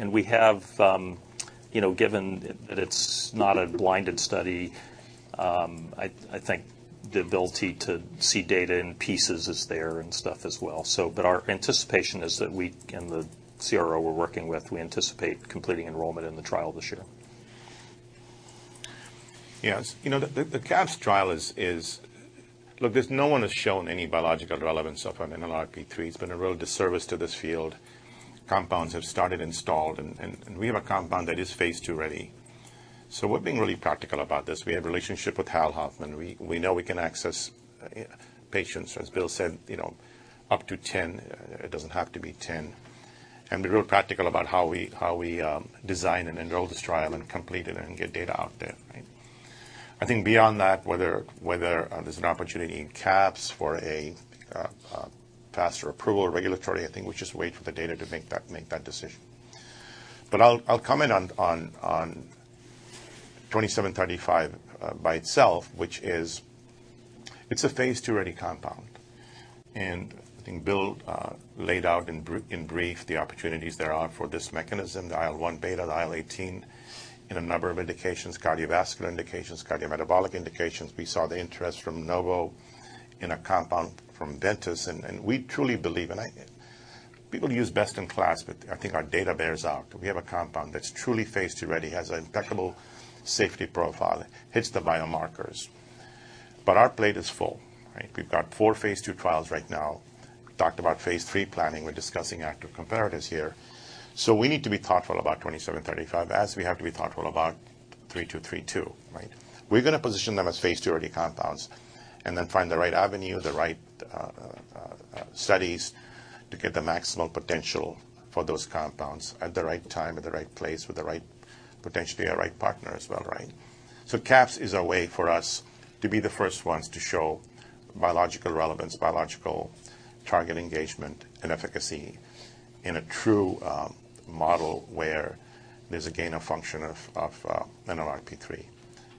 We have, you know, given that it's not a blinded study, I think the ability to see data in pieces is there and stuff as well. Our anticipation is that we, and the CRO we're working with, we anticipate completing enrollment in the trial this year. Yes you know, the CAPS trial. Look, there's no one has shown any biological relevance of an NLRP3. It's been a real disservice to this field. Compounds have started and stalled, and we have a compound that is phase II ready. We're being really practical about this. We have relationship with Hal Hoffman. We know we can access patients, as Bill said, you know, up to 10. It doesn't have to be 10. Be real practical about how we design and enroll this trial and complete it and get data out there, right? I think beyond that, whether there's an opportunity in CAPS for a faster approval regulatory, I think we just wait for the data to make that decision. I'll comment on VTX2735 by itself, which is a phase II ready compound. I think Bill laid out in brief the opportunities there are for this mechanism, the IL-1β, the IL-18 in a number of indications, cardiovascular indications, cardiometabolic indications. We saw the interest from Novo in a compound from Dicerna. We truly believe, and I... People use best-in-class, I think our data bears out. We have a compound that's truly phase II ready, has an impeccable safety profile, hits the biomarkers. Our plate is full, right? We've got four phase II trials right now. Talked about phase III planning. We're discussing active comparatives here. We need to be thoughtful about VTX2735 as we have to be thoughtful about VTX3232, right? We're gonna position them as phase II ready compounds and then find the right avenue, the right studies to get the maximum potential for those compounds at the right time, at the right place, with the right, potentially a right partner as well, right? CAPS is a way for us to be the first ones to show biological relevance, biological target engagement and efficacy in a true model where there's a gain of function of NLRP3.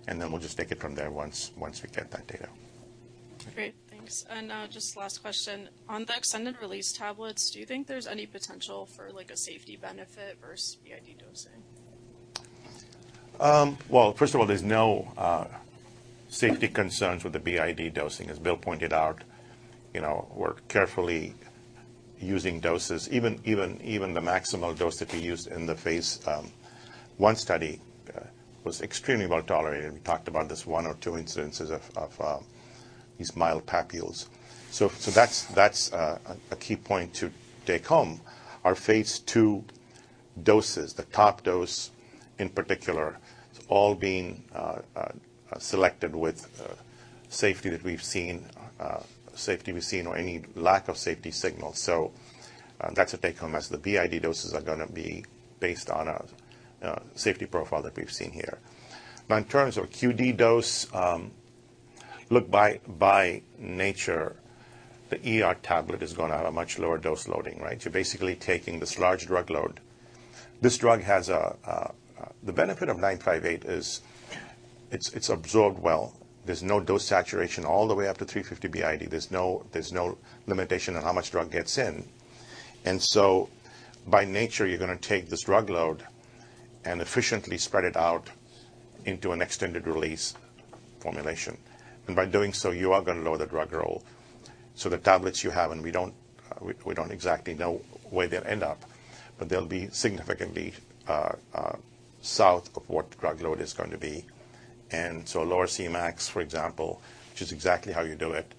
We'll just take it from there once we get that data. Great thanks just last question. On the extended release tablets, do you think there's any potential for, like, a safety benefit versus BID dosing? Well, first of all, there's no safety concerns with the BID dosing. As Bill pointed out, you know, we're carefully using doses. Even the maximal dose that we used in the phase I study was extremely well-tolerated. We talked about this one or two incidences of these mild papules. That's a key point to take home. Our phase II doses, the top dose in particular, has all been selected with safety that we've seen or any lack of safety signals. That's a take-home as the BID doses are gonna be based on a safety profile that we've seen here. In terms of QD dose, look, by nature, the ER tablet is gonna have a much lower dose loading, right? You're basically taking this large drug load. This drug has The benefit of VTX958 is it's absorbed well. There's no dose saturation all the way up to 350 BID. There's no limitation on how much drug gets in. By nature, you're gonna take this drug load and efficiently spread it out into an extended release formulation. By doing so, you are gonna lower the drug roll. The tablets you have, and we don't exactly know where they'll end up, but they'll be significantly south of what the drug load is going to be. Lower Cmax, for example, which is exactly how you do it,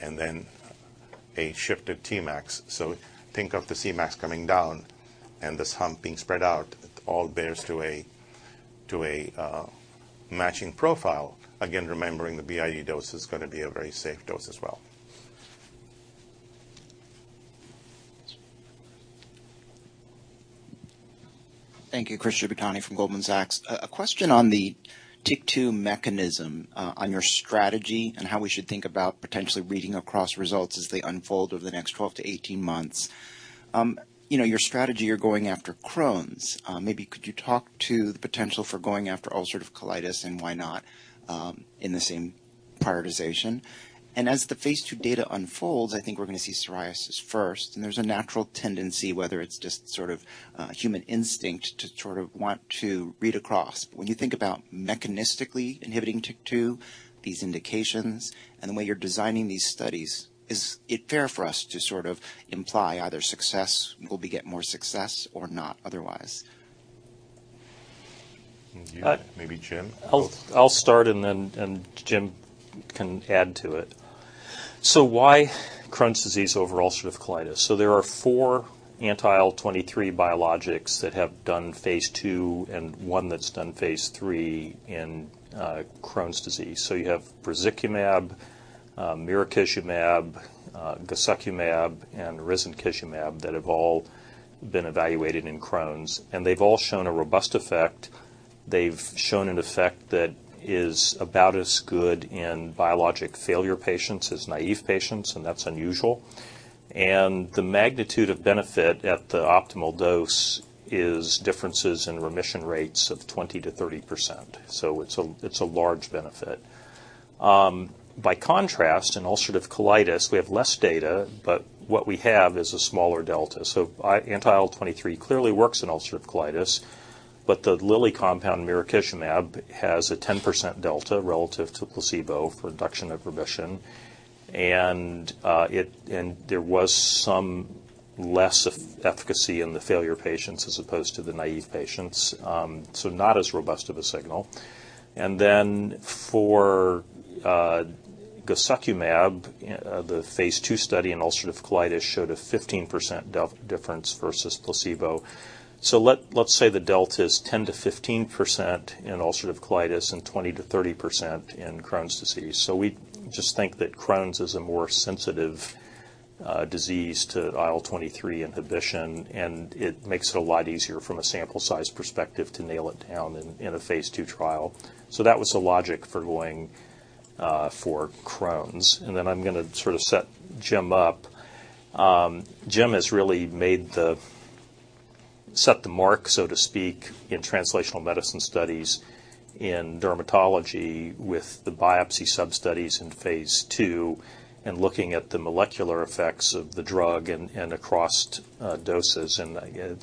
and then a shifted Tmax. Think of the Cmax coming down and this hump being spread out. It all bears to a matching profile. Again, remembering the BID dose is going to be a very safe dose as well. Yes. Thank you Chris Shibutani from Goldman Sachs. A question on the TYK2 mechanism, on your strategy and how we should think about potentially reading across results as they unfold over the next 12-18 months. You know, your strategy, you're going after Crohn's. Maybe could you talk to the potential for going after ulcerative colitis and why not in the same prioritization. As the phase II data unfolds, I think we're gonna see psoriasis first, and there's a natural tendency, whether it's just sort of human instinct to sort of want to read across. When you think about mechanistically inhibiting TYK2, these indications, and the way you're designing these studies, is it fair for us to sort of imply either success will beget more success or not otherwise? Maybe Jim? Both. I'll start. Jim can add to it. Why Crohn's disease over ulcerative colitis? There are four anti-IL-23 biologics that have done phase II, and one that's done phase III in Crohn's disease. You have bimekizumab, mirikizumab, guselkumab, and risankizumab that have all been evaluated in Crohn's, and they've all shown a robust effect. They've shown an effect that is about as good in biologic failure patients as naive patients, and that's unusual. The magnitude of benefit at the optimal dose is differences in remission rates of 20%-30%. It's a large benefit. By contrast, in ulcerative colitis, we have less data, but what we have is a smaller delta. Anti-IL-23 clearly works in ulcerative colitis, but the Lilly compound mirikizumab has a 10% delta relative to placebo for reduction of remission. There was some less efficacy in the failure patients as opposed to the naive patients. Not as robust of a signal. For guselkumab, the phase II study in ulcerative colitis showed a 15% difference versus placebo. Let's say the delta's 10%-15% in ulcerative colitis and 20%-30% in Crohn's disease. We just think that Crohn's is a more sensitive disease to IL-23 inhibition, and it makes it a lot easier from a sample size perspective to nail it down in a phase II trial. That was the logic for going for Crohn's. I'm gonna sort of set Jim up. Jim Krueger has really set the mark, so to speak, in translational medicine studies in dermatology with the biopsy sub-studies in phase II and looking at the molecular effects of the drug and across doses.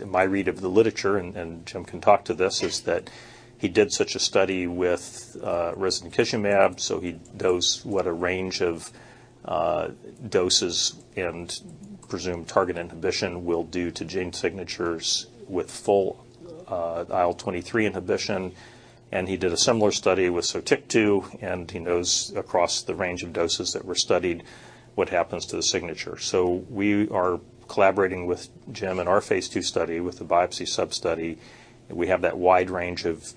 My read of the literature, and Jim Krueger can talk to this, is that he did such a study with risankizumab, so he knows what a range of doses and presumed target inhibition will do to gene signatures with full IL-23 inhibition. He did a similar study with Sotyktu, and he knows across the range of doses that were studied what happens to the signature. We are collaborating with Jim Krueger in our phase II study with the biopsy sub-study. We have that wide range of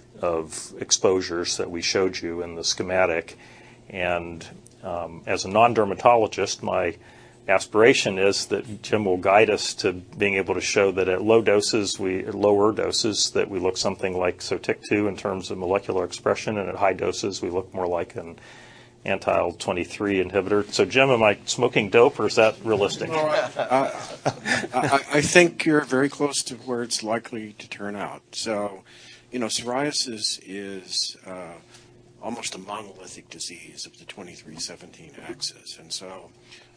exposures that we showed you in the schematic. As a non-dermatologist, my aspiration is that Jim will guide us to being able to show that at low doses, at lower doses, that we look something like Sotyktu in terms of molecular expression, and at high doses, we look more like an anti-IL-23 inhibitor. Jim, am I smoking dope, or is that realistic? No. I think you're very close to where it's likely to turn out. You know, psoriasis is almost a monolithic disease of the 23/17 axis.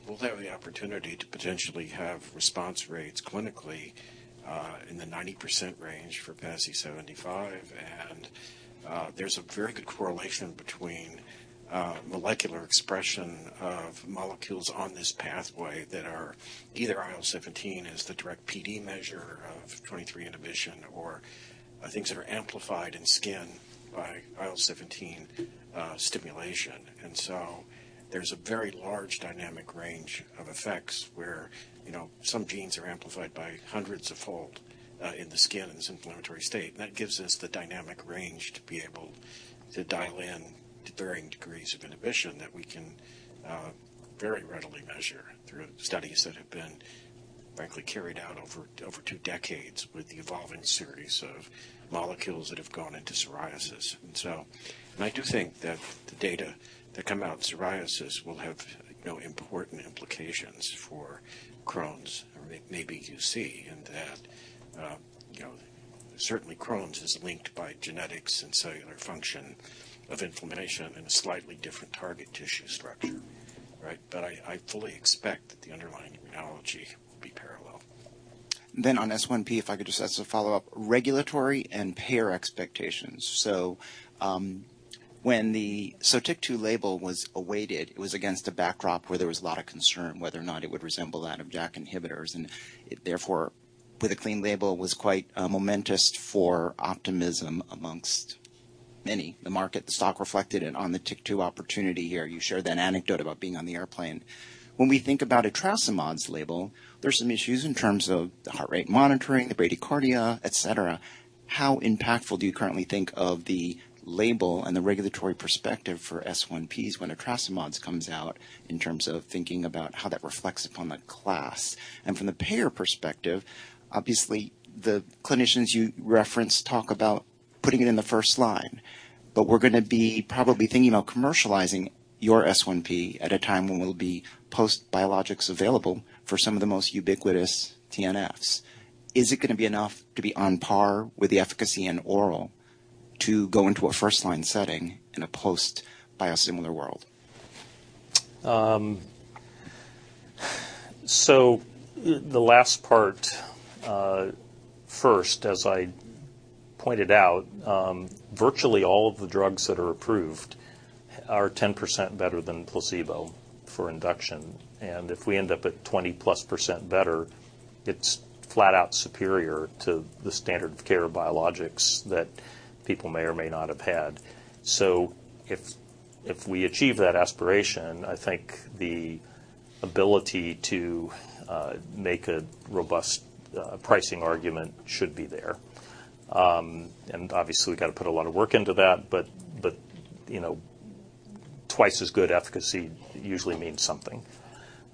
We'll have the opportunity to potentially have response rates clinically, in the 90% range for PASI 75. There's a very good correlation between molecular expression of molecules on this pathway that are either IL-17 as the direct PD measure of 23 inhibition or things that are amplified in skin by IL-17 stimulation. There's a very large dynamic range of effects where, you know, some genes are amplified by hundreds of fold in the skin in this inflammatory state. That gives us the dynamic range to be able to dial in to varying degrees of inhibition that we can very readily measure through studies that have been frankly carried out over two decades with the evolving series of molecules that have gone into psoriasis. I do think that the data that come out in psoriasis will have, you know, important implications for Crohn's or maybe UC, in that, you know, certainly Crohn's is linked by genetics and cellular function of inflammation in a slightly different target tissue structure, right? I fully expect that the underlying immunology will be parallel. On S1P, if I could just ask a follow-up, regulatory and payer expectations. When the Sotyktu label was awaited, it was against a backdrop where there was a lot of concern whether or not it would resemble that of JAK inhibitors, it therefore, with a clean label, was quite momentous for optimism amongst many. The market, the stock reflected it on the TYK2 opportunity here. You shared that anecdote about being on the airplane. When we think about etrasimod's label, there's some issues in terms of the heart rate monitoring, the bradycardia, et cetera. How impactful do you currently think of the label and the regulatory perspective for S1Ps when etrasimod's comes out in terms of thinking about how that reflects upon the class? From the payer perspective, obviously, the clinicians you reference talk about putting it in the first line. We're going to be probably thinking about commercializing your S1P at a time when we'll be post biologics available for some of the most ubiquitous TNFs. Is it going to be enough to be on par with the efficacy in oral to go into a first-line setting in a post biosimilar world? The last part, first, as I pointed out, virtually all of the drugs that are approved are 10% better than placebo for induction. If we end up at 20%+ better, it's flat out superior to the standard of care biologics that people may or may not have had. If we achieve that aspiration, I think the ability to make a robust pricing argument should be there. Obviously, we've got to put a lot of work into that, but, you know, twice as good efficacy usually means something.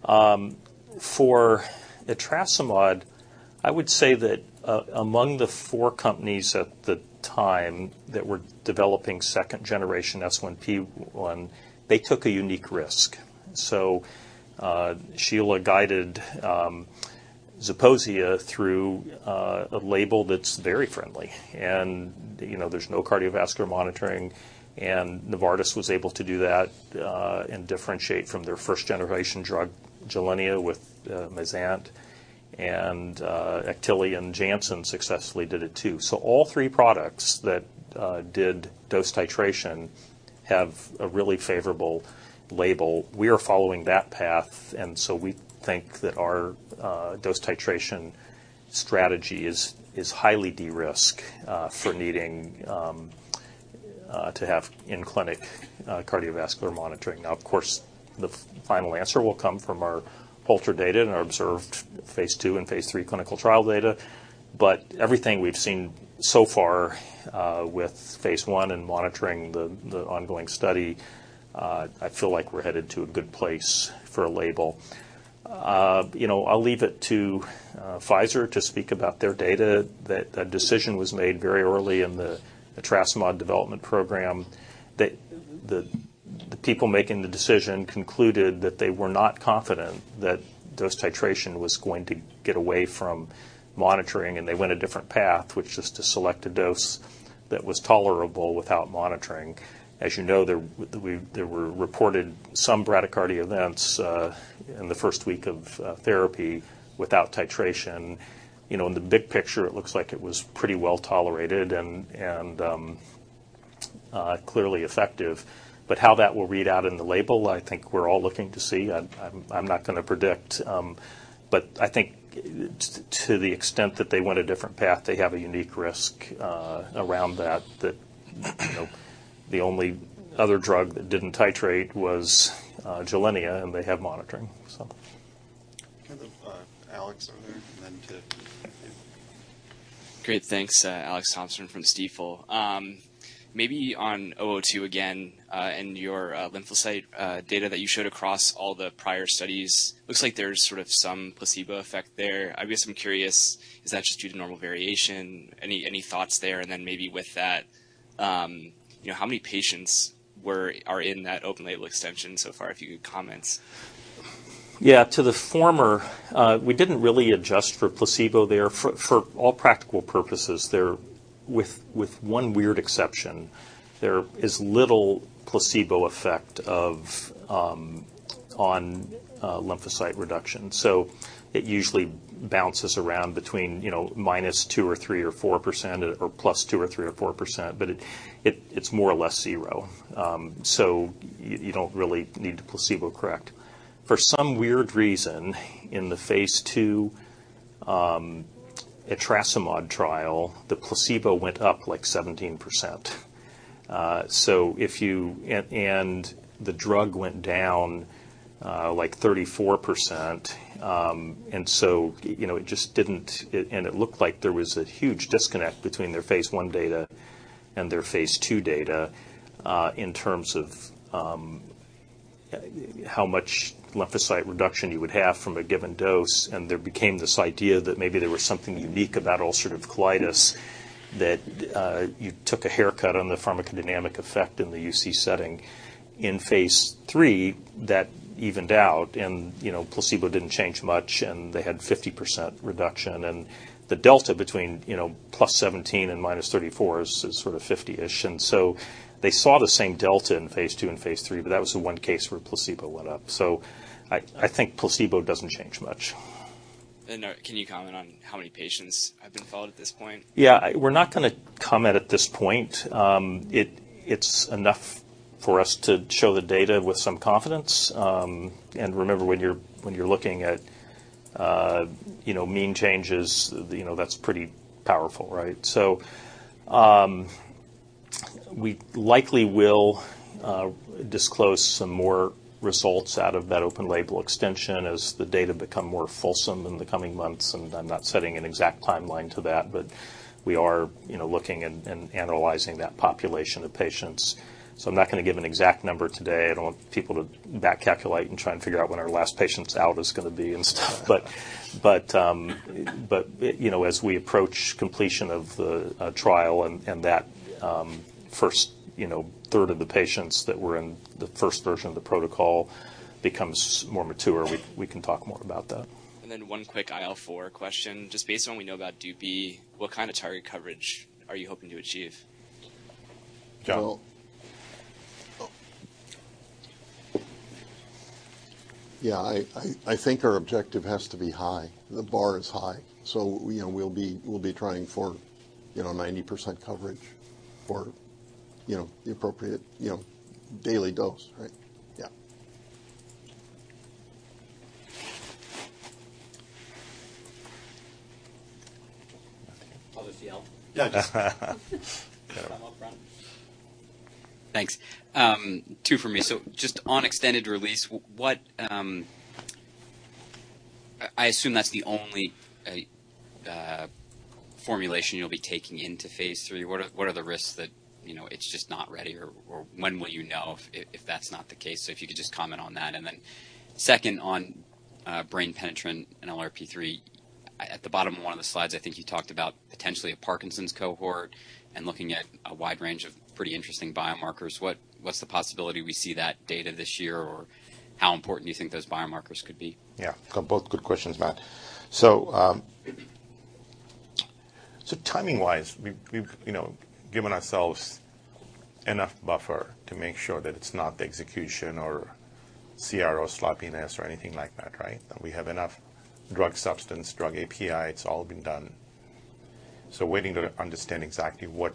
For etrasimod, I would say that among the four companies at the time that were developing second-generation S1P1, they took a unique risk. Sheila guided Zeposia through a label that's very friendly. You know, there's no cardiovascular monitoring, and Novartis was able to do that and differentiate from their first-generation drug, Gilenya, with Mayzent. Actelion Janssen successfully did it, too. All three products that did dose titration have a really favorable label. We are following that path, we think that our dose titration strategy is highly de-risk for needing to have in-clinic cardiovascular monitoring. Of course, the final answer will come from our ultra data and our observed phase II and phase III clinical trial data. Everything we've seen so far with phase I and monitoring the ongoing study, I feel like we're headed to a good place for a label. You know, I'll leave it to Pfizer to speak about their data. That decision was made very early in the etrasimod development program. The people making the decision concluded that they were not confident that dose titration was going to get away from monitoring. They went a different path, which is to select a dose that was tolerable without monitoring. As you know, there were reported some bradycardia events in the first week of therapy without titration. You know, in the big picture, it looks like it was pretty well tolerated and clearly effective. How that will read out in the label, I think we're all looking to see. I'm not gonna predict. I think to the extent that they went a different path, they have a unique risk, around that, you know, the only other drug that didn't titrate was Gilenya, and they have monitoring. We'll go to Alex over there, and then to Dave. Great thanks Alex Thompson from Stifel maybe on VTX002 again, and your lymphocyte data that you showed across all the prior studies, looks like there's sort of some placebo effect there. I guess I'm curious, is that just due to normal variation? Any, any thoughts there? Then maybe with that, you know, how many patients are in that open label extension so far? A few comments. Yeah. To the former, we didn't really adjust for placebo there. For all practical purposes, there, with one weird exception, there is little placebo effect of on lymphocyte reduction. It usually bounces around between, you know, minus 2% or 3% or 4% or +2% or 3% or 4%, but it's more or less zero. You don't really need to placebo correct. For some weird reason, in the phase II etrasimod trial, the placebo went up, like, 17%. The drug went down, like 34%. It looked like there was a huge disconnect between their phase I data and their phase II data, in terms of how much lymphocyte reduction you would have from a given dose. There became this idea that maybe there was something unique about ulcerative colitis that you took a haircut on the pharmacodynamic effect in the UC setting. In phase III, that evened out, and, you know, placebo didn't change much, and they had 50% reduction. The delta between, you know, +17 and -34 is sort of 50-ish. They saw the same delta in phase II and phase III, but that was the one case where placebo went up. I think placebo doesn't change much. Can you comment on how many patients have been followed at this point? Yeah. We're not gonna comment at this point. It's enough for us to show the data with some confidence. Remember, when you're looking at, you know, mean changes, you know, that's pretty powerful, right? We likely will disclose some more results out of that open label extension as the data become more fulsome in the coming months. I'm not setting an exact timeline to that. We are, you know, looking and analyzing that population of patients. I'm not gonna give an exact number today. I don't want people to back calculate and try and figure out when our last patient's out is gonna be and stuff. You know, as we approach completion of the trial and that, first, you know, third of the patients that were in the first version of the protocol becomes more mature, we can talk more about that. One quick IL-4 question. Just based on what we know about Dupixent, what kind of target coverage are you hoping to achieve? John? Yeah, I think our objective has to be high. The bar is high. You know, we'll be trying for, you know, 90% coverage for, you know, the appropriate, you know, daily dose, right? Yeah. Other CL? Yeah. Come up front. Thanks. Two for me. Just on extended release, what... I assume that's the only formulation you'll be taking into phase III. What are the risks that, you know, it's just not ready or when will you know if that's not the case? If you could just comment on that. Second on brain penetrant and NLRP3, at the bottom of one of the slides, I think you talked about potentially a Parkinson's cohort and looking at a wide range of pretty interesting biomarkers. What's the possibility we see that data this year? How important do you think those biomarkers could be? Yeah. Both good questions Matt timing-wise, we've, you know, given ourselves enough buffer to make sure that it's not the execution or CRO sloppiness or anything like that, right? That we have enough drug substance, drug API, it's all been done. Waiting to understand exactly what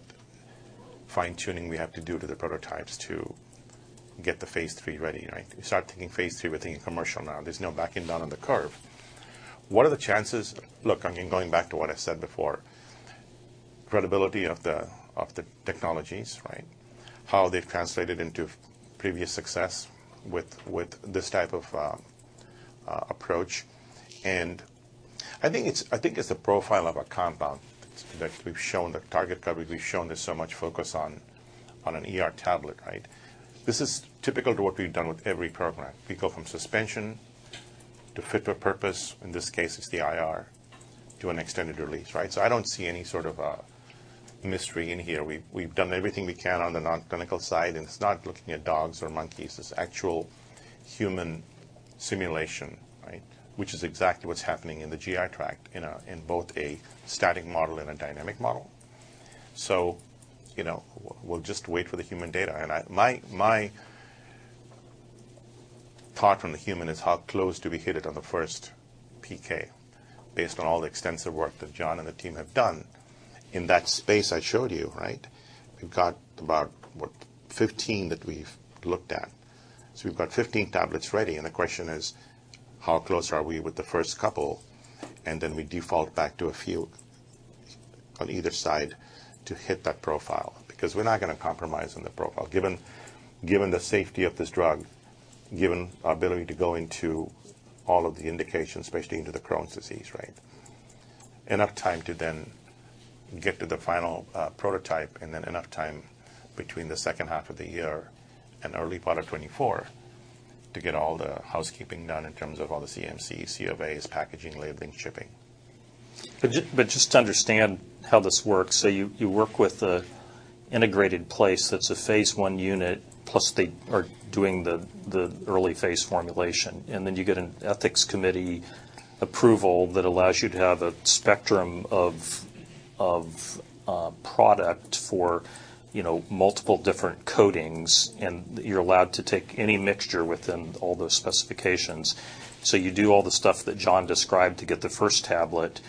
fine-tuning we have to do to the prototypes to get the phase III ready, right? We start thinking phase III, we're thinking commercial now. There's no backing down on the curve. What are the chances... Look, I mean, going back to what I said before, credibility of the, of the technologies, right? How they've translated into previous success with this type of approach. I think it's the profile of a compound that we've shown the target coverage, we've shown there's so much focus on an ER tablet, right? This is typical to what we've done with every program. We go from suspension to fit for purpose, in this case it's the IR, to an extended release, right? I don't see any sort of a mystery in here. We've done everything we can on the non-clinical side, and it's not looking at dogs or monkeys. It's actual human simulation, right? Which is exactly what's happening in the GI tract in both a static model and a dynamic model. You know, we'll just wait for the human data. My thought from the human is how close do we hit it on the first PK based on all the extensive work that John and the team have done in that space I showed you, right? We've got about, what? 15 that we've looked at. We've got 15 tablets ready, and the question is, how close are we with the first couple? We default back to a few on either side to hit that profile. We're not gonna compromise on the profile. Given the safety of this drug, given our ability to go into all of the indications, especially into the Crohn's disease, right? Enough time to then get to the final prototype, and then enough time between the second half of the year and early part of 2024 to get all the housekeeping done in terms of all the CMC, COAs, packaging, labeling, shipping. Just to understand how this works. You work with the integrated place that's a phase I unit, plus they are doing the early phase formulation. Then you get an ethics committee approval that allows you to have a spectrum of product for, you know, multiple different coatings, and you're allowed to take any mixture within all those specifications. You do all the stuff that John described to get the first tablet.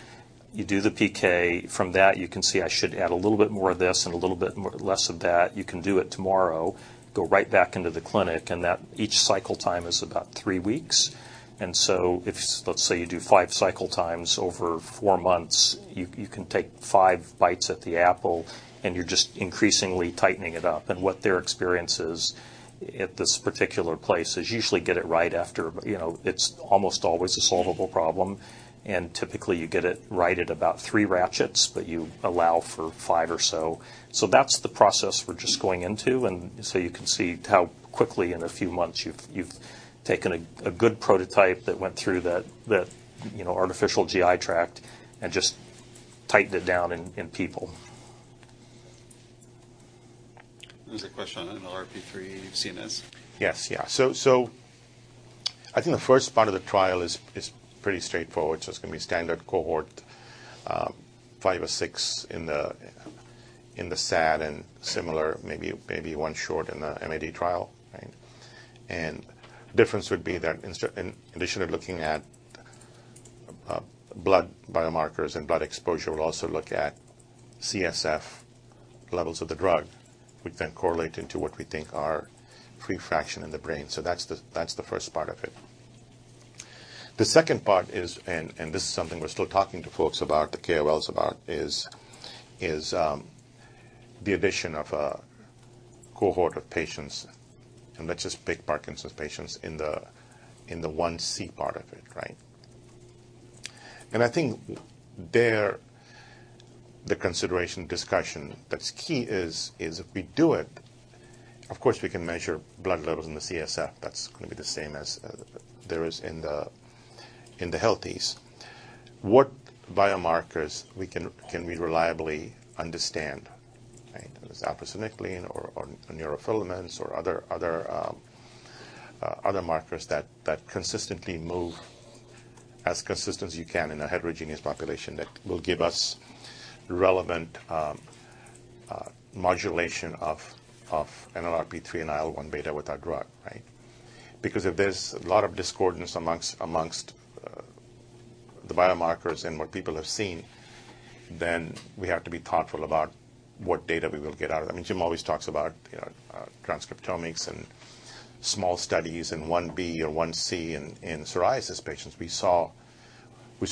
You do the PK. From that, you can see I should add a little bit more of this and a little bit more less of that. You can do it tomorrow, go right back into the clinic, that each cycle time is about three weeks. If let's say you do five cycle times over four months, you can take five bites at the apple, and you're just increasingly tightening it up. What their experience is at this particular place is you usually get it right after, you know, it's almost always a solvable problem. Typically you get it right at about three ratchets, but you allow for five or so. That's the process we're just going into. You can see how quickly in a few months you've taken a good prototype that went through that, you know, artificial GI tract and just tightened it down in people. There's a question on NLRP3 CNS. Yes. Yeah. I think the first part of the trial is pretty straightforward. It's gonna be standard cohort, five or six in the SAD and similar, maybe one short in the MAD trial, right? Difference would be that in addition to looking at blood biomarkers and blood exposure, we'll also look at CSF levels of the drug, which then correlate into what we think are free fraction in the brain. That's the first part of it. The second part is, this is something we're still talking to folks about, the KOLs about, the addition of a cohort of patients, and let's just pick Parkinson's patients in the 1C part of it, right? I think there the consideration discussion that's key is if we do it, of course, we can measure blood levels in the CSF. That's gonna be the same as there is in the healthies. What biomarkers can we reliably understand, right? Is it alpha-synuclein or neurofilaments or other markers that consistently move as consistent as you can in a heterogeneous population that will give us relevant modulation of NLRP3 and IL-1β with our drug, right? If there's a lot of discordance amongst the biomarkers and what people have seen, then we have to be thoughtful about what data we will get out of that. I mean, Jim always talks about, you know, transcriptomics and small studies and 1B or 1C in psoriasis patients. We saw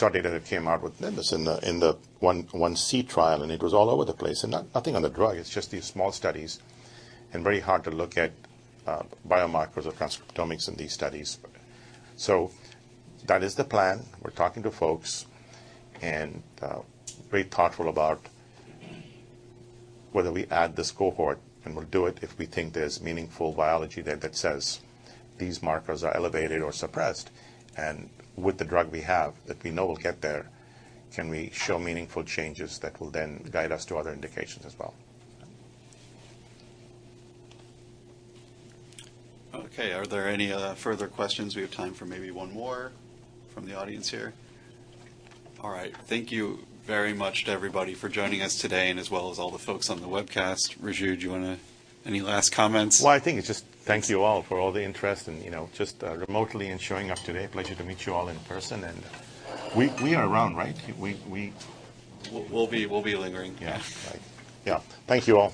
data that came out with MorphoSys in the 1C trial, and it was all over the place. Nothing on the drug. It's just these small studies and very hard to look at biomarkers or transcriptomics in these studies. That is the plan. We're talking to folks and very thoughtful about whether we add this cohort, and we'll do it if we think there's meaningful biology there that says these markers are elevated or suppressed. With the drug we have that we know will get there, can we show meaningful changes that will then guide us to other indications as well? Okay. Are there any further questions? We have time for maybe one more from the audience here. All right. Thank you very much to everybody for joining us today, and as well as all the folks on the webcast. Raju, do you want to... Any last comments? I think it's just thank you all for all the interest and, you know, just remotely and showing up today. Pleasure to meet you all in person. We are around, right? We'll be lingering. Yeah. Right Yeah. Thank you all.